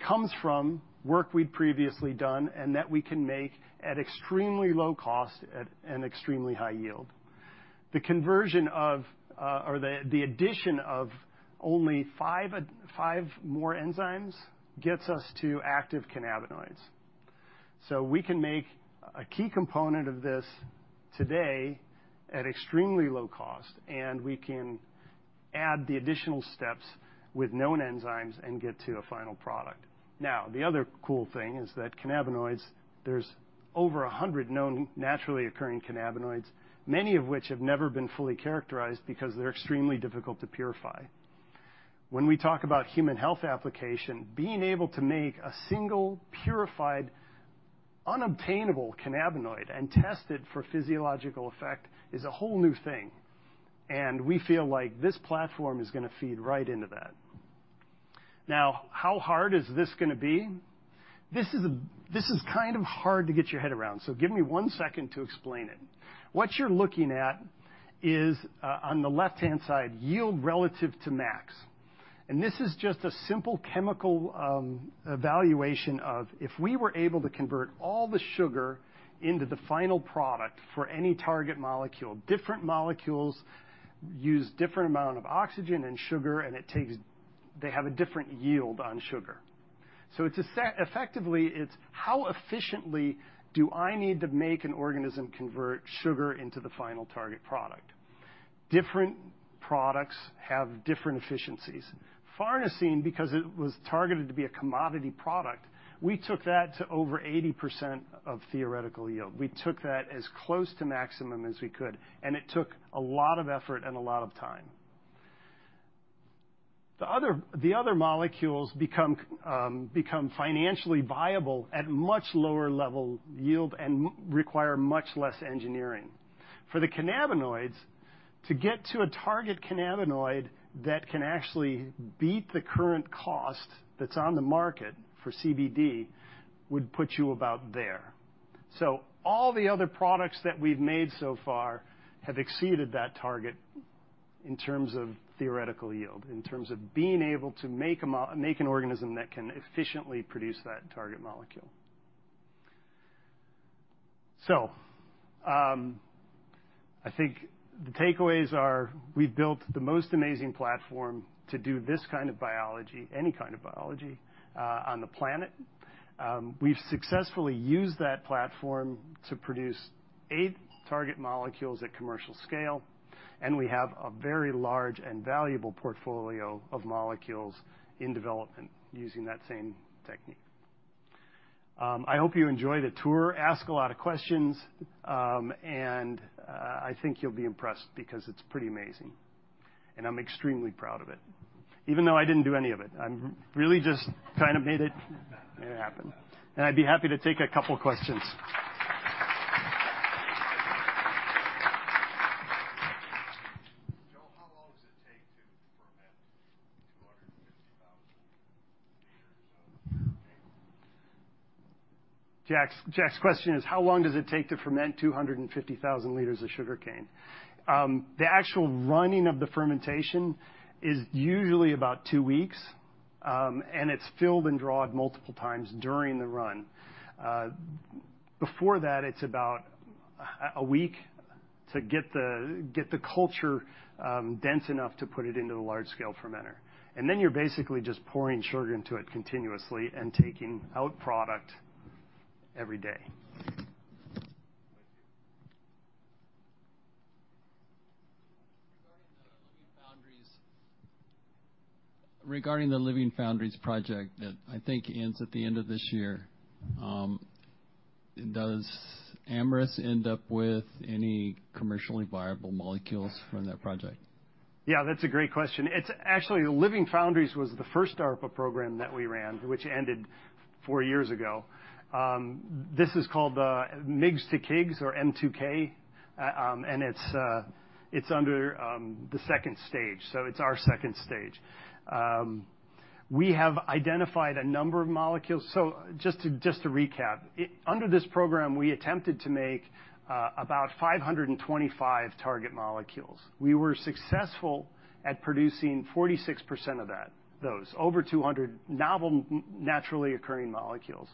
comes from work we'd previously done and that we can make at extremely low cost at an extremely high yield. The conversion of, or the addition of only five more enzymes gets us to active cannabinoids. So we can make a key component of this today at extremely low cost, and we can add the additional steps with known enzymes and get to a final product. Now, the other cool thing is that cannabinoids, there's over 100 known naturally occurring cannabinoids, many of which have never been fully characterized because they're extremely difficult to purify. When we talk about human health application, being able to make a single purified, unobtainable cannabinoid and test it for physiological effect is a whole new thing. We feel like this platform is gonna feed right into that. Now, how hard is this gonna be? This is kind of hard to get your head around. Give me one second to explain it. What you're looking at is, on the left-hand side, yield relative to max. This is just a simple chemical evaluation of if we were able to convert all the sugar into the final product for any target molecule. Different molecules use different amounts of oxygen and sugar, they have a different yield on sugar. It's a set, effectively, it's how efficiently do I need to make an organism convert sugar into the final target product? Different products have different efficiencies. farnesene, because it was targeted to be a commodity product, we took that to over 80% of theoretical yield. We took that as close to maximum as we could, and it took a lot of effort and a lot of time. The other molecules become financially viable at much lower level yield and require much less engineering. For the cannabinoids, to get to a target cannabinoid that can actually beat the current cost that's on the market for CBD would put you about there. So all the other products that we've made so far have exceeded that target in terms of theoretical yield, in terms of being able to make an organism that can efficiently produce that target molecule. So, I think the takeaways are we've built the most amazing platform to do this kind of biology, any kind of biology, on the planet. We've successfully used that platform to produce eight target molecules at commercial scale, and we have a very large and valuable portfolio of molecules in development using that same technique. I hope you enjoy the tour, ask a lot of questions, and, I think you'll be impressed because it's pretty amazing, and I'm extremely proud of it, even though I didn't do any of it. I'm really just kind of made it happen. And I'd be happy to take a couple of questions. Joel, how long does it take to ferment 250,000 liters of sugarcane? Jack's, Jack's question is, how long does it take to ferment 250,000 liters of sugarcane? The actual running of the fermentation is usually about two weeks, and it's filled and drawn multiple times during the run. Before that, it's about a week to get the culture dense enough to put it into the large-scale fermenter. And then you're basically just pouring sugar into it continuously and taking out product every day. Thank you. Regarding the Living Foundries, regarding the Living Foundries project that I think ends at the end of this year, does Amyris end up with any commercially viable molecules from that project? Yeah, that's a great question. It's actually, Living Foundries was the first DARPA program that we ran, which ended four years ago. This is called the Migs to Kigs or M2K, and it's under the second stage. So it's our second stage. We have identified a number of molecules. So just to recap, under this program, we attempted to make about 525 target molecules. We were successful at producing 46% of those, over 200 novel naturally occurring molecules.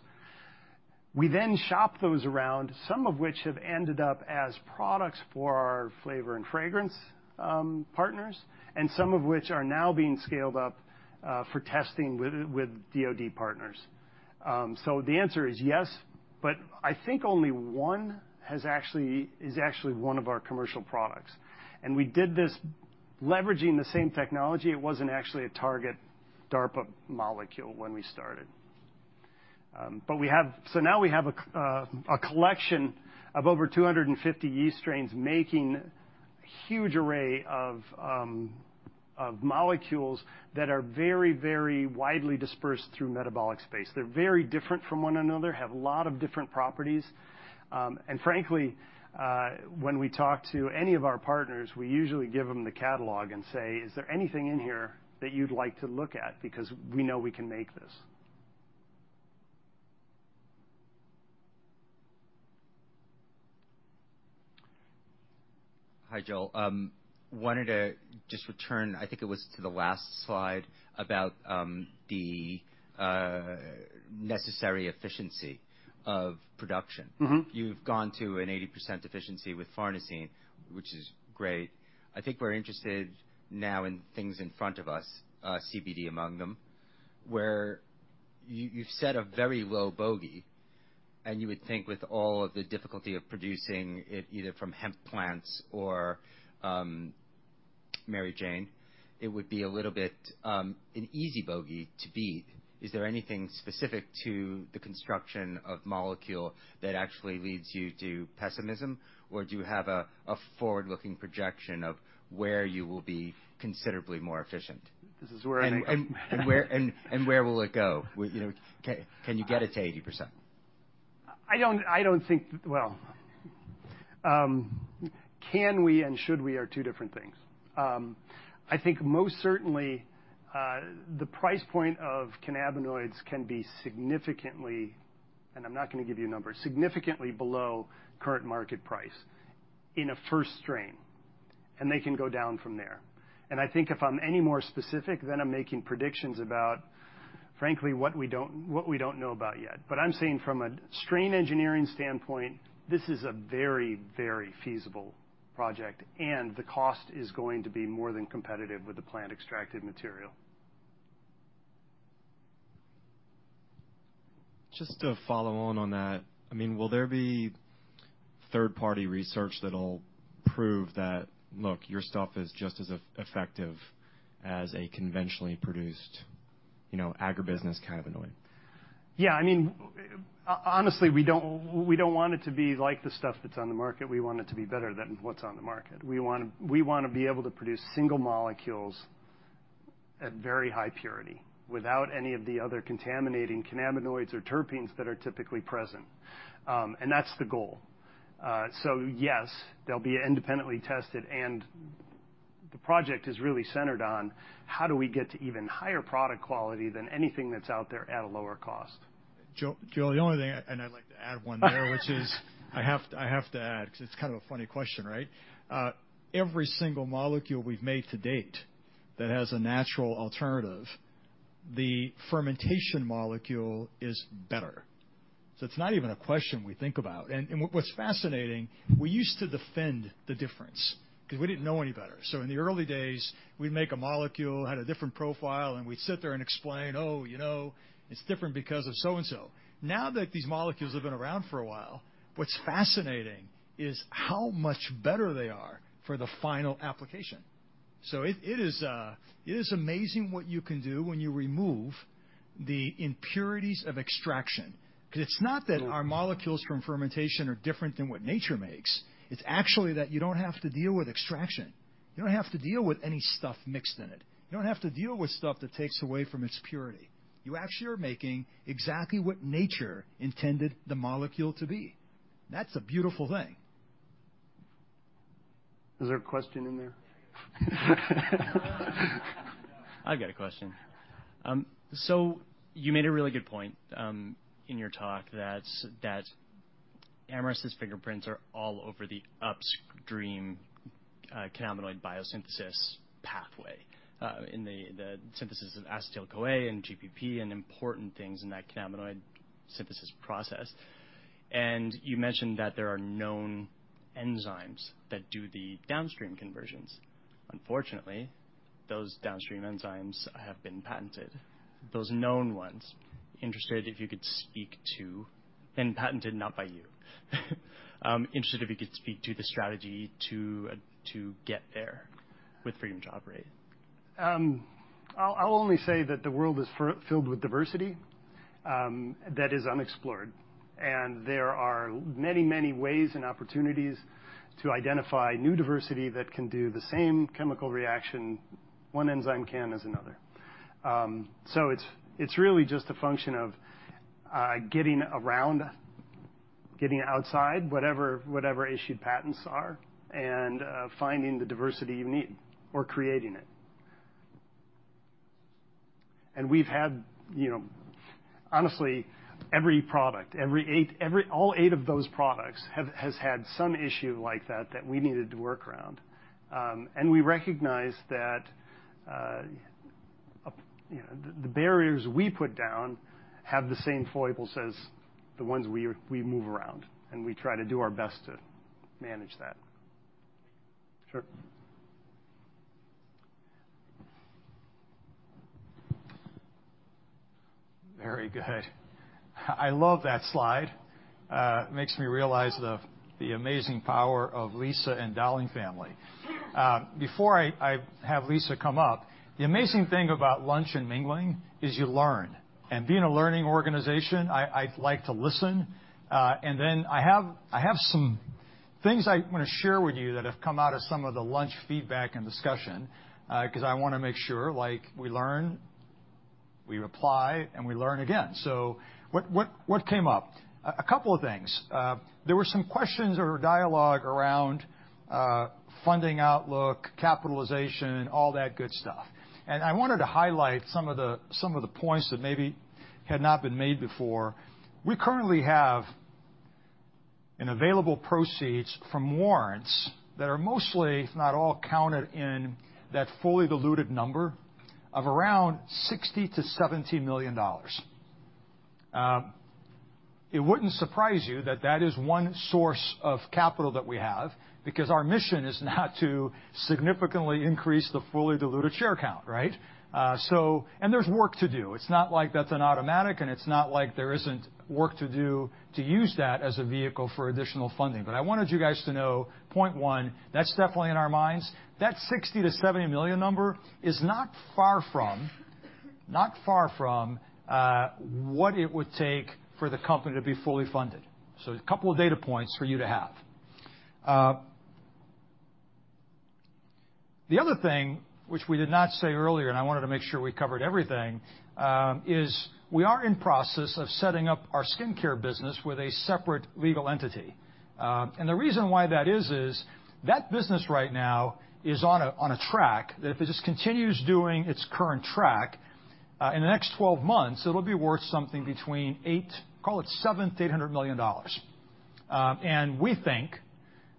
We then shop those around, some of which have ended up as products for our flavor and fragrance partners, and some of which are now being scaled up for testing with DOD partners. So the answer is yes, but I think only one is actually one of our commercial products, and we did this leveraging the same technology. It wasn't actually a target DARPA molecule when we started, but we have, so now we have a collection of over 250 yeast strains making a huge array of molecules that are very, very widely dispersed through metabolic space. They're very different from one another, have a lot of different properties, and frankly, when we talk to any of our partners, we usually give them the catalog and say, "Is there anything in here that you'd like to look at?" Because we know we can make this. Hi, Joel. Wanted to just return, I think it was to the last slide about the necessary efficiency of production. You've gone to an 80% efficiency with farnesene, which is great. I think we're interested now in things in front of us, CBD among them, where you've set a very low bogey, and you would think with all of the difficulty of producing it either from hemp plants or, Mary Jane, it would be a little bit, an easy bogey to beat. Is there anything specific to the construction of molecule that actually leads you to pessimism, or do you have a forward-looking projection of where you will be considerably more efficient? This is where I think. Where will it go? You know, can you get it to 80%? I don't think, well, can we and should we are two different things. I think most certainly, the price point of cannabinoids can be significantly, and I'm not gonna give you a number, significantly below current market price in a first strain, and they can go down from there. And I think if I'm any more specific, then I'm making predictions about, frankly, what we don't know about yet. But I'm saying from a strain engineering standpoint, this is a very, very feasible project, and the cost is going to be more than competitive with the plant extracted material. Just to follow on that, I mean, will there be third-party research that'll prove that, look, your stuff is just as effective as a conventionally produced, you know, agribusiness cannabinoid? Yeah, I mean, honestly, we don't, we don't want it to be like the stuff that's on the market. We want it to be better than what's on the market. We want to, we want to be able to produce single molecules at very high purity without any of the other contaminating cannabinoids or terpenes that are typically present. And that's the goal. So yes, they'll be independently tested, and the project is really centered on how do we get to even higher product quality than anything that's out there at a lower cost. Joe, Joel, the only thing, and I'd like to add one there, which is I have to add, 'cause it's kind of a funny question, right? Every single molecule we've made to date that has a natural alternative, the fermentation molecule is better. So it's not even a question we think about. And what's fascinating, we used to defend the difference 'cause we didn't know any better. So in the early days, we'd make a molecule, had a different profile, and we'd sit there and explain, "Oh, you know, it's different because of so-and-so." Now that these molecules have been around for a while, what's fascinating is how much better they are for the final application. So it is amazing what you can do when you remove the impurities of extraction. 'Cause it's not that our molecules from fermentation are different than what nature makes. It's actually that you don't have to deal with extraction. You don't have to deal with any stuff mixed in it. You don't have to deal with stuff that takes away from its purity. You actually are making exactly what nature intended the molecule to be. That's a beautiful thing. Is there a question in there? I've got a question. So you made a really good point in your talk that Amyris's fingerprints are all over the upstream cannabinoid biosynthesis pathway in the synthesis of acetyl-CoA and GPP and important things in that cannabinoid synthesis process. And you mentioned that there are known enzymes that do the downstream conversions. Unfortunately, those downstream enzymes have been patented, those known ones. Interested if you could speak to been patented, not by you. Interested if you could speak to the strategy to get there with Freedom to Operate. I'll only say that the world is filled with diversity that is unexplored. And there are many, many ways and opportunities to identify new diversity that can do the same chemical reaction one enzyme can as another. So it's really just a function of getting around, getting outside whatever issued patents are and finding the diversity you need or creating it. And we've had, you know, honestly, every product, all eight of those products has had some issue like that that we needed to work around. And we recognize that, you know, the barriers we put down have the same foibles as the ones we move around, and we try to do our best to manage that. Sure. Very good. I love that slide. It makes me realize the amazing power of Lisa and DaLing Family. Before I have Lisa come up, the amazing thing about lunch and mingling is you learn, and being a learning organization, I'd like to listen, and then I have some things I wanna share with you that have come out of some of the lunch feedback and discussion, 'cause I wanna make sure, like, we learn, we reply, and we learn again. So what came up? A couple of things. There were some questions or dialogue around funding outlook, capitalization, all that good stuff. And I wanted to highlight some of the points that maybe had not been made before. We currently have available proceeds from warrants that are mostly, if not all, counted in that fully diluted number of around $60 million-$70 million. It wouldn't surprise you that that is one source of capital that we have because our mission is not to significantly increase the fully diluted share count, right? So, and there's work to do. It's not like that's an automatic, and it's not like there isn't work to do to use that as a vehicle for additional funding. But I wanted you guys to know, point one, that's definitely in our minds. That $60 million-$70 million number is not far from, not far from, what it would take for the company to be fully funded. So a couple of data points for you to have. The other thing, which we did not say earlier, and I wanted to make sure we covered everything, is we are in process of setting up our skincare business with a separate legal entity. And the reason why that is, is that business right now is on a track that if it just continues doing its current track, in the next 12 months, it'll be worth something between $800, call it $700-$800 million. And we think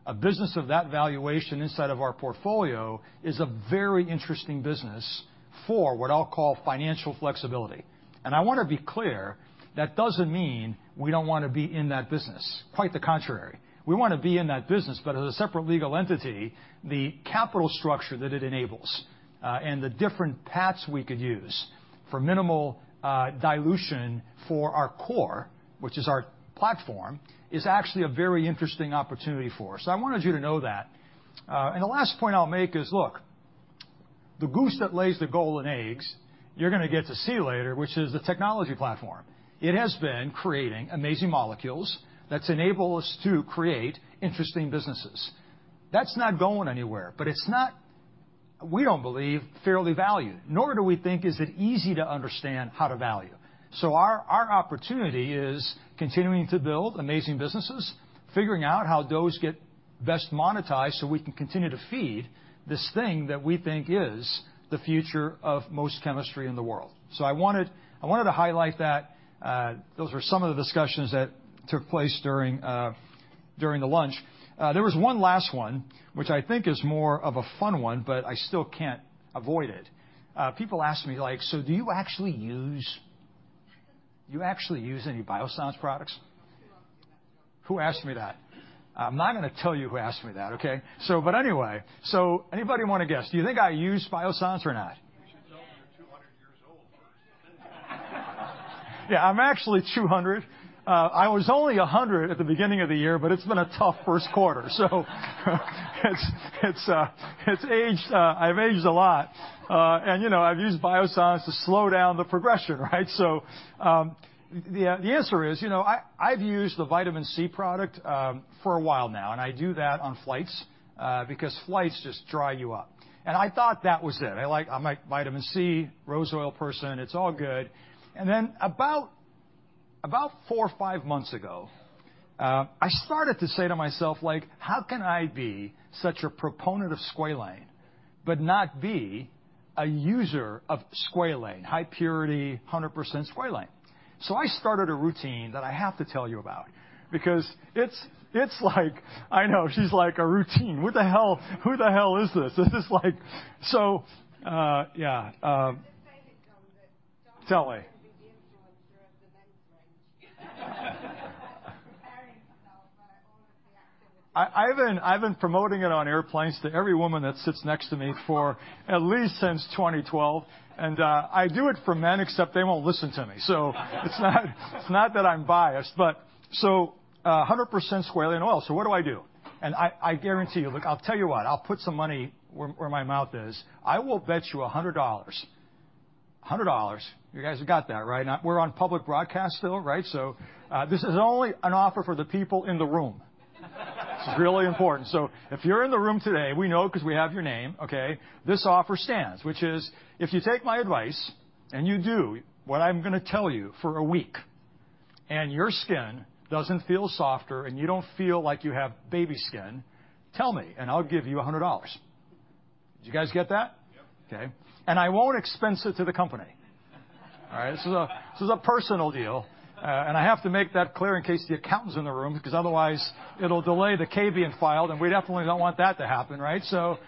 a business of that valuation inside of our portfolio is a very interesting business for what I'll call financial flexibility. And I wanna be clear, that doesn't mean we don't wanna be in that business. Quite the contrary. We wanna be in that business, but as a separate legal entity, the capital structure that it enables, and the different paths we could use for minimal dilution for our core, which is our platform, is actually a very interesting opportunity for us. So I wanted you to know that. And the last point I'll make is, look, the goose that lays the golden eggs, you're gonna get to see later, which is the technology platform. It has been creating amazing molecules that's enabled us to create interesting businesses. That's not going anywhere, but it's not, we don't believe, fairly valued, nor do we think is it easy to understand how to value. So our opportunity is continuing to build amazing businesses, figuring out how those get best monetized so we can continue to feed this thing that we think is the future of most chemistry in the world. So I wanted to highlight that, those were some of the discussions that took place during the lunch. There was one last one, which I think is more of a fun one, but I still can't avoid it. People ask me, like, "So do you actually use any Biossance products?" Who asked me that? I'm not gonna tell you who asked me that, okay? So, but anyway, so anybody wanna guess? Do you think I use Biossance or not? Yeah, I'm actually 200. I was only 100 at the beginning of the year, but it's been a tough first quarter. So it's aged, I've aged a lot, and you know, I've used Biossance to slow down the progression, right? So, the answer is, you know, I've used the vitamin C product for a while now, and I do that on flights, because flights just dry you up, and I thought that was it. I like, I'm a vitamin C, rose oil person, it's all good, and then about four or five months ago, I started to say to myself, like, "How can I be such a proponent of squalane but not be a user of squalane, high purity, 100% squalane?" So I started a routine that I have to tell you about because it's like, I know she's like a routine. Who the hell, who the hell is this?" This is like, so, yeah. I've been promoting it on airplanes to every woman that sits next to me for at least since 2012. And I do it for men, except they won't listen to me. So it's not that I'm biased, but 100% squalane oil. So what do I do? And I guarantee you, look, I'll tell you what, I'll put some money where my mouth is. I will bet you $100, $100. You guys have got that, right? We're on public broadcast still, right? So this is only an offer for the people in the room. This is really important. So if you're in the room today, we know 'cause we have your name, okay? This offer stands, which is if you take my advice and you do what I'm gonna tell you for a week and your skin doesn't feel softer and you don't feel like you have baby skin, tell me and I'll give you $100. Did you guys get that? Yep. Okay. And I won't expense it to the company. All right? This is a, this is a personal deal, and I have to make that clear in case the accountant's in the room 'cause otherwise it'll delay the 8-K filing, and we definitely don't want that to happen, right? So,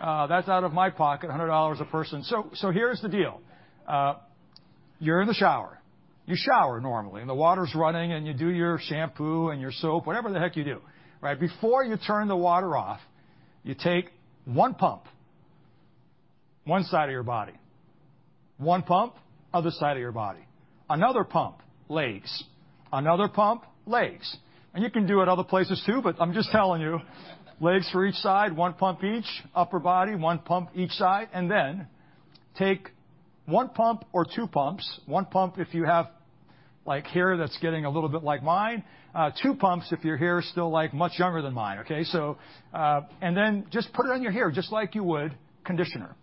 that's out of my pocket, $100 a person. So, so here's the deal. You're in the shower. You shower normally, and the water's running, and you do your shampoo and your soap, whatever the heck you do, right? Before you turn the water off, you take one pump, one side of your body, one pump, other side of your body, another pump, legs, another pump, legs. And you can do it other places too, but I'm just telling you, legs for each side, one pump each, upper body, one pump each side. Then take one pump or two pumps, one pump if you have, like, hair that's getting a little bit like mine, two pumps if your hair's still, like, much younger than mine, okay? Just put it on your hair just like you would conditioner.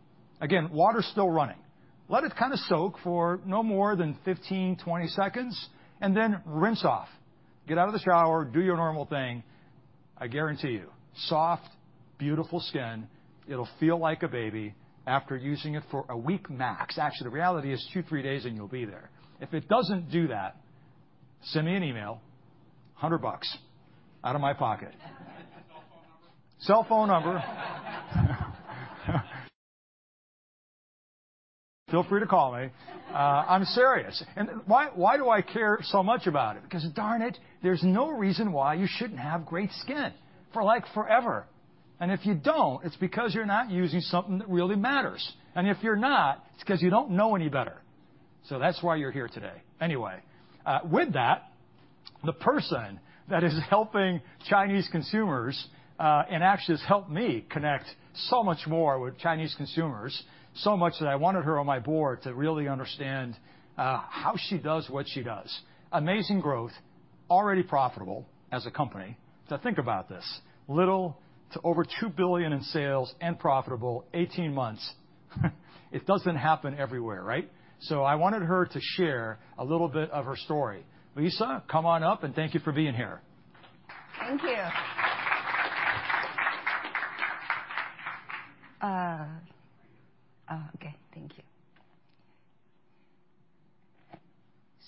Again, water's still running. Let it kinda soak for no more than 15-20 seconds, and then rinse off. Get out of the shower, do your normal thing. I guarantee you soft, beautiful skin. It'll feel like a baby after using it for a week max. Actually, the reality is two, three days and you'll be there. If it doesn't do that, send me an email, $100 out of my pocket. Cell phone number. Feel free to call me. I'm serious. Why, why do I care so much about it? Because darn it, there's no reason why you shouldn't have great skin for, like, forever. If you don't, it's because you're not using something that really matters. If you're not, it's 'cause you don't know any better. That's why you're here today. Anyway, with that, the person that is helping Chinese consumers, and actually has helped me connect so much more with Chinese consumers, so much that I wanted her on my board to really understand how she does what she does. Amazing growth, already profitable as a company. To think about this, little to over $2 billion in sales and profitable, 18 months. It doesn't happen everywhere, right? I wanted her to share a little bit of her story. Lisa, come on up, and thank you for being here. Thank you. Oh, okay. Thank you.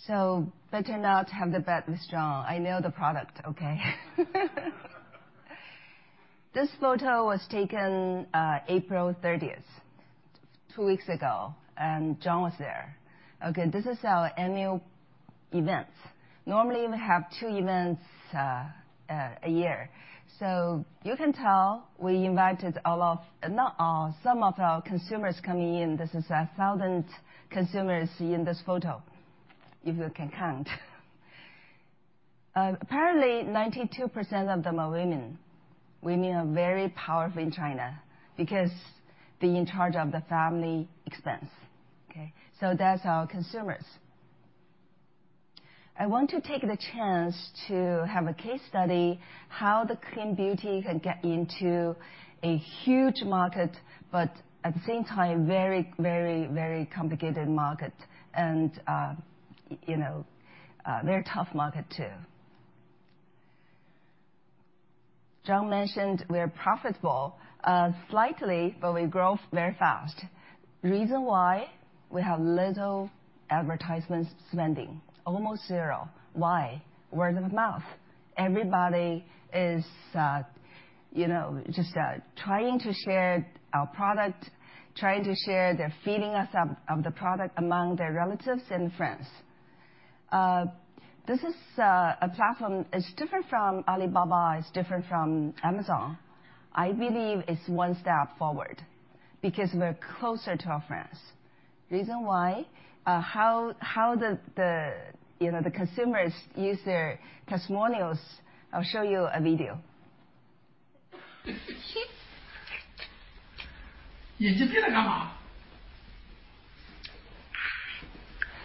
So better not have the bet with John. I know the product, okay? This photo was taken April 30th, two weeks ago, and John was there. Okay, this is our annual event. Normally, we have two events a year. So you can tell we invited all of, not all, some of our consumers coming in. This is 1,000 consumers in this photo, if you can count. Apparently, 92% of them are women. Women are very powerful in China because they're in charge of the family expense, okay? So that's our consumers. I want to take the chance to have a case study how the clean beauty can get into a huge market, but at the same time, very, very, very complicated market and, you know, very tough market too. John mentioned we're profitable, slightly, but we grow very fast. Reason why? We have little advertisement spending, almost zero. Why? Word of mouth. Everybody is, you know, just trying to share our product, trying to share their feeling of the product among their relatives and friends. This is a platform. It's different from Alibaba, it's different from Amazon. I believe it's one step forward because we're closer to our friends. Reason why? How the, you know, the consumers use their testimonials. I'll show you a video. Yeah, just get a gander.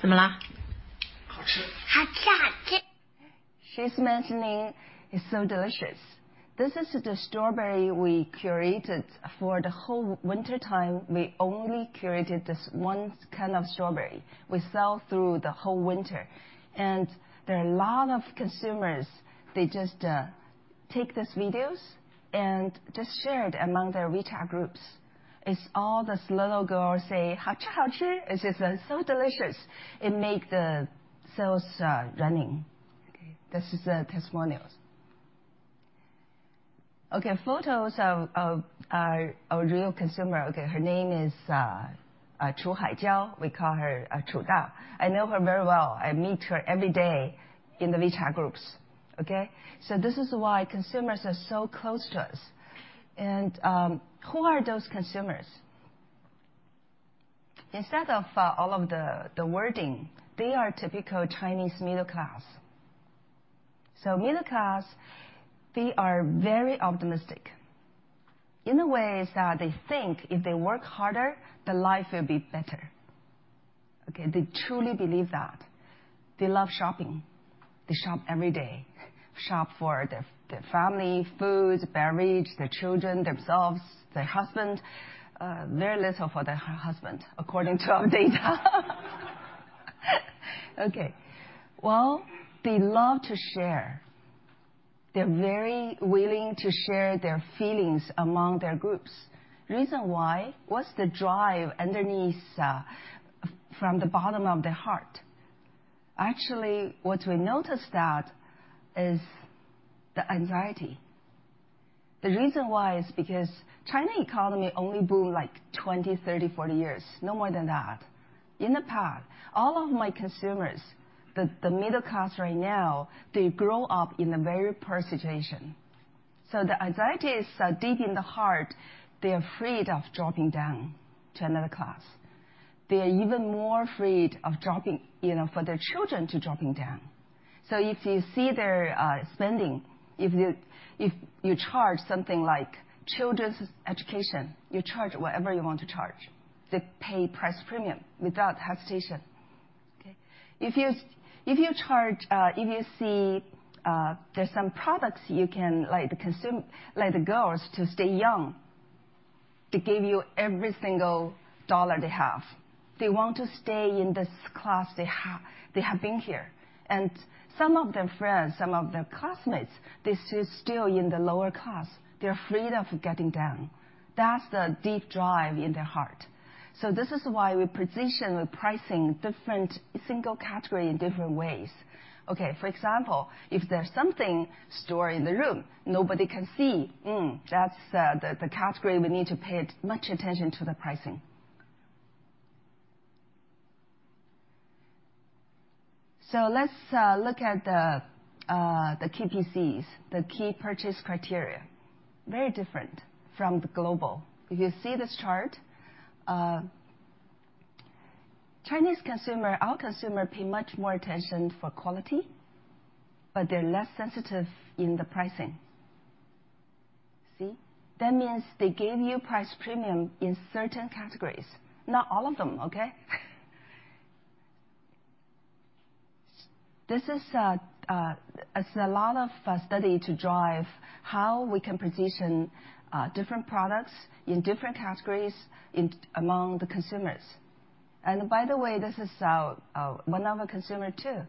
Zhi, she's mentioning it's so delicious. This is the strawberry we curated for the whole wintertime. We only curated this one kind of strawberry. We sell through the whole winter, and there are a lot of consumers. They just take these videos and just share it among their WeChat groups. It's all this little girl say, "Hao chi, hao chi." It's just so delicious. It made the sales running. Okay, this is the testimonials. Okay, photos of our real consumer. Okay, her name is Chu Hai Jiao. We call her Chu Dao. I know her very well. I meet her every day in the WeChat groups, okay? So this is why consumers are so close to us. Who are those consumers? They are typical Chinese middle class. the middle class, they are very optimistic in a way that they think if they work harder, their life will be better. Okay, they truly believe that. They love shopping. They shop every day. Shop for their, their family, food, beverage, their children, themselves, their husband. Very little for their husband, according to our data. Okay, well, they love to share. They're very willing to share their feelings among their groups. Reason why? What's the drive underneath, from the bottom of their heart? Actually, what we noticed that is the anxiety. The reason why is because China economy only boomed like 20, 30, 40 years, no more than that. In the past, all of my consumers, the, the middle class right now, they grow up in a very poor situation. So the anxiety is, deep in the heart. They are afraid of dropping down to another class. They are even more afraid of dropping, you know, for their children to dropping down. So if you see their spending, if you charge something like children's education, you charge whatever you want to charge. They pay price premium without hesitation, okay? If you charge, if you see, there's some products you can, like, the consume, like the girls to stay young, they give you every single dollar they have. They want to stay in this class they have, they have been here. And some of their friends, some of their classmates, they're still in the lower class. They're afraid of getting down. That's the deep drive in their heart. So this is why we position with pricing different single category in different ways. Okay, for example, if there's something stored in the room nobody can see, that's the category we need to pay much attention to the pricing. So let's look at the KPCs, the key purchase criteria. Very different from the global. If you see this chart, Chinese consumer, our consumer pay much more attention for quality, but they're less sensitive in the pricing. See? That means they gave you price premium in certain categories, not all of them, okay? This is a lot of study to drive how we can position different products in different categories among the consumers. And by the way, this is one of our consumer too.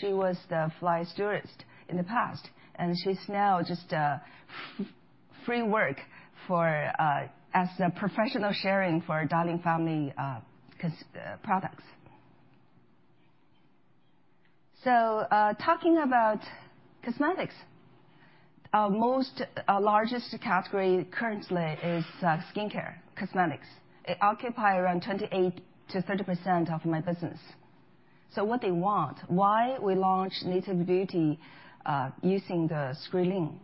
She was the flight stewardess in the past, and she's now just freelance work for as a professional sharing for DaLing Family cosmetics products. So talking about cosmetics, our largest category currently is skincare, cosmetics. It occupies around 28%-30% of my business. So what they want, why we launched Natural Beauty, using the squalane.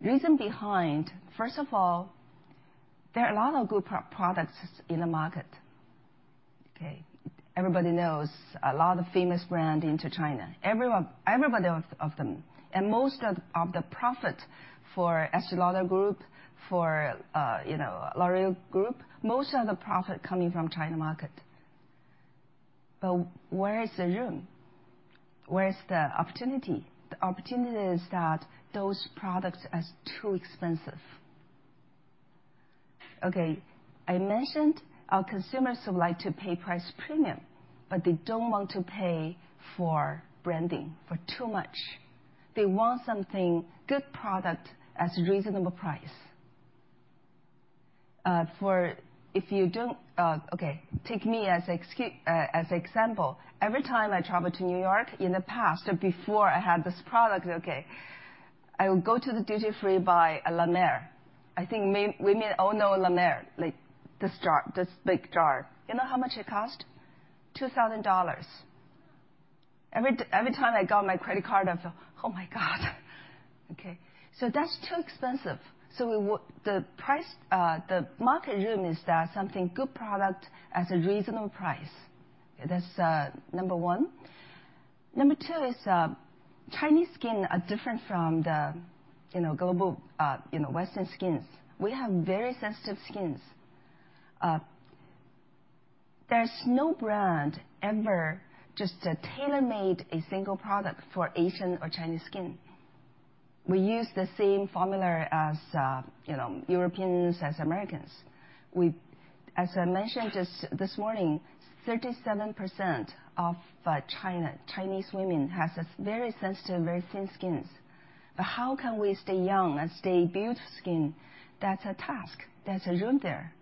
Reason behind, first of all, there are a lot of good pro products in the market, okay? Everybody knows a lot of famous brand into China. Everyone, everybody of them. And most of the profit for L'Oréal Group, most of the profit coming from China market. But where is the room? Where's the opportunity? The opportunity is that those products are too expensive. Okay, I mentioned our consumers would like to pay price premium, but they don't want to pay for branding, for too much. They want something, good product at a reasonable price. For if you don't, okay, take me as an example. Every time I travel to New York in the past, before I had this product, okay, I would go to the duty free buy a La Mer. I think we may all know La Mer, like this jar, this big jar. You know how much it cost? $2,000. Every time I got my credit card, I felt, "Oh my God." Okay, so that's too expensive. So we want the price, the market wants that something good product at a reasonable price. That's number one. Number two is, Chinese skin are different from the, you know, global, you know, Western skins. We have very sensitive skins. There's no brand ever just tailor-made a single product for Asian or Chinese skin. We use the same formula as, you know, Europeans, as Americans. We, as I mentioned just this morning, 37% of Chinese women has very sensitive, very thin skins. But how can we stay young and stay beautiful skin? That's a task. There's a room there.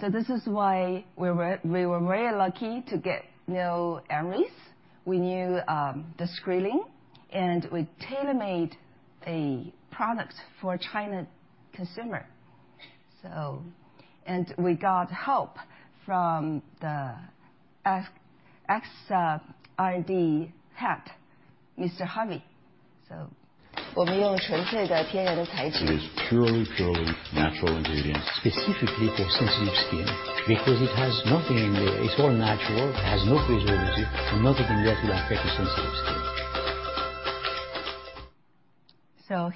So this is why we were very lucky to get Reb M. We knew the squalane, and we tailor-made a product for China consumer. So, and we got help from the ex-R&D head, Mr. Harvey. So. 我们用纯粹的天然的材质 It is purely, purely natural ingredients. Specifically for sensitive skin because it has nothing in there. It's all natural. It has no preservative. Nothing in there to affect the sensitive skin.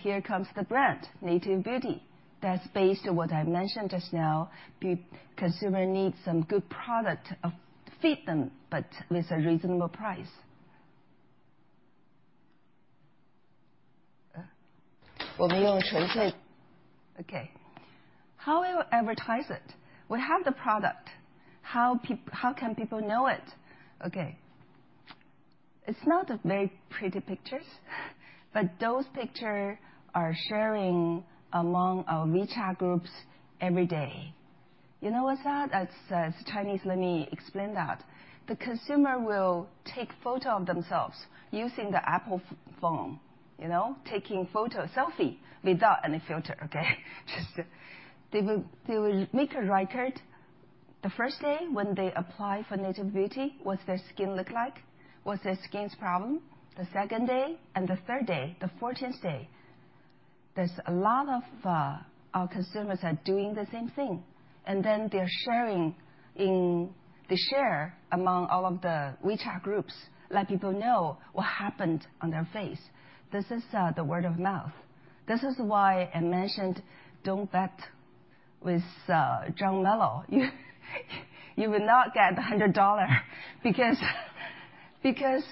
Here comes the brand, Natural Beauty. That's based on what I mentioned just now. The consumer needs some good product to feed them, but with a reasonable price. 我们用纯粹。Okay. How will we advertise it? We have the product. How can people know it? Okay. It's not very pretty pictures, but those pictures are sharing among our WeChat groups every day. You know what's that? It's, it's Chinese. Let me explain that. The consumer will take photo of themselves using the Apple phone, you know, taking photo, selfie without any filter, okay? Just they will, they will make a record the first day when they apply for Natural Beauty, what's their skin look like, what's their skin's problem, the second day, and the third day, the 14th day. There's a lot of, our consumers are doing the same thing. And then they're sharing in, they share among all of the WeChat groups let people know what happened on their face. This is, the word of mouth. This is why I mentioned don't bet with, John Melo. You will not get $100 because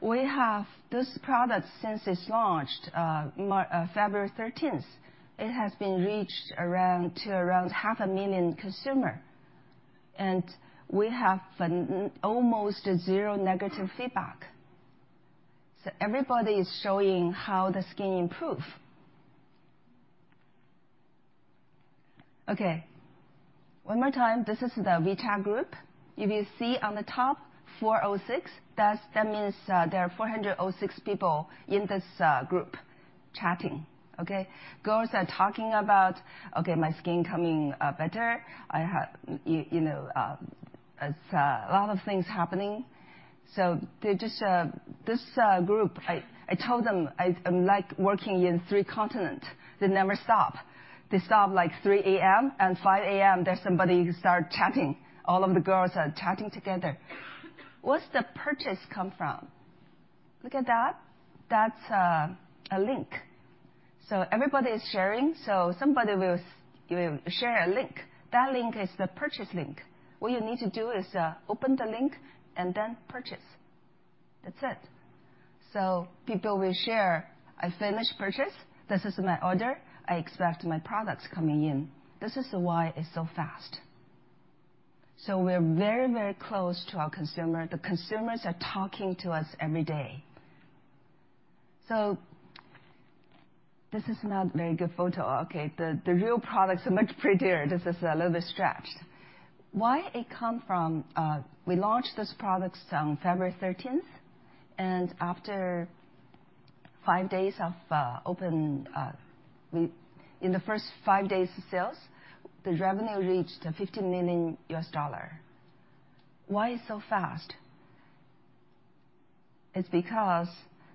we have this product since it's launched March 13th. It has been reached around 500,000 consumers. And we have almost zero negative feedback. So everybody is showing how the skin improve. Okay, one more time. This is the WeChat group. If you see on the top 406, that's, that means, there are 406 people in this group chatting, okay? Girls are talking about, "Okay, my skin coming better. I have, you know, it's a lot of things happening." So they just this group. I told them I am like working in three continents. They never stop. They stop like 3:00 A.M., and 5:00 A.M., there's somebody who start chatting. All of the girls are chatting together. Where's the purchase come from? Look at that. That's a link. So everybody is sharing. So somebody will share a link. That link is the purchase link. What you need to do is open the link and then purchase. That's it. So people will share, "I finished purchase. This is my order. I expect my products coming in." This is why it's so fast. So we're very, very close to our consumer. The consumers are talking to us every day. So this is not a very good photo, okay? The real products are much prettier. This is a little bit stretched. Why it come from, we launched this products on February 13th, and after five days of open, we in the first five days of sales, the revenue reached $15 million. Why it's so fast? It's because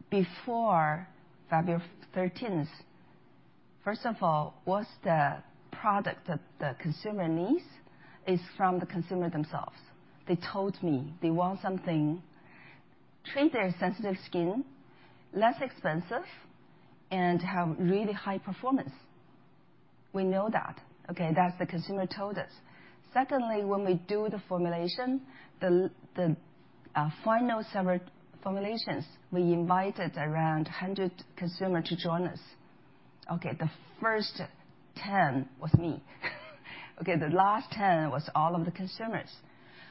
before February 13th, first of all, what's the product that the consumer needs is from the consumer themselves. They told me they want something treat their sensitive skin less expensive and have really high performance. We know that, okay? That's the consumer told us. Secondly, when we do the formulation, the final several formulations, we invited around 100 consumer to join us. Okay, the first 10 was me. Okay, the last 10 was all of the consumers.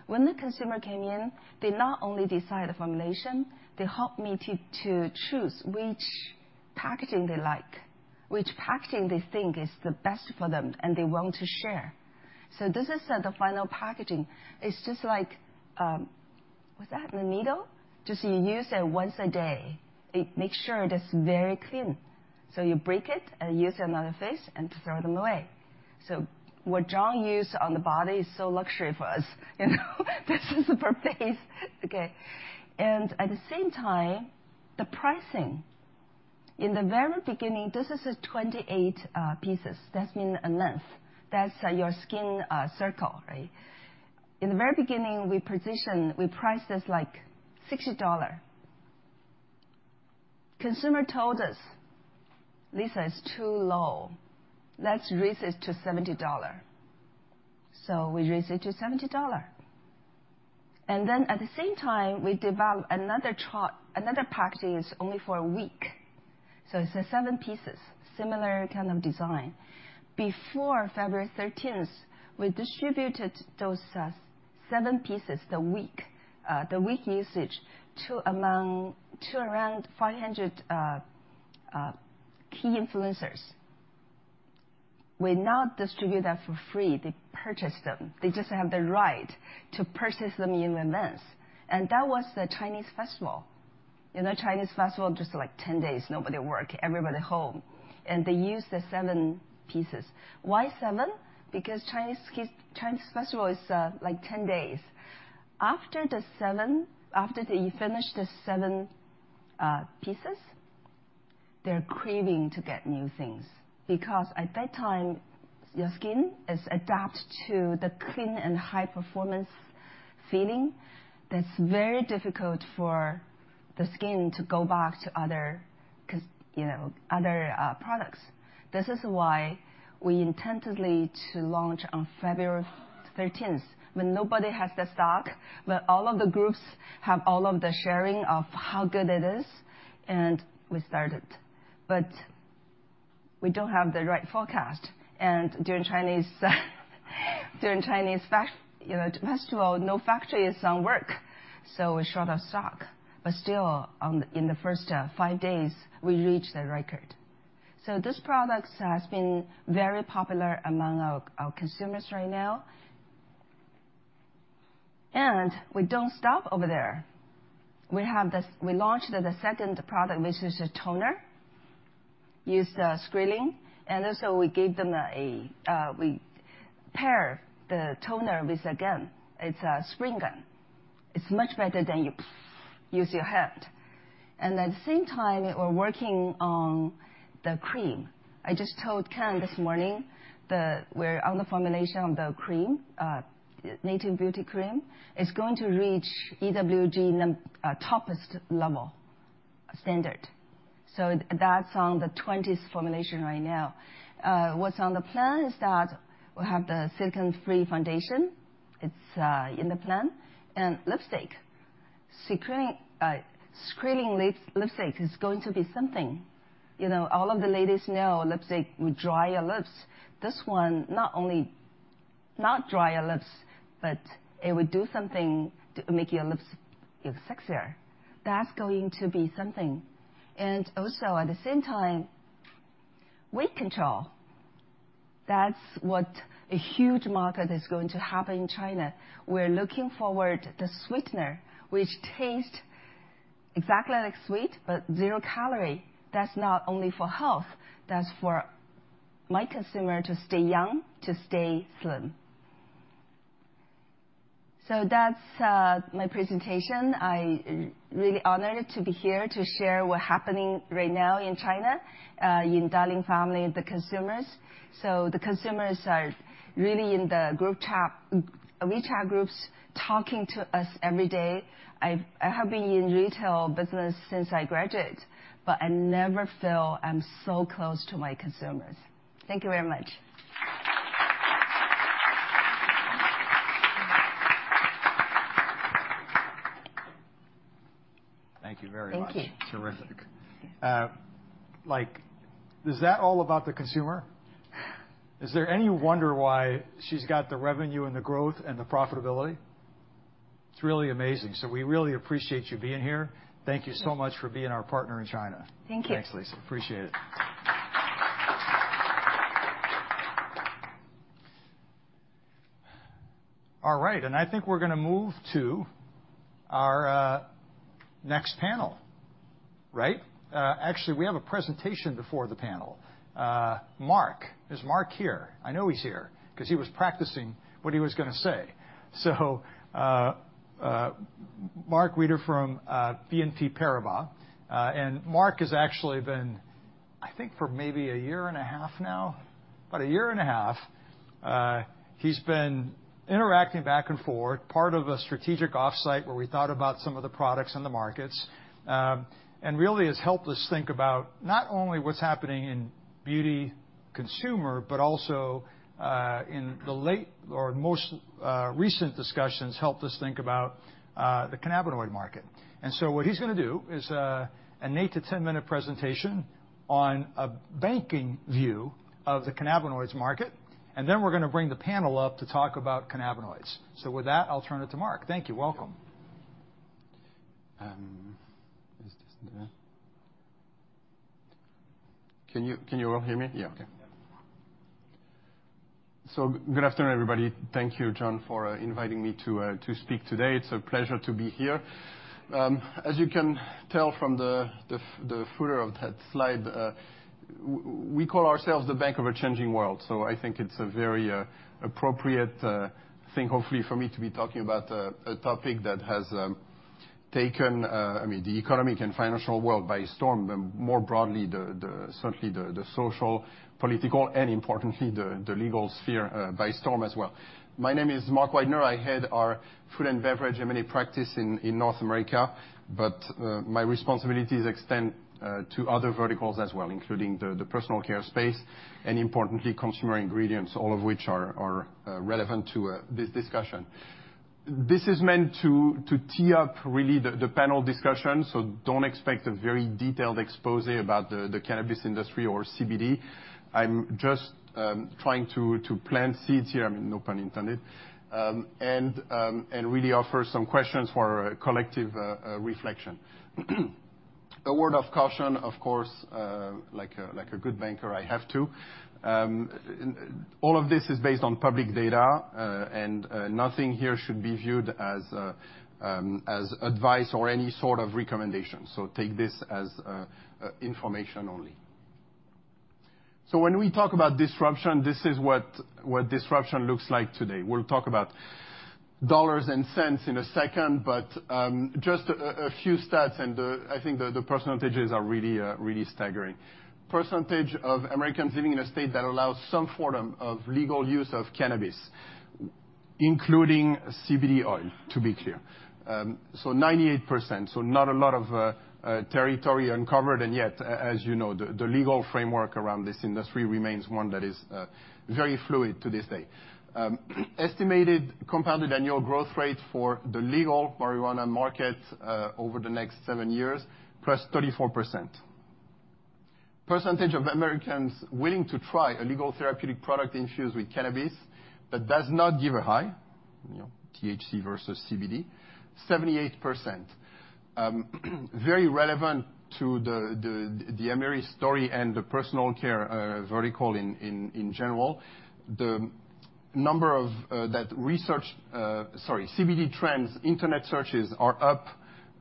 When the consumer came in, they not only decide the formulation, they help me to choose which packaging they like, which packaging they think is the best for them, and they want to share. So this is the final packaging. It's just like, what's that? The needle? Just you use it once a day. It make sure that's very clean. So you break it and use it on other face and throw them away. So what John used on the body is so luxury for us, you know? This is for face, okay? And at the same time, the pricing. In the very beginning, this is 28 pieces. That means a month. That's your skin cycle, right? In the very beginning, we position, we priced this like $60. Consumer told us, "Lisa, it's too low. Let's raise it to $70." So we raised it to $70. And then at the same time, we developed another packaging is only for a week. So it's a seven pieces, similar kind of design. Before February 13th, we distributed those seven pieces, the week usage to among around 500 key influencers. We not distribute that for free. They purchase them. They just have the right to purchase them in advance. And that was the Chinese Festival. You know, Chinese Festival just like 10 days, nobody work, everybody home. And they use the seven pieces. Why seven? Because the Chinese New Year Festival is, like, 10 days. After the seven, after they finish the seven pieces, they're craving to get new things because at that time, your skin is adapt to the clean and high performance feeling. That's very difficult for the skin to go back to other cos, you know, other products. This is why we intended to launch on February 13th when nobody has the stock, but all of the groups have all of the sharing of how good it is, and we started. We don't have the right forecast. During Chinese New Year, you know, festival, no factory is on work, so we short of stock. Still, in the first five days, we reached the record. This product has been very popular among our consumers right now. We don't stop over there. We have this. We launched the second product, which is a toner, use the squalane. And also we gave them a, we pair the toner with a gun. It's a spray gun. It's much better than you use your hand. And at the same time, we're working on the cream. I just told Ken this morning, we're on the formulation of the cream, Natural Beauty Cream. It's going to reach EWG number, top level standard. So that's on the 20th formulation right now. What's on the plan is that we have the silicone-free foundation. It's, in the plan. And lipstick, secret in, squalane lips, lipstick is going to be something. You know, all of the ladies know lipstick would dry your lips. This one not only not dry your lips, but it would do something to make your lips look sexier. That's going to be something. And also at the same time, weight control. That's what a huge market is going to happen in China. We're looking forward the sweetener, which taste exactly like sweet but zero calorie. That's not only for health. That's for my consumer to stay young, to stay slim. So that's, my presentation. I really honored to be here to share what happening right now in China, in DaLing Family, the consumers. So the consumers are really in the group chat, WeChat groups talking to us every day. I, I have been in retail business since I graduate, but I never feel I'm so close to my consumers. Thank you very much. Thank you very much. Thank you. It's terrific. like, is that all about the consumer? Is there any wonder why she's got the revenue and the growth and the profitability? It's really amazing. So we really appreciate you being here. Thank you so much for being our partner in China. Thank you. Thanks, Lisa. Appreciate it. All right. And I think we're gonna move to our next panel, right? Actually, we have a presentation before the panel. Mark. Is Mark here? I know he's here 'cause he was practicing what he was gonna say. So, Mark Weidner from BNP Paribas. And Mark has actually been, I think, for maybe a year and a half now, about a year and a half, he's been interacting back and forth, part of a strategic offsite where we thought about some of the products and the markets, and really has helped us think about not only what's happening in beauty consumer, but also, in the latest or most recent discussions helped us think about the cannabinoid market. And so what he's gonna do is a eight- to 10-minute presentation on a banking view of the cannabinoids market. And then we're gonna bring the panel up to talk about cannabinoids. So with that, I'll turn it to Mark. Thank you. Welcome. Is this there? Can you all hear me? Yeah. Okay, so good afternoon, everybody. Thank you, John, for inviting me to speak today. It's a pleasure to be here. As you can tell from the footer of that slide, we call ourselves the Bank of a Changing World. So I think it's a very appropriate thing, hopefully, for me to be talking about a topic that has taken, I mean, the economic and financial world by storm, but more broadly, certainly the social, political, and importantly, the legal sphere by storm as well. My name is Mark Weidner. I head our food and beverage M&A practice in North America, but my responsibilities extend to other verticals as well, including the personal care space and importantly, consumer ingredients, all of which are relevant to this discussion. This is meant to tee up really the panel discussion. So don't expect a very detailed exposé about the cannabis industry or CBD. I'm just trying to plant seeds here. I mean, no pun intended and really offer some questions for a collective reflection. A word of caution, of course, like a good banker, I have to. All of this is based on public data, and nothing here should be viewed as advice or any sort of recommendation. So take this as information only. So when we talk about disruption, this is what disruption looks like today. We'll talk about dollars and cents in a second, but just a few stats and I think the percentages are really staggering. Percentage of Americans living in a state that allows some form of legal use of cannabis, including CBD oil, to be clear, so 98%. So not a lot of territory uncovered. And yet, as you know, the legal framework around this industry remains one that is very fluid to this day. Estimated compounded annual growth rate for the legal marijuana market, over the next seven years, plus 34%. Percentage of Americans willing to try a legal therapeutic product infused with cannabis that does not give a high, you know, THC versus CBD, 78%. Very relevant to the M&A story and the personal care vertical in general. CBD trends internet searches are up,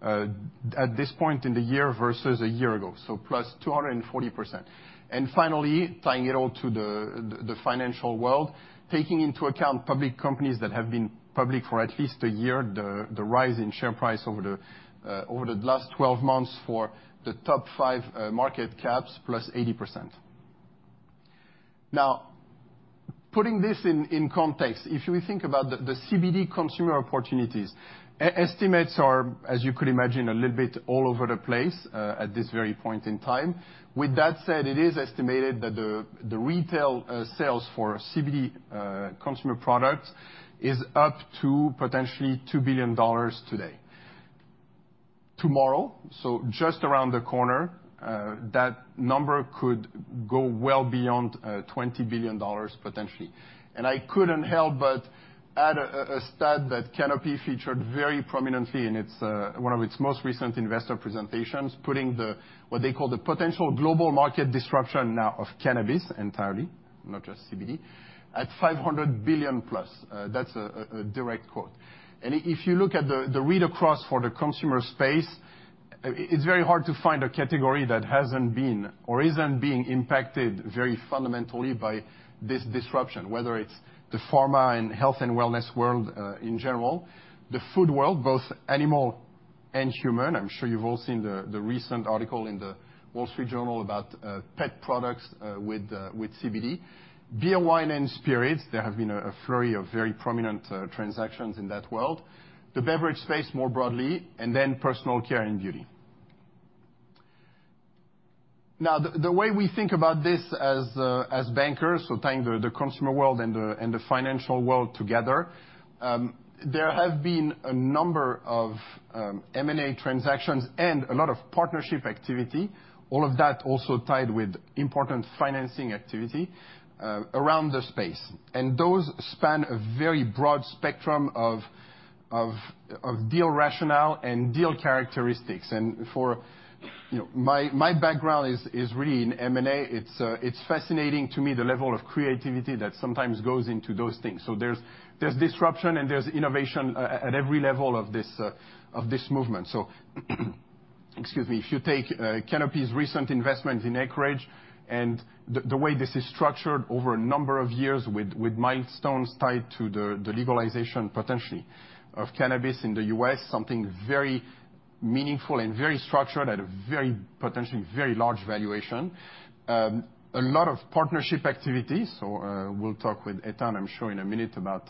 at this point in the year versus a year ago, plus 240%. And finally, tying it all to the financial world, taking into account public companies that have been public for at least a year, the rise in share price over the last 12 months for the top five market caps, plus 80%. Now, putting this in context, if you think about the CBD consumer opportunities, estimates are, as you could imagine, a little bit all over the place, at this very point in time. With that said, it is estimated that the retail sales for CBD consumer products is up to potentially $2 billion today. Tomorrow, so just around the corner, that number could go well beyond $20 billion potentially. I couldn't help but add a stat that Canopy featured very prominently in its one of its most recent investor presentations, putting what they call the potential global market disruption now of cannabis entirely, not just CBD, at $500 billion plus. That's a direct quote. If you look at the read across for the consumer space, it's very hard to find a category that hasn't been or isn't being impacted very fundamentally by this disruption, whether it's the pharma and health and wellness world, in general, the food world, both animal and human. I'm sure you've all seen the recent article in the Wall Street Journal about pet products with CBD, beer, wine, and spirits. There have been a flurry of very prominent transactions in that world. The beverage space more broadly, and then personal care and beauty. Now, the way we think about this as bankers, so tying the consumer world and the financial world together, there have been a number of M&A transactions and a lot of partnership activity, all of that also tied with important financing activity, around the space. And those span a very broad spectrum of deal rationale and deal characteristics. And for, you know, my background is really in M&A. It's fascinating to me the level of creativity that sometimes goes into those things. So there's disruption and there's innovation, at every level of this movement. Excuse me, if you take Canopy's recent investment in Acreage and the way this is structured over a number of years with milestones tied to the legalization potentially of cannabis in the U.S., something very meaningful and very structured at a very potentially very large valuation. A lot of partnership activity. We'll talk with Etan, I'm sure, in a minute about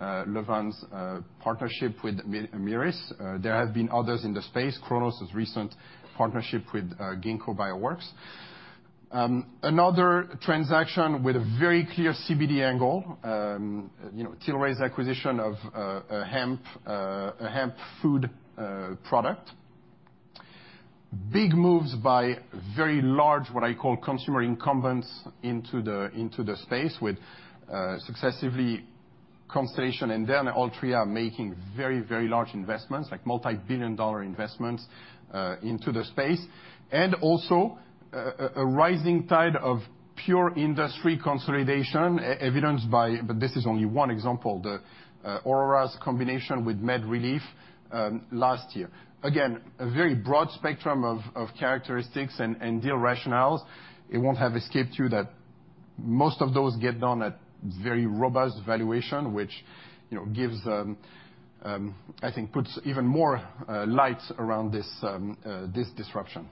Lavvan's partnership with Amyris. There have been others in the space. Cronos has a recent partnership with Ginkgo Bioworks. Another transaction with a very clear CBD angle, you know, Tilray's acquisition of a hemp food product. Big moves by very large, what I call consumer incumbents into the space with successively Constellation and then Altria making very, very large investments, like multi-billion-dollar investments, into the space. And also, a rising tide of pure industry consolidation evidenced by, but this is only one example, Aurora's combination with MedReleaf last year. Again, a very broad spectrum of characteristics and deal rationales. It won't have escaped you that most of those get done at very robust valuation, which, you know, gives, I think, puts even more lights around this disruption.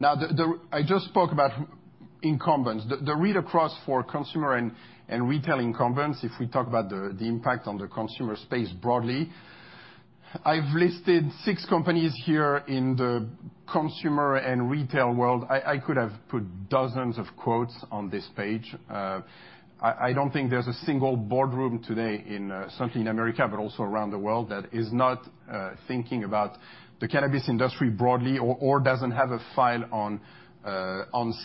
Now, the incumbents I just spoke about. The read across for consumer and retail incumbents, if we talk about the impact on the consumer space broadly, I've listed six companies here in the consumer and retail world. I could have put dozens of quotes on this page. I don't think there's a single boardroom today in, certainly in America, but also around the world that is not thinking about the cannabis industry broadly or doesn't have a file on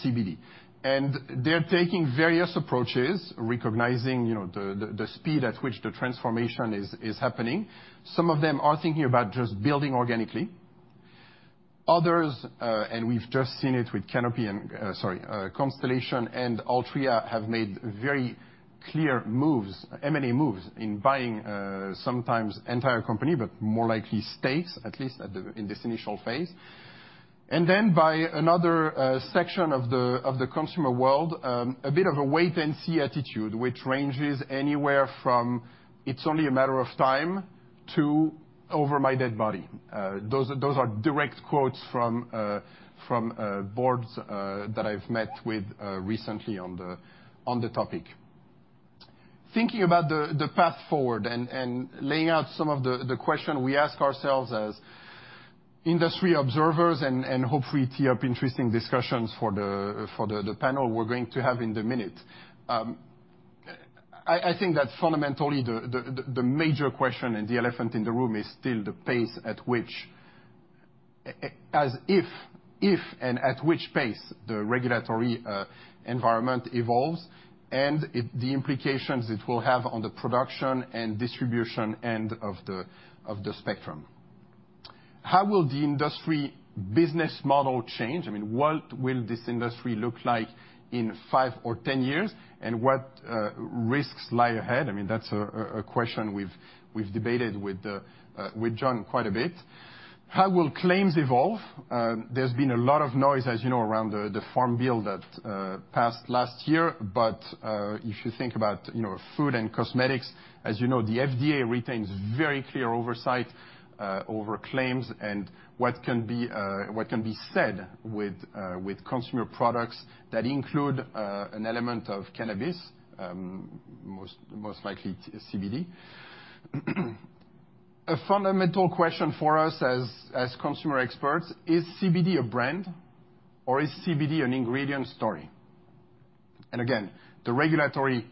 CBD. And they're taking various approaches recognizing, you know, the speed at which the transformation is happening. Some of them are thinking about just building organically. Others, and we've just seen it with Canopy and, sorry, Constellation and Altria have made very clear moves, M&A moves in buying, sometimes entire company, but more likely stakes, at least in this initial phase. And then by another section of the consumer world, a bit of a wait and see attitude, which ranges anywhere from it's only a matter of time to over my dead body. Those are direct quotes from boards that I've met with recently on the topic. Thinking about the path forward and laying out some of the question we ask ourselves as industry observers and hopefully tee up interesting discussions for the panel we're going to have in the minute. I think that fundamentally the major question and the elephant in the room is still the pace at which, as if, if and at which pace the regulatory environment evolves and the implications it will have on the production and distribution end of the spectrum. How will the industry business model change? I mean, what will this industry look like in 5 or 10 years? And what risks lie ahead? I mean, that's a question we've debated with John quite a bit. How will claims evolve? There's been a lot of noise, as you know, around the Farm Bill that passed last year. But if you think about, you know, food and cosmetics, as you know, the FDA retains very clear oversight over claims and what can be said with consumer products that include an element of cannabis, most likely CBD. A fundamental question for us as consumer experts is CBD a brand or is CBD an ingredient story? And again, the regulatory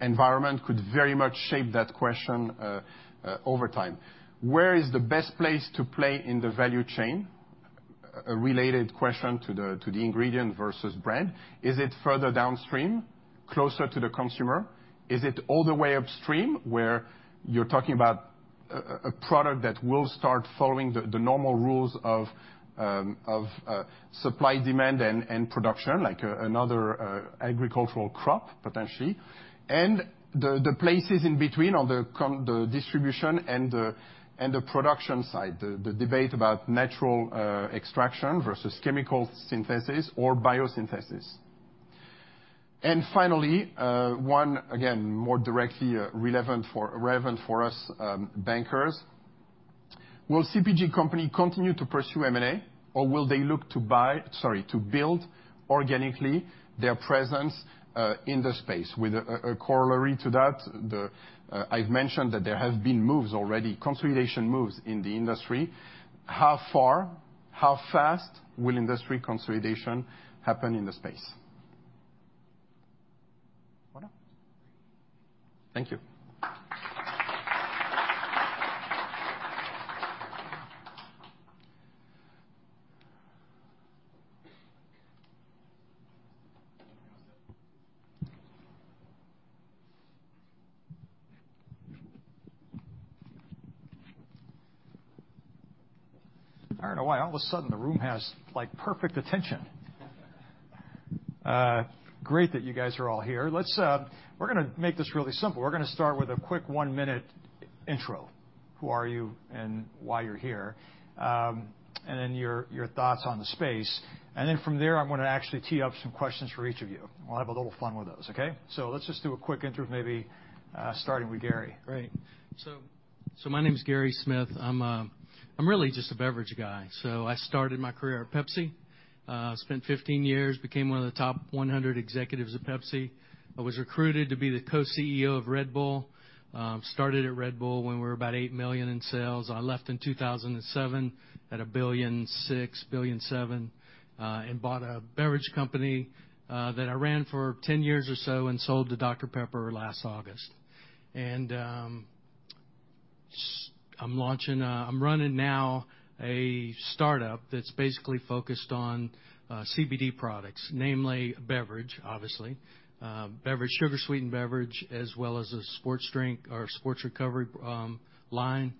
environment could very much shape that question over time. Where is the best place to play in the value chain? A related question to the ingredient versus brand. Is it further downstream, closer to the consumer? Is it all the way upstream where you're talking about a product that will start following the normal rules of supply demand and production, like another agricultural crop potentially? And the places in between on the continuum of the distribution and the production side, the debate about natural extraction versus chemical synthesis or biosynthesis. And finally, one again more directly relevant for us bankers, will CPG company continue to pursue M&A or will they look to buy sorry, to build organically their presence in the space? With a corollary to that, I've mentioned that there have been moves already, consolidation moves in the industry. How far, how fast will industry consolidation happen in the space? Thank you. I don't know why all of a sudden the room has like perfect attention. Great that you guys are all here. Let's, we're gonna make this really simple. We're gonna start with a quick one-minute intro. Who are you and why you're here? And then your thoughts on the space. And then from there, I'm gonna actually tee up some questions for each of you. We'll have a little fun with those, okay? So let's just do a quick intro of maybe starting with Gary. Great. So my name's Gary Smith. I'm really just a beverage guy. So I started my career at Pepsi. Spent 15 years, became one of the top 100 executives at Pepsi. I was recruited to be the co-CEO of Red Bull. Started at Red Bull when we were about eight million in sales. I left in 2007 at $1.6 billion-$1.7 billion and bought a beverage company that I ran for 10 years or so and sold to Dr Pepper last August. I'm launching. I'm running now a startup that's basically focused on CBD products, namely beverage, obviously, beverage, sugar sweetened beverage, as well as a sports drink or sports recovery line.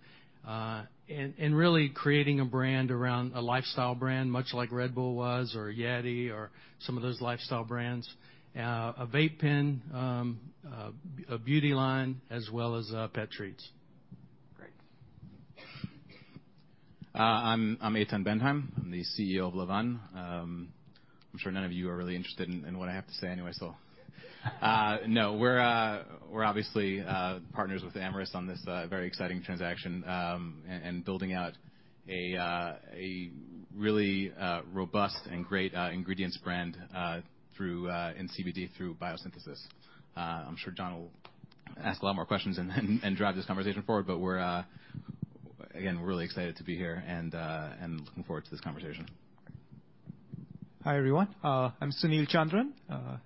And really creating a brand around a lifestyle brand, much like Red Bull was or Yeti or some of those lifestyle brands, a vape pen, a beauty line, as well as pet treats. Great. I'm Etan Bendheim. I'm the CEO of Lavvan. I'm sure none of you are really interested in what I have to say anyway, so. No, we're obviously partners with Amyris on this very exciting transaction, and building out a really robust and great ingredients brand in CBD through biosynthesis. I'm sure John will ask a lot more questions and drive this conversation forward, but we're again really excited to be here and looking forward to this conversation. Hi everyone. I'm Sunil Chandran,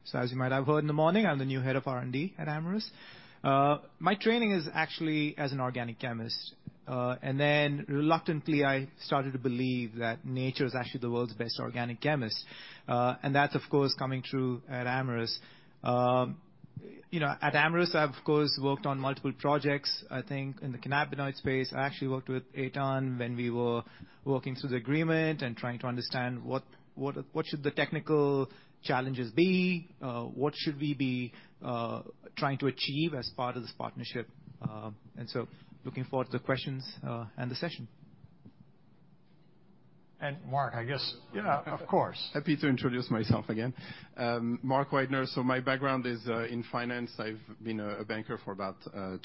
so as you might have heard in the morning, I'm the new head of R&D at Amyris. My training is actually as an organic chemist, and then reluctantly I started to believe that nature is actually the world's best organic chemist, and that's of course coming true at Amyris. You know, at Amyris, I've of course worked on multiple projects, I think, in the cannabinoid space. I actually worked with Etan when we were working through the agreement and trying to understand what should the technical challenges be, what should we be trying to achieve as part of this partnership. So looking forward to the questions and the session. Mark, I guess. Yeah, of course. Happy to introduce myself again. Mark Weidner. So my background is in finance. I've been a banker for about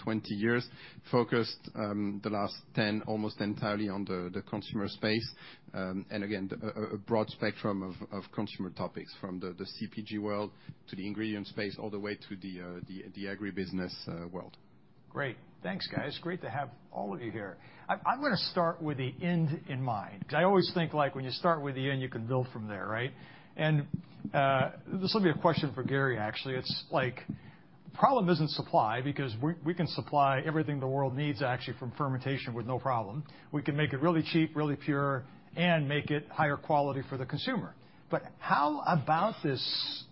20 years, focused the last 10 almost entirely on the consumer space. And again, a broad spectrum of consumer topics from the CPG world to the ingredient space, all the way to the agribusiness world. Great. Thanks, guys. Great to have all of you here. I'm gonna start with the end in mind 'cause I always think like when you start with the end, you can build from there, right? This will be a question for Gary, actually. It's like the problem isn't supply because we can supply everything the world needs actually from fermentation with no problem. We can make it really cheap, really pure, and make it higher quality for the consumer. But how about this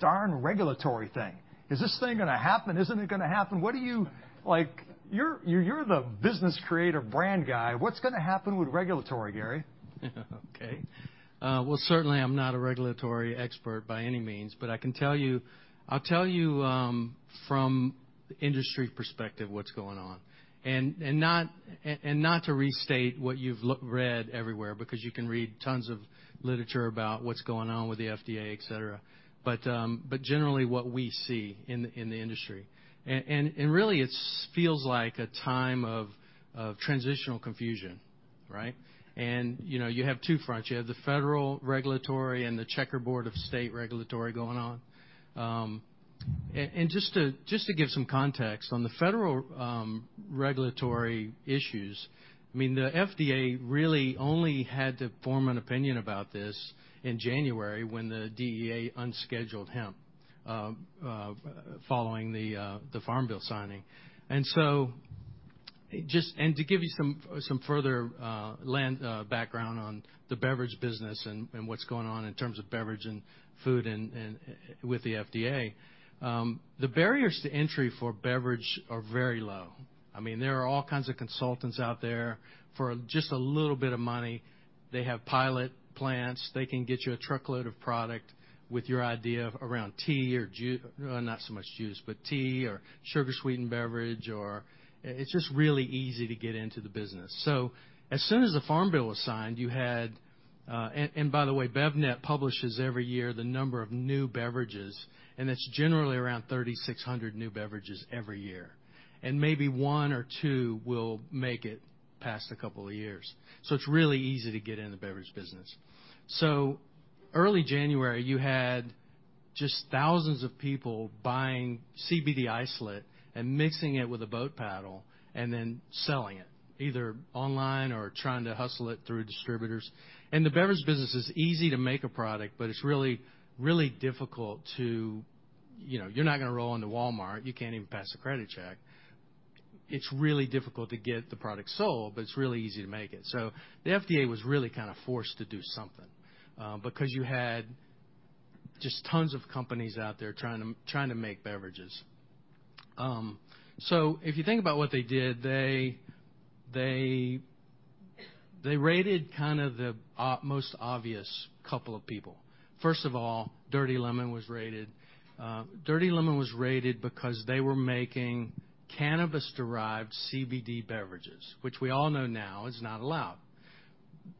darn regulatory thing? Is this thing gonna happen? Isn't it gonna happen? What do you like? You're the business creator, brand guy. What's gonna happen with regulatory, Gary? Okay. Well, certainly I'm not a regulatory expert by any means, but I can tell you, I'll tell you, from industry perspective what's going on. Not to restate what you've read everywhere because you can read tons of literature about what's going on with the FDA, et cetera, but generally what we see in the industry. It really feels like a time of transitional confusion, right? You know, you have two fronts. You have the federal regulatory and the checkerboard of state regulatory going on. Just to give some context on the federal regulatory issues, I mean, the FDA really only had to form an opinion about this in January when the DEA unscheduled hemp, following the Farm Bill signing. To give you some further background on the beverage business and what's going on in terms of beverage and food and with the FDA, the barriers to entry for beverage are very low. I mean, there are all kinds of consultants out there for just a little bit of money. They have pilot plants. They can get you a truckload of product with your idea around tea or juice, not so much juice, but tea or sugar sweetened beverage or it's just really easy to get into the business. So as soon as the Farm Bill was signed, you had, and by the way, BevNet publishes every year the number of new beverages, and it's generally around 3,600 new beverages every year. And maybe one or two will make it past a couple of years. It's really easy to get in the beverage business. Early January, you had just thousands of people buying CBD isolate and mixing it with a boat paddle and then selling it either online or trying to hustle it through distributors. The beverage business is easy to make a product, but it's really, really difficult to, you know, you're not gonna roll into Walmart. You can't even pass a credit check. It's really difficult to get the product sold, but it's really easy to make it. The FDA was really kind of forced to do something, because you had just tons of companies out there trying to make beverages. If you think about what they did, they raided kind of the most obvious couple of people. First of all, Dirty Lemon was raided. Dirty Lemon was raided because they were making cannabis-derived CBD beverages, which we all know now is not allowed.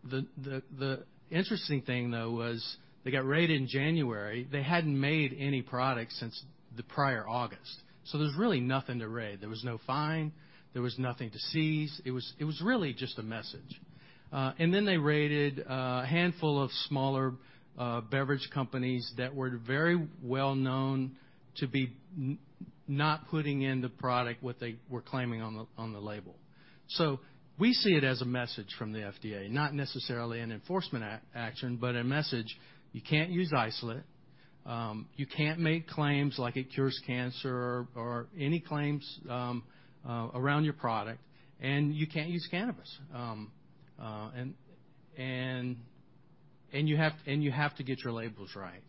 The interesting thing though was they got raided in January. They hadn't made any product since the prior August. So there's really nothing to raid. There was no fine. There was nothing to seize. It was really just a message, and then they raided a handful of smaller beverage companies that were very well known to be not putting in the product what they were claiming on the label. So we see it as a message from the FDA, not necessarily an enforcement action, but a message. You can't use isolate. You can't make claims like it cures cancer or any claims around your product. And you can't use cannabis, and you have to get your labels right.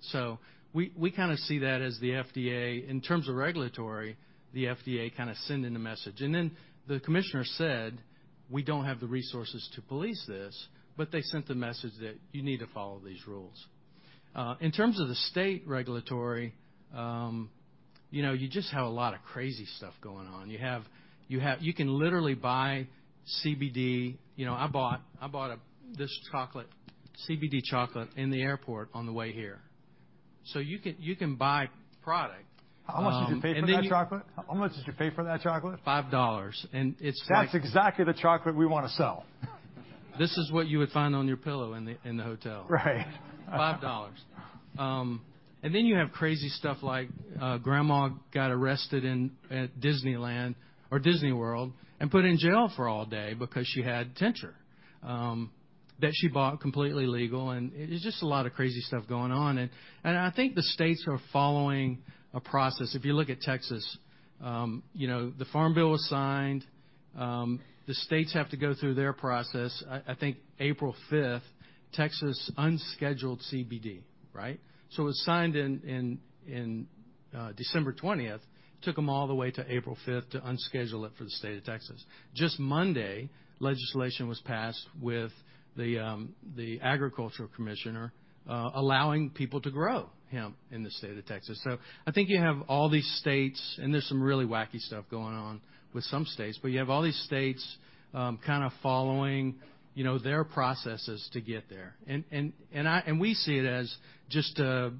We kind of see that as the FDA in terms of regulatory, the FDA kind of sending a message. Then the commissioner said, we don't have the resources to police this, but they sent the message that you need to follow these rules. In terms of the state regulatory, you know, you just have a lot of crazy stuff going on. You have, you can literally buy CBD. You know, I bought this CBD chocolate in the airport on the way here. So you can buy product. How much did you pay for that chocolate? $5. And it's like. That's exactly the chocolate we wanna sell. This is what you would find on your pillow in the hotel. Right. $5. And then you have crazy stuff like, grandma got arrested in, at Disneyland or Disney World and put in jail for all day because she had tincture that she bought completely legal. And it's just a lot of crazy stuff going on. And I think the states are following a process. If you look at Texas, you know, the Farm Bill was signed. The states have to go through their process. I think April 5th, Texas unscheduled CBD, right? So it was signed in December 20th, took them all the way to April 5th to unschedule it for the state of Texas. Just Monday, legislation was passed with the agricultural commissioner, allowing people to grow hemp in the state of Texas. So I think you have all these states, and there's some really wacky stuff going on with some states, but you have all these states kind of following, you know, their processes to get there. And we see it as just a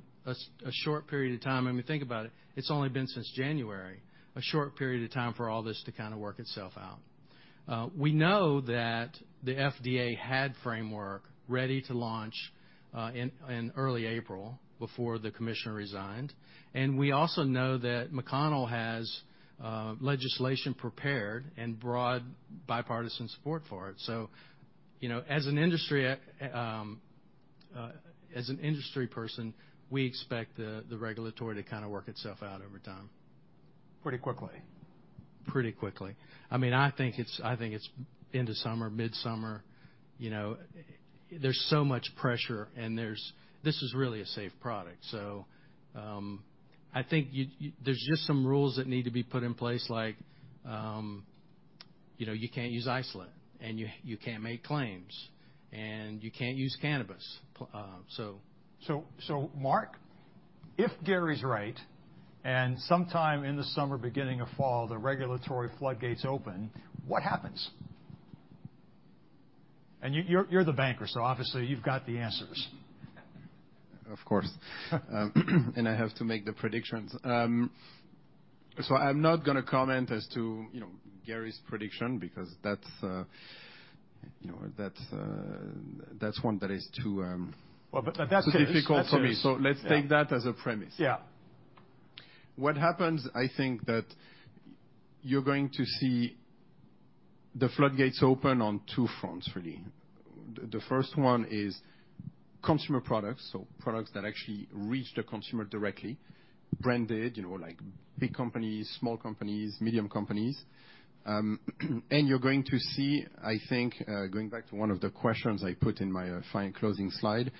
short period of time. I mean, think about it. It's only been since January, a short period of time for all this to kind of work itself out. We know that the FDA had framework ready to launch in early April before the commissioner resigned. And we also know that McConnell has legislation prepared and broad bipartisan support for it. So, you know, as an industry person, we expect the regulatory to kind of work itself out over time. Pretty quickly. Pretty Quickly. I mean, I think it's into summer, mid-summer, you know, there's so much pressure and there, this is really a safe product. So, I think you, there's just some rules that need to be put in place, like, you know, you can't use isolate and you can't make claims and you can't use cannabis. So, Mark, if Gary's right and sometime in the summer, beginning of fall, the regulatory floodgates open, what happens? And you're the banker, so obviously you've got the answers. Of course, and I have to make the predictions. So I'm not gonna comment as to, you know, Gary's prediction because that's, you know, that's one that is too difficult for me. Well, but that's difficult for me. So let's take that as a premise. Yeah. What happens, I think that you're going to see the floodgates open on two fronts, really. The first one is consumer products, so products that actually reach the consumer directly, branded, you know, like big companies, small companies, medium companies, and you're going to see, I think, going back to one of the questions I put in my final closing slide,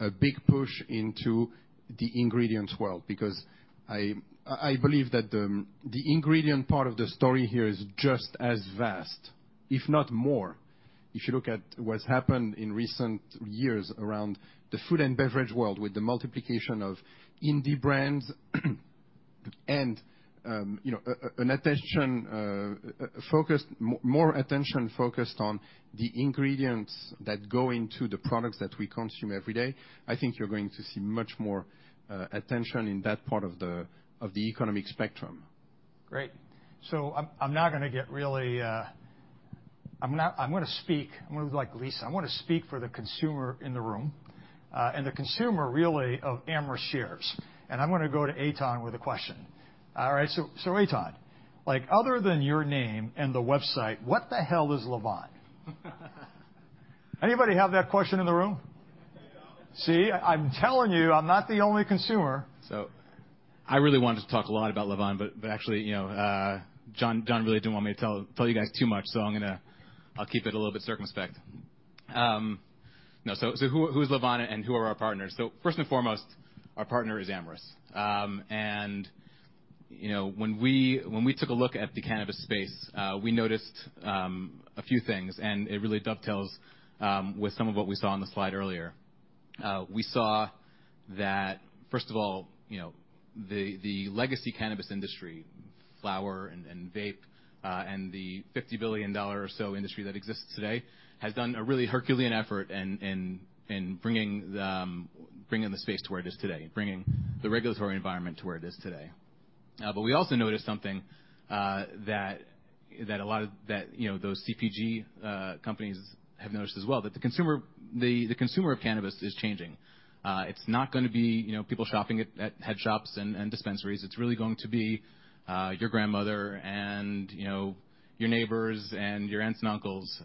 a big push into the ingredients world because I believe that the ingredient part of the story here is just as vast, if not more. If you look at what's happened in recent years around the food and beverage world with the multiplication of indie brands and, you know, more attention focused on the ingredients that go into the products that we consume every day, I think you're going to see much more attention in that part of the economic spectrum. Great. So I'm not gonna get really. I'm gonna speak. I'm gonna be like Lisa. I'm gonna speak for the consumer in the room and the consumer really of Amyris shares. And I'm gonna go to Etan with a question. All right. So Etan, like other than your name and the website, what the hell is Lavvan? Anybody have that question in the room? See, I'm telling you, I'm not the only consumer. So I really wanted to talk a lot about Lavvan, but actually, you know, John really didn't want me to tell you guys too much. So I'm gonna keep it a little bit circumspect. So who is Lavvan and who are our partners? So first and foremost, our partner is Amyris. And you know, when we took a look at the cannabis space, we noticed a few things and it really dovetails with some of what we saw on the slide earlier. We saw that first of all, you know, the legacy cannabis industry, flower and vape, and the $50 billion or so industry that exists today has done a really Herculean effort in bringing the space to where it is today, bringing the regulatory environment to where it is today. But we also noticed something, that a lot of, you know, those CPG companies have noticed as well, that the consumer of cannabis is changing. It's not gonna be, you know, people shopping at headshops and dispensaries. It's really going to be your grandmother and, you know, your neighbors and your aunts and uncles.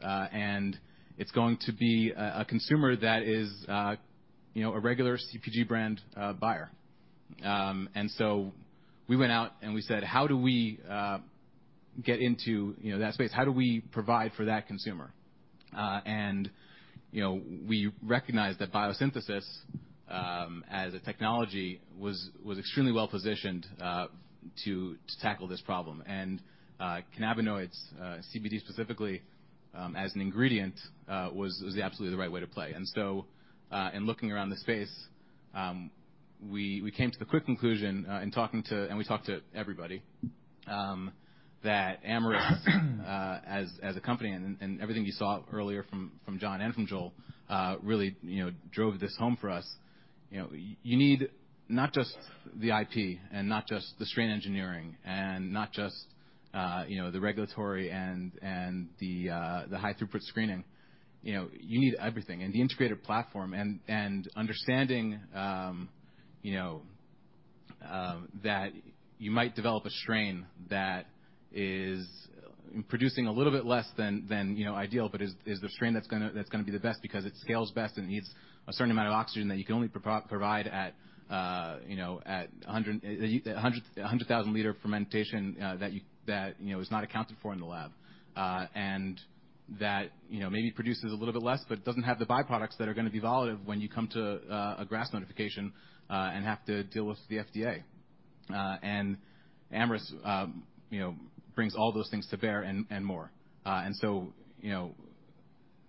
It's going to be a consumer that is, you know, a regular CPG brand buyer, and so we went out and we said, how do we get into, you know, that space? How do we provide for that consumer? You know, we recognize that biosynthesis as a technology was extremely well positioned to tackle this problem. Cannabinoids, CBD specifically, as an ingredient, was absolutely the right way to play. In looking around the space, we came to the quick conclusion, in talking to, and we talked to everybody, that Amyris, as a company and everything you saw earlier from John and from Joel, really, you know, drove this home for us. You know, you need not just the IP and not just the strain engineering and not just, you know, the regulatory and the high throughput screening. You know, you need everything and the integrated platform and understanding, you know, that you might develop a strain that is producing a little bit less than ideal, but is the strain that's gonna be the best because it scales best and needs a certain amount of oxygen that you can only provide at a hundred thousand liter fermentation that you know is not accounted for in the lab. And that you know maybe produces a little bit less, but doesn't have the byproducts that are gonna be volatile when you come to GRAS notification and have to deal with the FDA. And Amyris you know brings all those things to bear and more. And so, you know,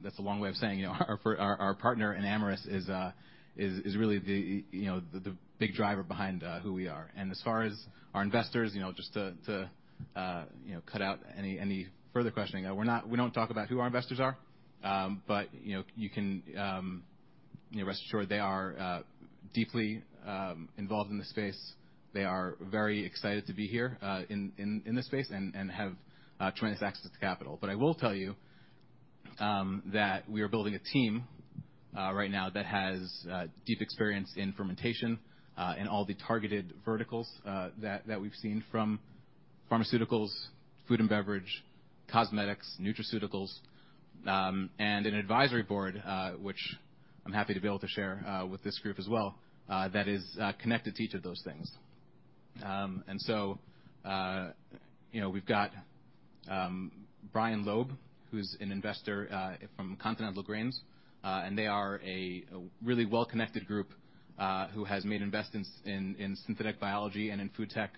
that's a long way of saying, you know, our partner in Amyris is really the, you know, the big driver behind who we are. As far as our investors, you know, just to, you know, cut out any further questioning, we're not, we don't talk about who our investors are. But, you know, you can, you know, rest assured they are deeply involved in the space. They are very excited to be here in this space and have tremendous access to capital. I will tell you that we are building a team right now that has deep experience in fermentation in all the targeted verticals that we've seen from pharmaceuticals, food and beverage, cosmetics, nutraceuticals, and an advisory board, which I'm happy to be able to share with this group as well, that is connected to each of those things. So, you know, we've got Brian Loeb, who's an investor from Continental Grain. They are a really well connected group who has made investments in synthetic biology and in food tech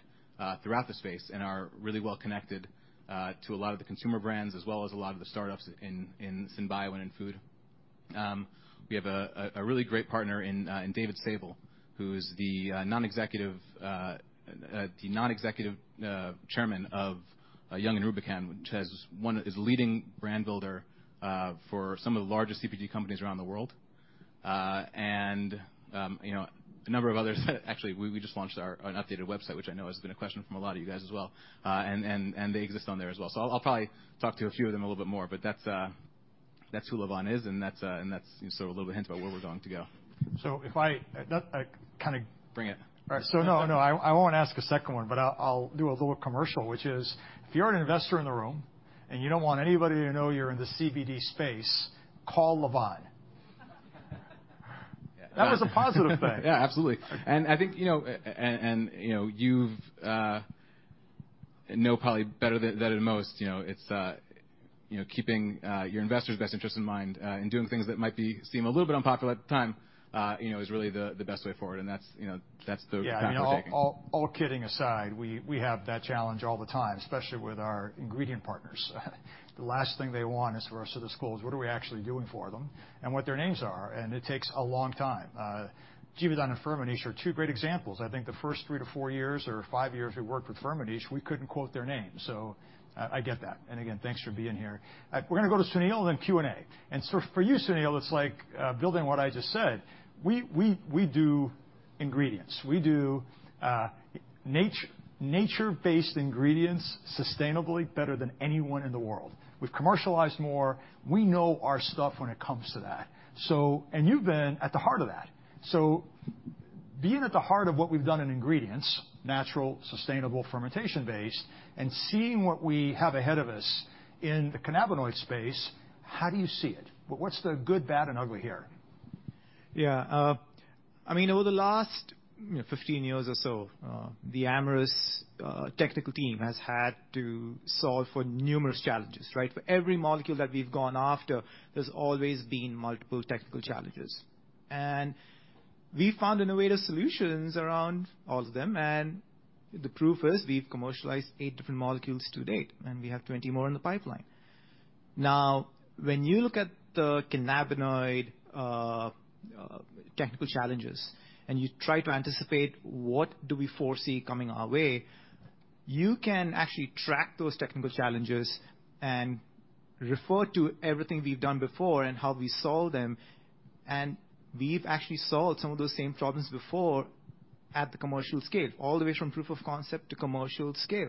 throughout the space and are really well connected to a lot of the consumer brands as well as a lot of the startups in synbio and in food. We have a really great partner in David Sable, who is the non-executive chairman of Young & Rubicam, which is a leading brand builder for some of the largest CPG companies around the world. You know, a number of others that actually we just launched our updated website, which I know has been a question from a lot of you guys as well. They exist on there as well. So I'll probably talk to a few of them a little bit more, but that's who Lavvan is and that's you know, sort of a little bit of hint about where we're going to go. So I kind of bring it all right. So no, I won't ask a second one, but I'll do a little commercial, which is if you're an investor in the room and you don't want anybody to know you're in the CBD space, call Lavvan. That was a positive thing. Yeah, absolutely. And I think, you know, and you know probably better than at most, you know, it's you know, keeping your investors' best interest in mind, and doing things that might seem a little bit unpopular at the time, you know, is really the best way forward. And that's, you know, that's the path we're taking. And all kidding aside, we have that challenge all the time, especially with our ingredient partners. The last thing they want is for us to disclose what we're actually doing for them and what their names are. It takes a long time. Givaudan and Firmenich are two great examples. I think the first three-to-four years or five years we worked with Firmenich, we couldn't quote their name. So, I get that. And again, thanks for being here. We're gonna go to Sunil and then Q and A. So for you, Sunil, it's like, building what I just said, we do ingredients. We do nature-based ingredients sustainably better than anyone in the world. We've commercialized more. We know our stuff when it comes to that. So, and you've been at the heart of that. So being at the heart of what we've done in ingredients, natural, sustainable, fermentation-based, and seeing what we have ahead of us in the cannabinoid space, how do you see it? What's the good, bad, and ugly here? Yeah. I mean, over the last, you know, 15 years or so, the Amyris technical team has had to solve for numerous challenges, right? For every molecule that we've gone after, there's always been multiple technical challenges. And we've found innovative solutions around all of them. And the proof is we've commercialized eight different molecules to date, and we have 20 more in the pipeline. Now, when you look at the cannabinoid technical challenges and you try to anticipate what do we foresee coming our way, you can actually track those technical challenges and refer to everything we've done before and how we solve them. And we've actually solved some of those same problems before at the commercial scale, all the way from proof of concept to commercial scale.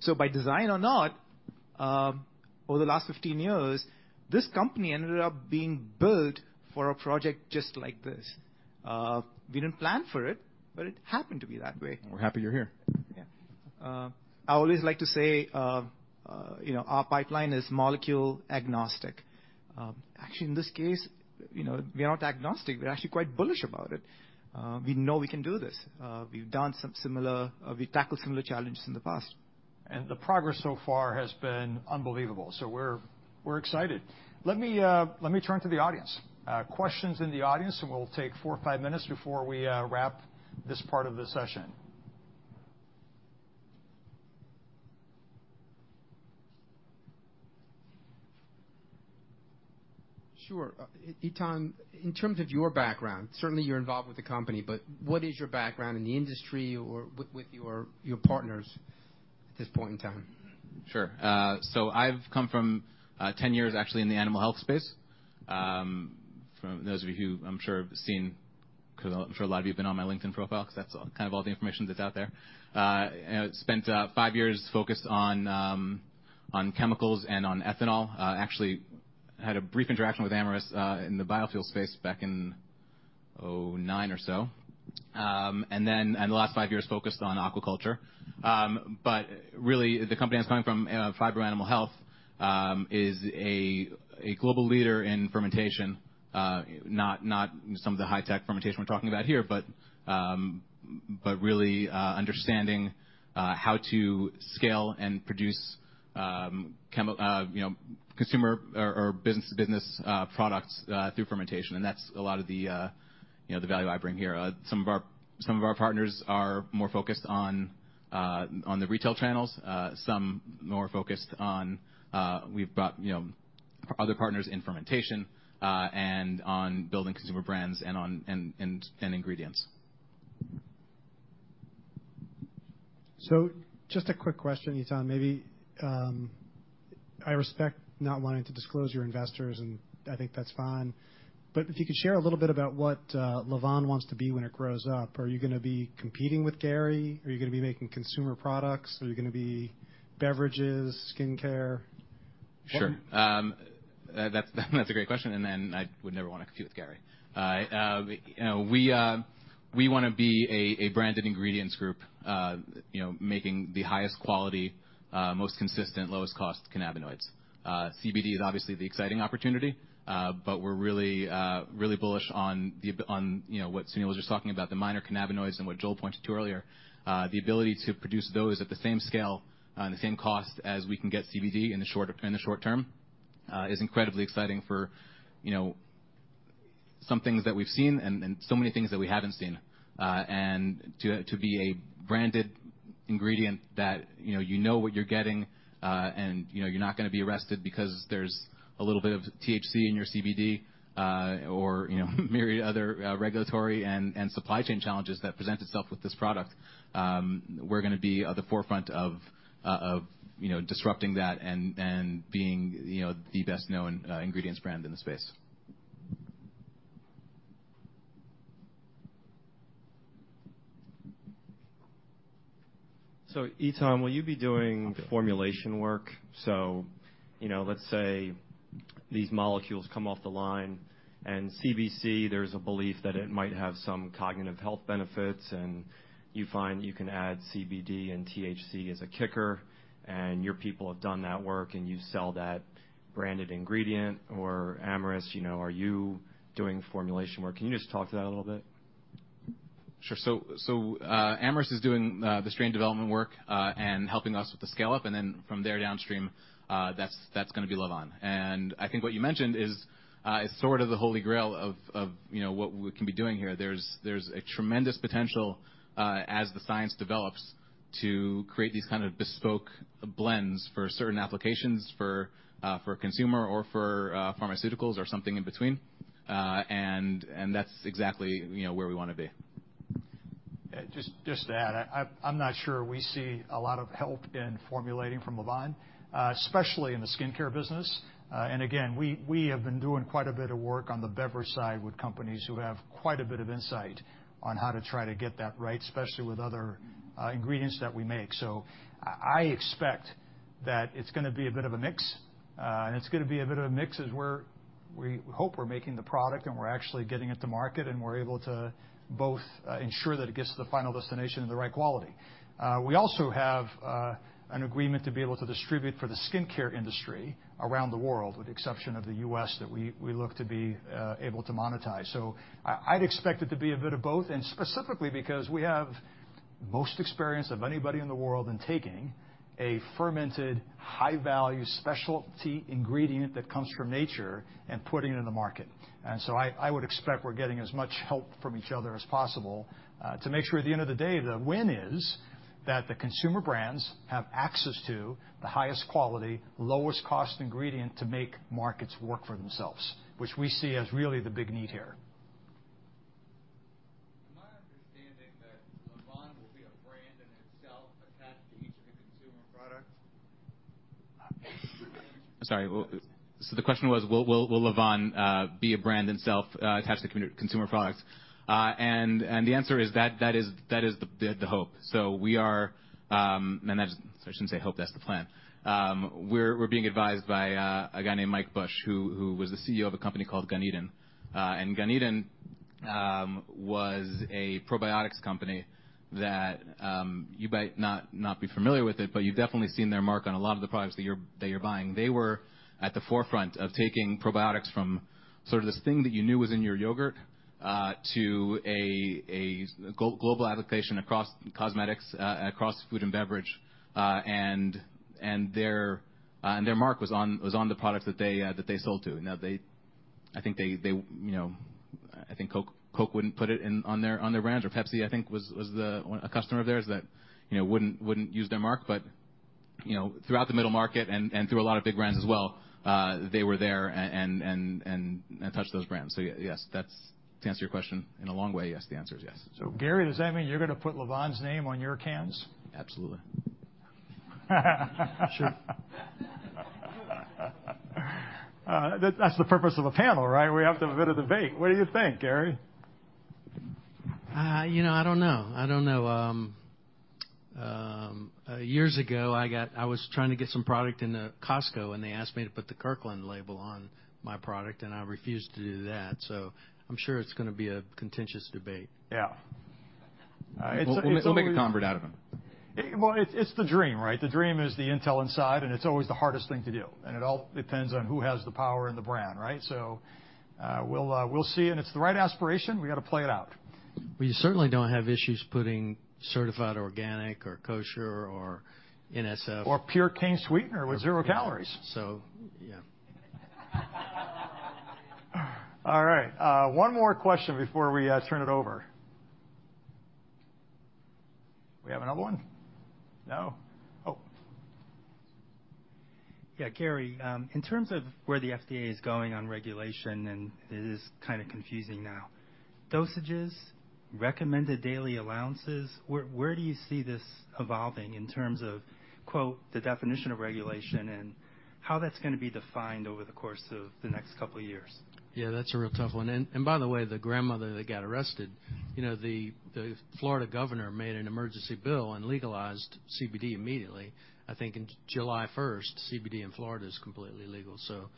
So by design or not, over the last 15 years, this company ended up being built for a project just like this. We didn't plan for it, but it happened to be that way. We're happy you're here. Yeah. I always like to say, you know, our pipeline is molecule agnostic. Actually, in this case, you know, we are not agnostic. We're actually quite bullish about it. We know we can do this. We've done some similar, we've tackled similar challenges in the past. And the progress so far has been unbelievable. So we're, we're excited. Let me, let me turn to the audience. Questions in the audience, and we'll take four or five minutes before we wrap this part of the session. Sure. Etan, in terms of your background, certainly you're involved with the company, but what is your background in the industry or with, with your, your partners at this point in time? Sure. So I've come from 10 years actually in the animal health space. For those of you who I'm sure have seen, 'cause I'm sure a lot of you have been on my LinkedIn profile, 'cause that's all kind of all the information that's out there. I spent five years focused on chemicals and on ethanol. I actually had a brief interaction with Amyris in the biofuel space back in 2009 or so. Then the last five years focused on aquaculture. But really the company I'm coming from, Phibro Animal Health, is a global leader in fermentation. Not some of the high-tech fermentation we're talking about here, but really understanding how to scale and produce chemical, you know, consumer or business-to-business products through fermentation. That's a lot of the, you know, the value I bring here. Some of our partners are more focused on the retail channels. So more focused on, we've brought, you know, other partners in fermentation, and on building consumer brands and on ingredients. So just a quick question, Etan, maybe. I respect not wanting to disclose your investors, and I think that's fine. But if you could share a little bit about what Lavvan wants to be when it grows up, are you gonna be competing with Gary? Are you gonna be making consumer products? Are you gonna be beverages, skincare? Sure. That's a great question. And then I would never wanna compete with Gary. You know, we wanna be a branded ingredients group, you know, making the highest quality, most consistent, lowest cost cannabinoids. CBD is obviously the exciting opportunity, but we're really, really bullish on the, you know, what Sunil was just talking about, the minor cannabinoids and what Joel pointed to earlier. The ability to produce those at the same scale, and the same cost as we can get CBD in the short term, is incredibly exciting for, you know, some things that we've seen and so many things that we haven't seen. And to be a branded ingredient that, you know, you know what you're getting, and, you know, you're not gonna be arrested because there's a little bit of THC in your CBD, or, you know, myriad other regulatory and supply chain challenges that present itself with this product. We're gonna be at the forefront of disrupting that and being, you know, the best known ingredients brand in the space. So, you know, let's say these molecules come off the line and CBC, there's a belief that it might have some cognitive health benefits and you find you can add CBD and THC as a kicker and your people have done that work and you sell that branded ingredient or Amyris, you know, are you doing formulation work? Can you just talk to that a little bit? Sure. So, Amyris is doing the strain development work, and helping us with the scale-up. And then from there downstream, that's gonna be Lavvan. And I think what you mentioned is sort of the holy grail of, you know, what we can be doing here. There's a tremendous potential, as the science develops to create these kind of bespoke blends for certain applications for consumer or for pharmaceuticals or something in between. And that's exactly, you know, where we wanna be. Just to add, I'm not sure we see a lot of help in formulating from Lavvan, especially in the skincare business. And again, we have been doing quite a bit of work on the beverage side with companies who have quite a bit of insight on how to try to get that right, especially with other ingredients that we make. So I expect that it's gonna be a bit of a mix. And it's gonna be a bit of a mix as we hope we're making the product and we're actually getting it to market and we're able to both ensure that it gets to the final destination in the right quality. We also have an agreement to be able to distribute for the skincare industry around the world, with the exception of the U.S. that we look to be able to monetize. So I'd expect it to be a bit of both. And specifically because we have most experience of anybody in the world in taking a fermented high-value specialty ingredient that comes from nature and putting it in the market. And so I would expect we're getting as much help from each other as possible, to make sure at the end of the day, the win is that the consumer brands have access to the highest quality, lowest cost ingredient to make markets work for themselves, which we see as really the big need here. Am I understanding that Lavvan will be a brand in itself attached to each of the consumer products? Sorry. So the question was, will Lavvan be a brand in itself, attached to consumer products? And the answer is that is the hope. So we are, and that's, I shouldn't say hope, that's the plan. We're being advised by a guy named Mike Bush who was the CEO of a company called Ganeden. And Ganeden was a probiotics company that you might not be familiar with it, but you've definitely seen their mark on a lot of the products that you're buying. They were at the forefront of taking probiotics from sort of this thing that you knew was in your yogurt, to a go-global application across cosmetics, across food and beverage. And their mark was on the products that they sold to. Now they, I think they, you know, I think Coke wouldn't put it in on their brands. Or Pepsi, I think was a customer of theirs that, you know, wouldn't use their Reb M. But, you know, throughout the middle market and through a lot of big brands as well, they were there and touched those brands. So yes, that's to answer your question in a long way, yes, the answer is yes. So Gary, does that mean you're gonna put Lavvan's name on your cans? Absolutely. Sure. That's the purpose of a panel, right? We have to have a bit of debate. What do you think, Gary? You know, I don't know. I don't know. Years ago I got, I was trying to get some product into Costco and they asked me to put the Kirkland label on my product and I refused to do that. So I'm sure it's gonna be a contentious debate. Yeah. It's, it'll make a convert out of him. Well, it's, it's the dream, right? The dream is the Intel inside and it's always the hardest thing to do. And it all depends on who has the power and the brand, right? So, we'll, we'll see. And it's the right aspiration. We gotta play it out. Well, you certainly don't have issues putting certified organic or kosher or NSF Or Purecane sweetener with zero calories. So, yeah. All right. One more question before we, turn it over. We have another one? No? Oh. Yeah, Gary, in terms of where the FDA is going on regulation and it is kind of confusing now, dosages, recommended daily allowances, where do you see this evolving in terms of, quote, the definition of regulation and how that's gonna be defined over the course of the next couple of years? Yeah, that's a real tough one. And by the way, the grandmother that got arrested, you know, the Florida governor made an emergency bill and legalized CBD immediately. I think in July 1st, CBD in Florida is completely legal. So,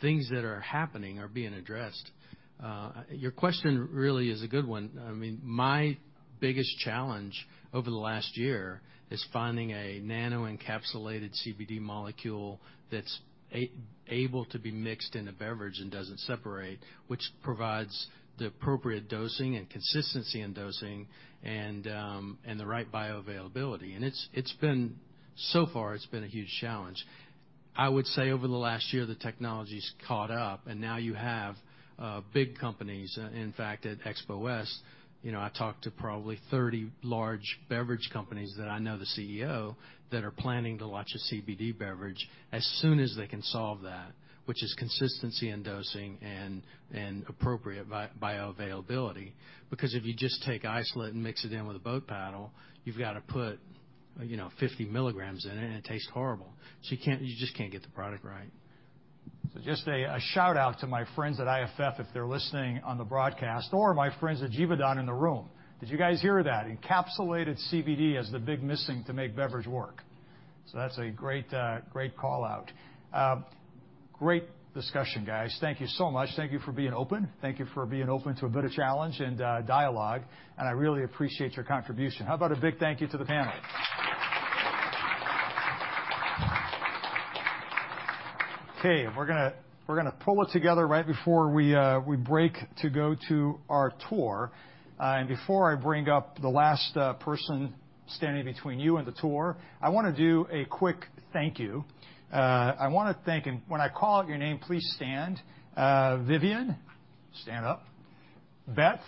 things that are happening are being addressed. Your question really is a good one. I mean, my biggest challenge over the last year is finding a nano-encapsulated CBD molecule that's able to be mixed in a beverage and doesn't separate, which provides the appropriate dosing and consistency in dosing and the right bioavailability. It's been so far a huge challenge. I would say over the last year, the technology's caught up and now you have big companies. In fact, at Expo West, you know, I talked to probably 30 large beverage companies that I know the CEO that are planning to launch a CBD beverage as soon as they can solve that, which is consistency in dosing and appropriate bioavailability. Because if you just take isolate and mix it in with a boat paddle, you've gotta put, you know, 50 milligrams in it and it tastes horrible. So you can't, you just can't get the product right. So just a shout-out to my friends at IFF if they're listening on the broadcast or my friends at Givaudan in the room. Did you guys hear that? Encapsulated CBD as the big missing to make beverage work. So that's a great, great call-out. Great discussion, guys. Thank you so much. Thank you for being open. Thank you for being open to a bit of challenge and dialogue. And I really appreciate your contribution. How about a big thank you to the panel? Okay. We're gonna pull it together right before we break to go to our tour, and before I bring up the last person standing between you and the tour, I wanna do a quick thank you. I wanna thank, and when I call out your name, please stand. Vivian, stand up. Beth,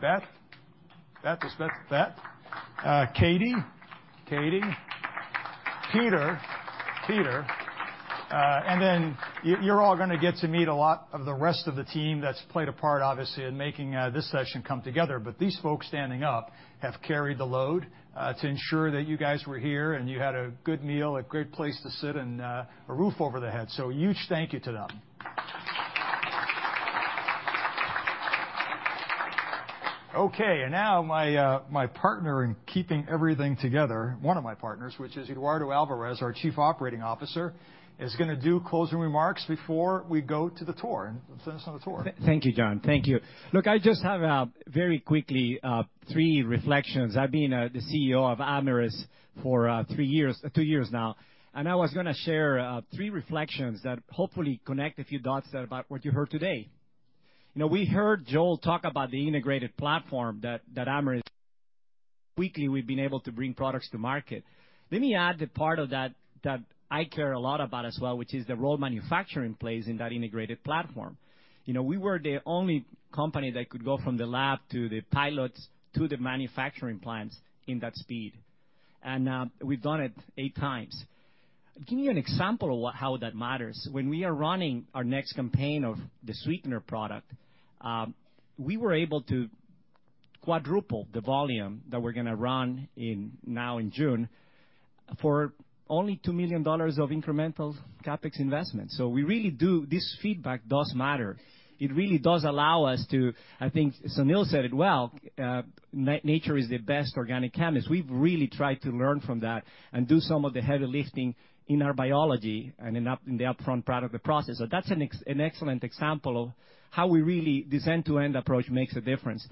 Beth, Beth, Beth, Beth, Beth. Katie, Katie, Peter, Peter, and then you, you're all gonna get to meet a lot of the rest of the team that's played a part, obviously, in making this session come together. But these folks standing up have carried the load, to ensure that you guys were here and you had a good meal, a great place to sit and a roof over the head. So huge thank you to them. Okay. And now my partner in keeping everything together, one of my partners, which is Eduardo Alvarez, our Chief Operating Officer, is gonna do closing remarks before we go to the tour. And send us on the tour. Thank you, John. Thank you. Look, I just have very quickly three reflections. I've been the CEO of Amyris for three years, two years now. And I was gonna share three reflections that hopefully connect a few dots about what you heard today. You know, we heard Joel talk about the integrated platform that Amyris uniquely we've been able to bring products to market. Let me add the part of that that I care a lot about as well, which is the role manufacturing plays in that integrated platform. You know, we were the only company that could go from the lab to the pilots to the manufacturing plants in that speed. And we've done it eight times. Give me an example of what, how that matters. When we are running our next campaign of the sweetener product, we were able to quadruple the volume that we're gonna run in now in June for only $2 million of incremental CapEx investment. So we really do, this feedback does matter. It really does allow us to. I think Sunil said it well, nature is the best organic chemist. We've really tried to learn from that and do some of the heavy lifting in our biology and in the upfront part of the process. So that's an excellent example of how we really this end-to-end approach makes a difference.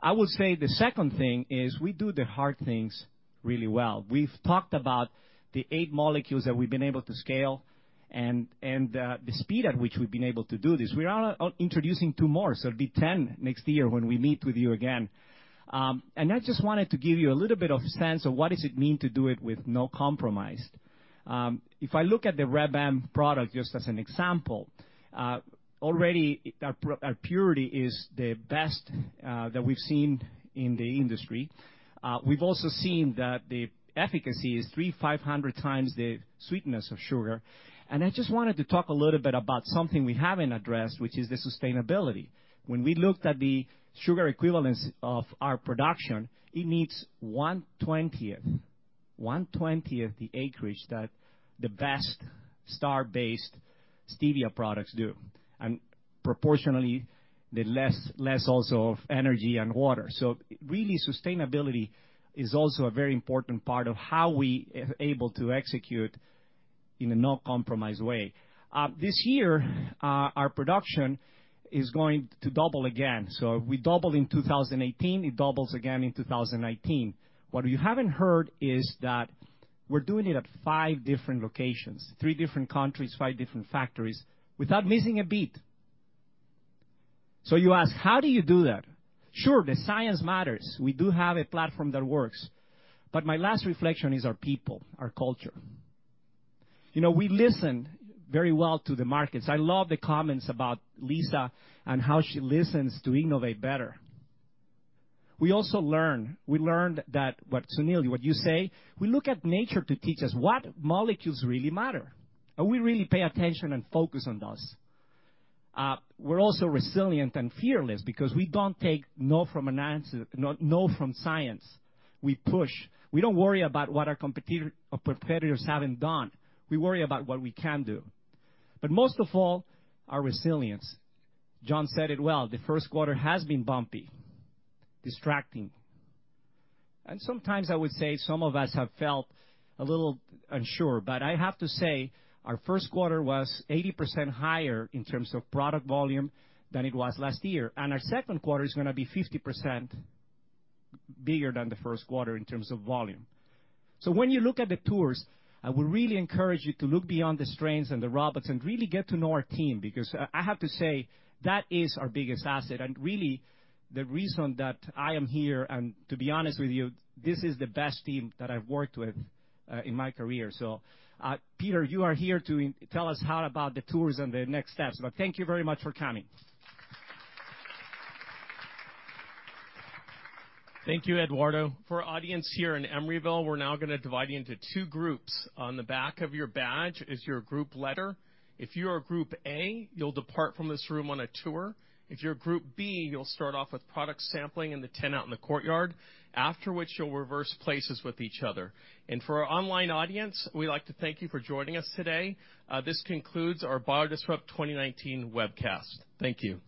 I would say the second thing is we do the hard things really well. We've talked about the eight molecules that we've been able to scale and the speed at which we've been able to do this. We are introducing two more. So it'll be 10 next year when we meet with you again. And I just wanted to give you a little bit of sense of what does it mean to do it with no compromise. If I look at the Reb M product just as an example, already our purity is the best that we've seen in the industry. We've also seen that the efficacy is 3,500 times the sweetness of sugar. And I just wanted to talk a little bit about something we haven't addressed, which is the sustainability. When we looked at the sugar equivalence of our production, it needs 1/20th, 1/20th the acreage that the best stevia-based stevia products do. Proportionally, less also of energy and water. Really, sustainability is also a very important part of how we are able to execute in a no-compromise way. This year, our production is going to double again. We doubled in 2018, it doubles again in 2019. What you haven't heard is that we're doing it at five different locations, three different countries, five different factories without missing a beat. You ask, how do you do that? Sure, the science matters. We do have a platform that works, but my last reflection is our people, our culture. You know, we listen very well to the markets. I love the comments about Lisa and how she listens to innovate better. We also learn, we learned that what Sunil, what you say, we look at nature to teach us what molecules really matter, and we really pay attention and focus on those. We're also resilient and fearless because we don't take no for an answer, no for science. We push. We don't worry about what our competitors haven't done. We worry about what we can do, but most of all, our resilience. John said it well, the first quarter has been bumpy, distracting, and sometimes I would say some of us have felt a little unsure, but I have to say our first quarter was 80% higher in terms of product volume than it was last year, and our second quarter is gonna be 50% bigger than the first quarter in terms of volume. So when you look at the tours, I would really encourage you to look beyond the strains and the robots and really get to know our team because I have to say that is our biggest asset. And really, the reason that I am here and to be honest with you, this is the best team that I've worked with, in my career. So, Peter, you are here to tell us how about the tours and the next steps. But thank you very much for coming. Thank you, Eduardo. For audience here in Emeryville, we're now gonna divide you into two groups. On the back of your badge is your group letter. If you're a group A, you'll depart from this room on a tour. If you're a group B, you'll start off with product sampling and the 10 out in the courtyard, after which you'll reverse places with each other. And for our online audience, we'd like to thank you for joining us today. This concludes our BioDisrupt 2019 webcast. Thank you.